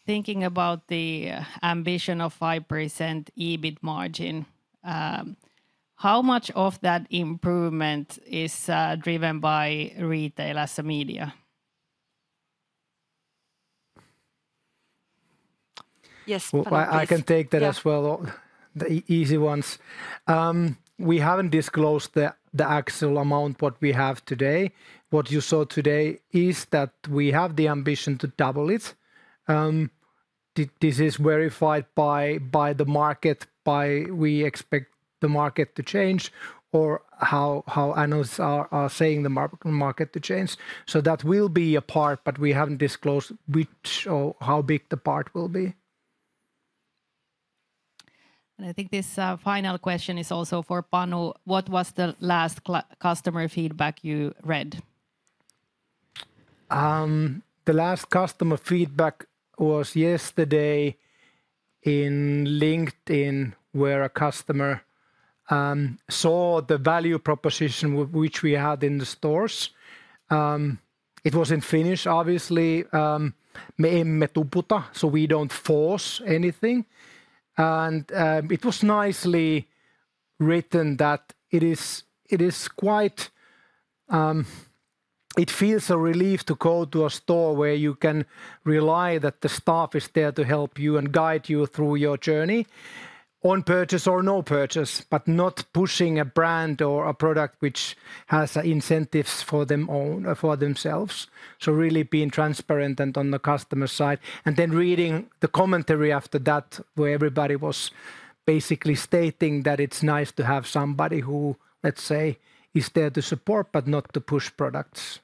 S3: And then thinking about the ambition of 5% EBIT margin. How much of that improvement is driven by Retail as a Media?
S2: Yes, I can take that as well. The easy ones. We haven't disclosed the actual amount what we have today. What you saw today is that we have the ambition to double it. This is verified by the market. We expect the market to change, or how analysts are saying the market to change. So that will be a part but we haven't disclosed which or how big the part will be.
S3: And I think this final question is also for Panu. What was the last customer feedback you read?
S2: The last customer feedback was yesterday in LinkedIn, where a customer saw the value proposition which we had in the stores. It was in Finnish obviously. Me emme tuputa, so we don't force anything. And it was nicely written that it is quite. It feels a relief to go to a store where you can rely that the staff is there to you. and guide you through your journey. On purchase or purchase. but not pushing a brand or a product which has incentives for themselves. So really being transparent and on the customer side. And then reading the commentary that. where everybody was basically stating that it's nice to have who. let's say is there to support but not to push products.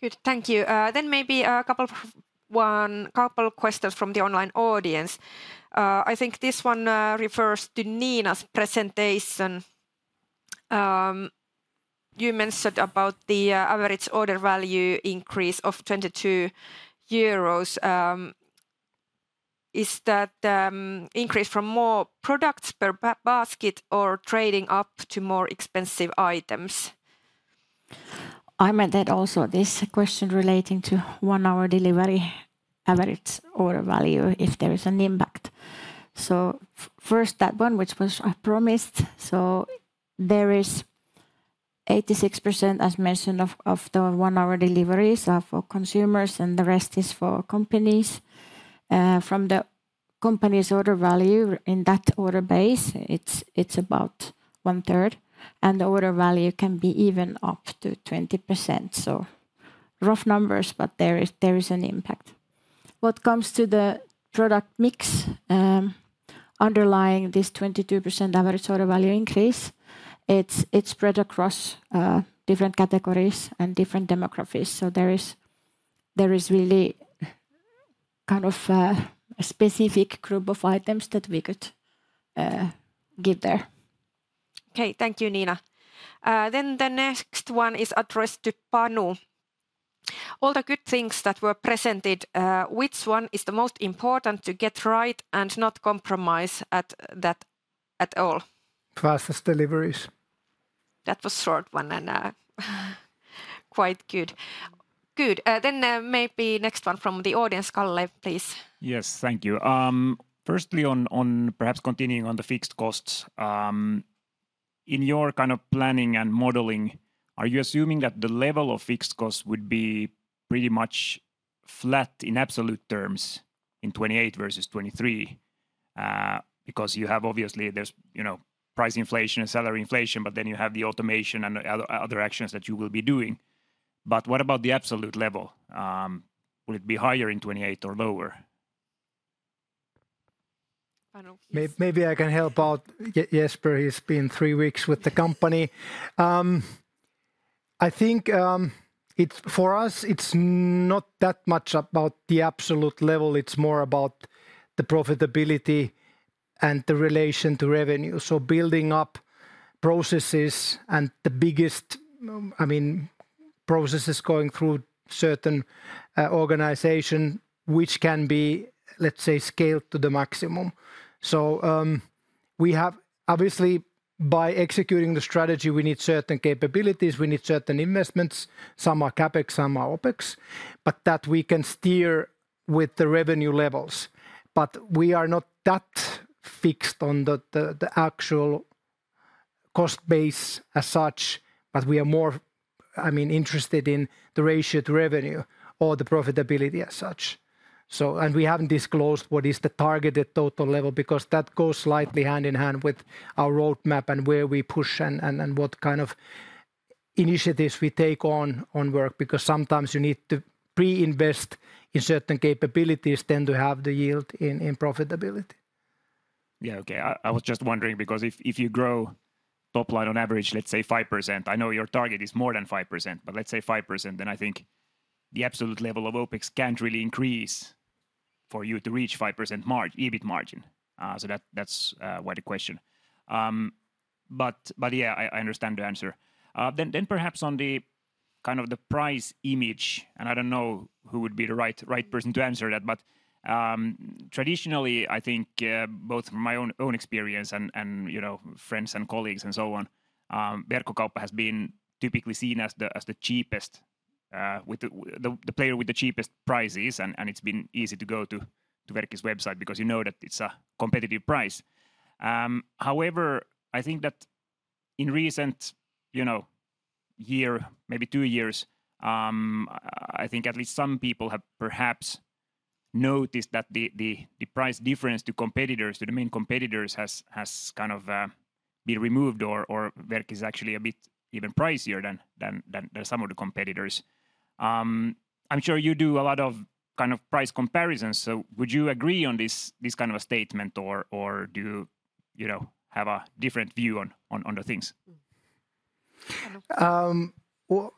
S1: Good, thank you. Then maybe a couple questions from the online audience. I think this one refers to Nina's presentation. You mentioned about the average order value increase of 22 euros. Is that increase from more products basket. or trading up to more expensive items?
S5: I mentioned also this question relating to delivery. average order value if there is an impact. So first that one which was promised. So there is 86% as mentioned of the one-hour deliveries for consumers and the rest is for companies. From the company's order value in that order base, it's about one-third. And the order value can be even up to 20%. So rough numbers but there is an impact. What comes to the product mix underlying this 22% average order value increase, it's it's spread across different categories and different demographies. So there is there is really kind of a specific group of items that we could give there.
S1: Okay, thank you, Nina. Then the next one is addressed to Panu. All the good things that were presented, which one is the most important to get right and not compromise at that at all?
S2: Fastest deliveries.
S1: That was a short one and quite good. Good, then maybe next one from the audience, Kalle, please.
S4: Yes, thank you. Firstly, on perhaps continuing on the fixed costs. In your kind of planning and modeling, are you assuming that the level of fixed costs would be pretty much flat in absolute terms in 2028 versus 2023? Because you have obviously there's you know price inflation and salary inflation, but then you have the automation and other actions that you will be doing. But what about the absolute level? Will it be higher in 2028 or lower?
S2: Maybe I can help out. Jesper, he's been three weeks with the company. I think for us it's not that much about the absolute level. It's more about the profitability and the relation to revenue. So building up processes and the biggest. I mean processes going through certain organization, which can be let's say scaled to the maximum. So we have obviously by executing the strategy. We need certain capabilities, we need certain investments. Some are CapEx, some are OpEx. But that we can steer with the revenue levels. But we are not that fixed on the actual cost base such. but we are more I mean interested in the ratio revenue. or the profitability as such. So And we haven't disclosed what is the targeted level. because that goes slightly hand in hand with roadmap. and where we push and what kind of initiatives we take on work. Because sometimes you need to pre-invest in capabilities. then to have the yield in profitability.
S4: Yeah, okay. I was just wondering because if you grow top line average. let's say 5%, I know your target is more 5%. but let's say 5% then I think the absolute level of OpEx. can't really increase for you to reach 5% margin, EBIT margin. So that's why the question. But yeah, I understand the answer. Then perhaps on the kind of the image. and I don't know who would be the right person to that. but traditionally I think both from my experience. and you know friends and colleagues and on. Verkkokauppa.com has been typically seen as cheapest. with the player with the prices. and it's been easy to go to website. because you know that it's a competitive price. However, I think that in recent you year. maybe years. I think at least some people have perhaps noticed that the difference. to competitors, to the competitors. has kind of been removed. or Verkka is actually a bit even pricier than some of the competitors. I'm sure you do a lot of kind of comparisons. so would you agree on this kind of statement. or do you have a different view on the things?
S2: Well,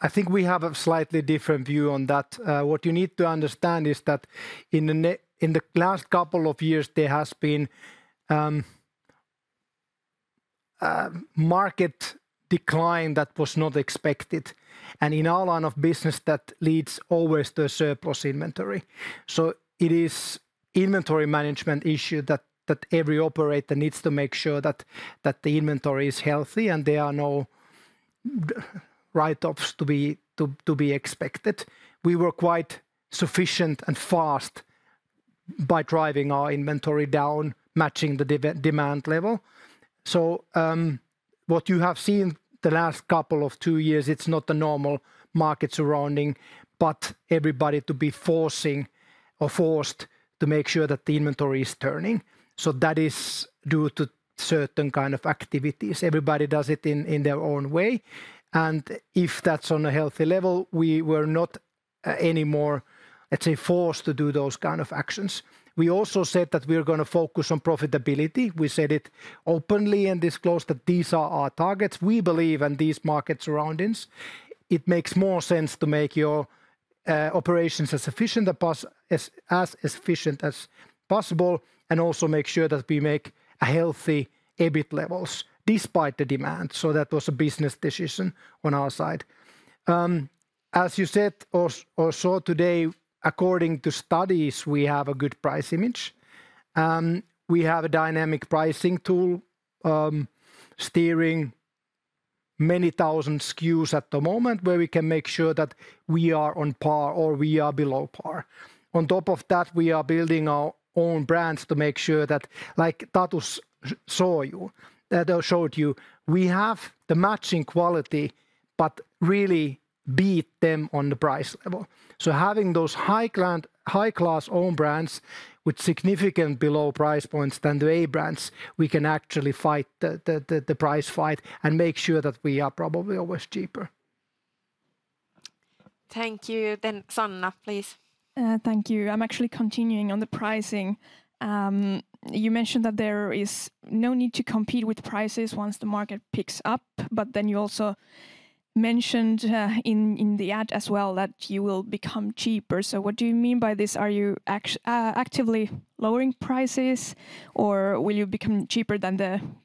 S2: I think we have a slightly different view on that. What you need to understand is that in the last couple years. there has been market decline that was not expected. And in our line of business that leads always to a surplus inventory. So it is inventory issue. that every operator needs to make sure that the inventory healthy. and there are no write-offs to be expected. We were quite sufficient fast. by driving our inventory down, matching the demand level. So what you have seen the last couple of years. it's not the normal surroundings. but everybody to be forcing forced. to make sure that the inventory is turning. So that is due to certain kind of activities. Everybody does it in their own way. And if that's on a level. we were not anymore, let's say, forced to do those kind of actions. We also said that we're going to focus on profitability. We said it openly and disclosed that these are our targets. We believe and these surroundings. it makes more sense to make your operations as efficient possible. and also make sure that we make a healthy levels. despite the demand. So that was a business decision on our side. As you said or today. according to studies we have a good price image. We have a dynamic pricing tool steering many thousand SKUs at the moment, where we can make sure that we are on par or we are below par. On top of that we are building our own brands to make sure that, like Tatu showed you that showed you we have the matching quality but really beat them on the price level. So having those high-class own brands with significant below price points than the A-brands we can actually fight the price fight and make sure that we are probably always cheaper.
S1: Thank you. Then Sanna, please.
S6: Thank you. I'm actually continuing on the pricing. You mentioned that there is no need to compete with prices once the market picks up. But then you also mentioned in the ad as well that you will become cheaper. So what do you mean by this? Are you actually actively prices. or will you become cheaper than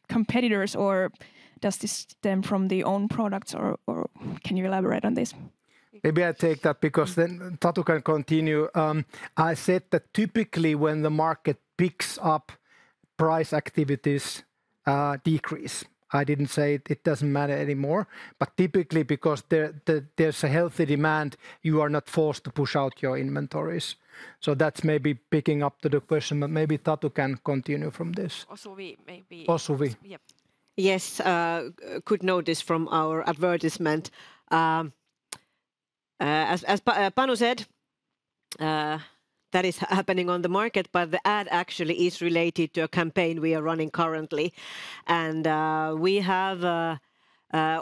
S6: competitors. or does this stem from the products. or or can you elaborate on this?
S2: Maybe I take that because then Tatu can continue. I said that typically when the market up. price activities decrease. I didn't say it doesn't matter anymore. But typically because there's a demand. you are not forced to push out your inventories. So that's maybe picking up to question. but maybe Tatu can continue from this.
S1: Suvituuli maybe.
S2: Suvituuli.
S10: Yes. Could know this from our advertisement. As said. that is happening on market. but the ad actually is related to a campaign we are running currently. And have.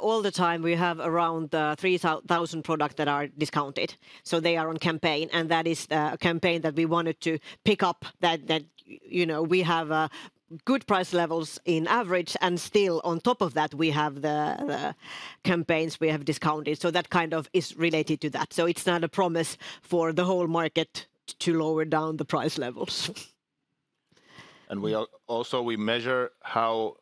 S10: all the time we have around 3,000 products that are discounted. So they are on campaign. And that is a campaign that we wanted to pick up. that you know we have good price levels average. and still on top of that we have the campaigns we have discounted. So that kind of is related to that. So it's not a promise for the market. to lower down the price levels.
S7: And we also measure how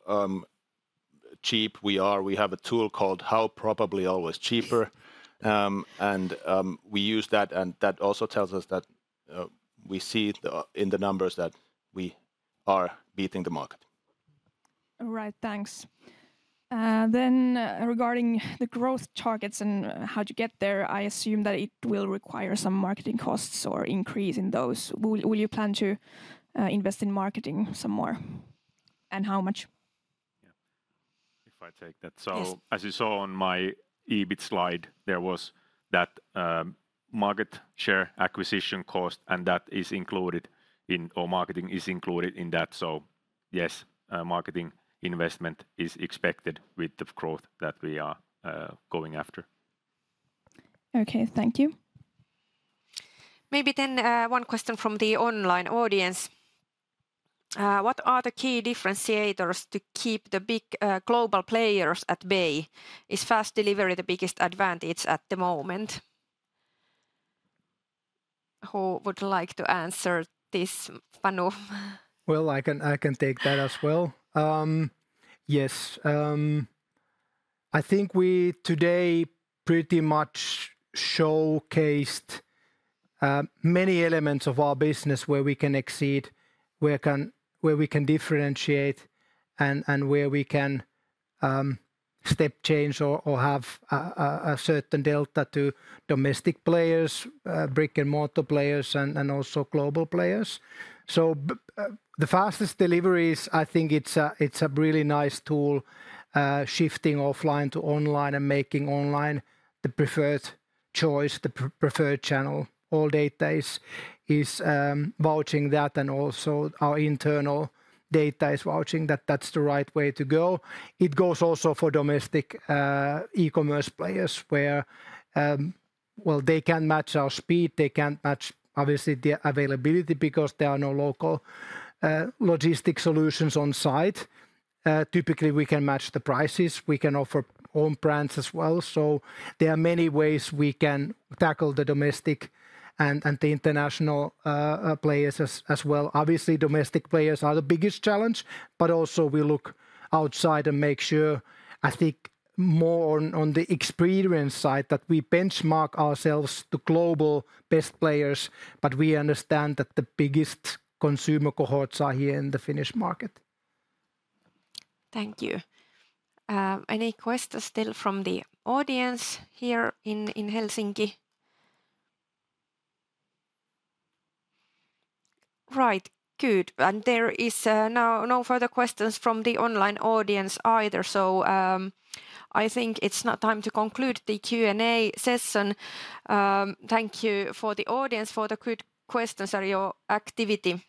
S7: cheap we are. We have a tool called How Probably Always Cheaper. And we use that and that also tells that. we see in the numbers that we are beating the market.
S6: Right, thanks. Then regarding the growth targets and how to there. I assume that it will require some costs. or increase in those. Will you plan to invest in marketing some more? And how much?
S12: Yeah. If I take that. So as you saw on my slide. there was that market share acquisition cost. and that is included in our marketing is included in that. So yes, marketing investment is expected with the growth that we are going after.
S6: Okay, thank you.
S1: Maybe then one question from the online audience. What are the key differentiators to keep the big global players at bay? Is fast delivery the biggest advantage at the moment? Who would like to answer this, Panu?
S2: Well, I can take that as well. Yes. I think we today pretty much showcased many elements of our business where we can exceed where we can differentiate and where we can step change or have a certain delta to domestic players, brick-and-mortar players and also global players. So the fastest deliveries, I think it's a really nice tool shifting offline to online and making online the preferred choice, the preferred channel. All data is that. and also our internal data is vouching that that's the right way to go. It goes also for domestic players. where well they can match speed. they can't match obviously availability. because there are no local logistics solutions on site. Typically we can match the prices. We can offer own brands as well. So there are many ways we can tackle domestic. and the international players as well. Obviously domestic players are the challenge. but also we look outside and sure. I think more on the side. that we benchmark ourselves to global players. but we understand that the biggest consumer cohorts are here in the Finnish market.
S1: Thank you. Any questions still from the audience here in Helsinki? Right, good. And there is no further questions from the online audience either. So I think it's not time to conclude the Q&A session. Thank you for the audience, for the good questions and your activity.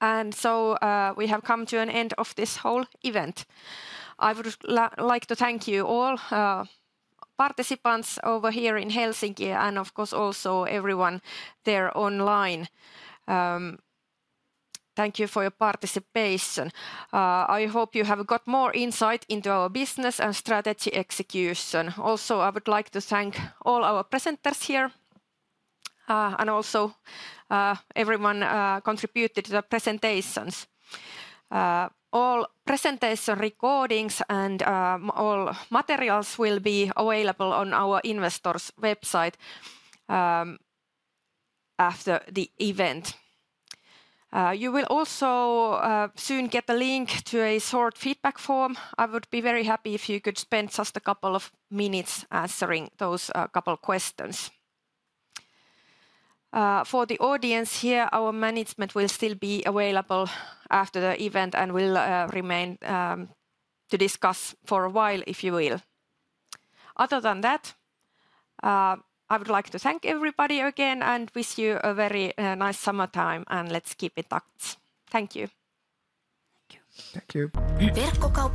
S1: And so we have come to an end of this whole event. I would like to thank all. participants over here Helsinki. and of course also everyone there online. Thank you for your participation. I hope you have got more insight into business. and strategy execution. Also I would like to thank all our presenters here. And also everyone contributed to the presentations. All presentation recordings and materials. will be available on our website. after the event. You will also soon get a link to a short feedback form. I would be very happy if you could spend just a couple minutes. answering those couple of questions. For the audience here, our management will still be available. After the event and will remain to discuss for a while if you will. Other than that, I would like to thank again. and wish you a very nice summertime. Let's keep it tucked. Thank you.
S2: Thank you.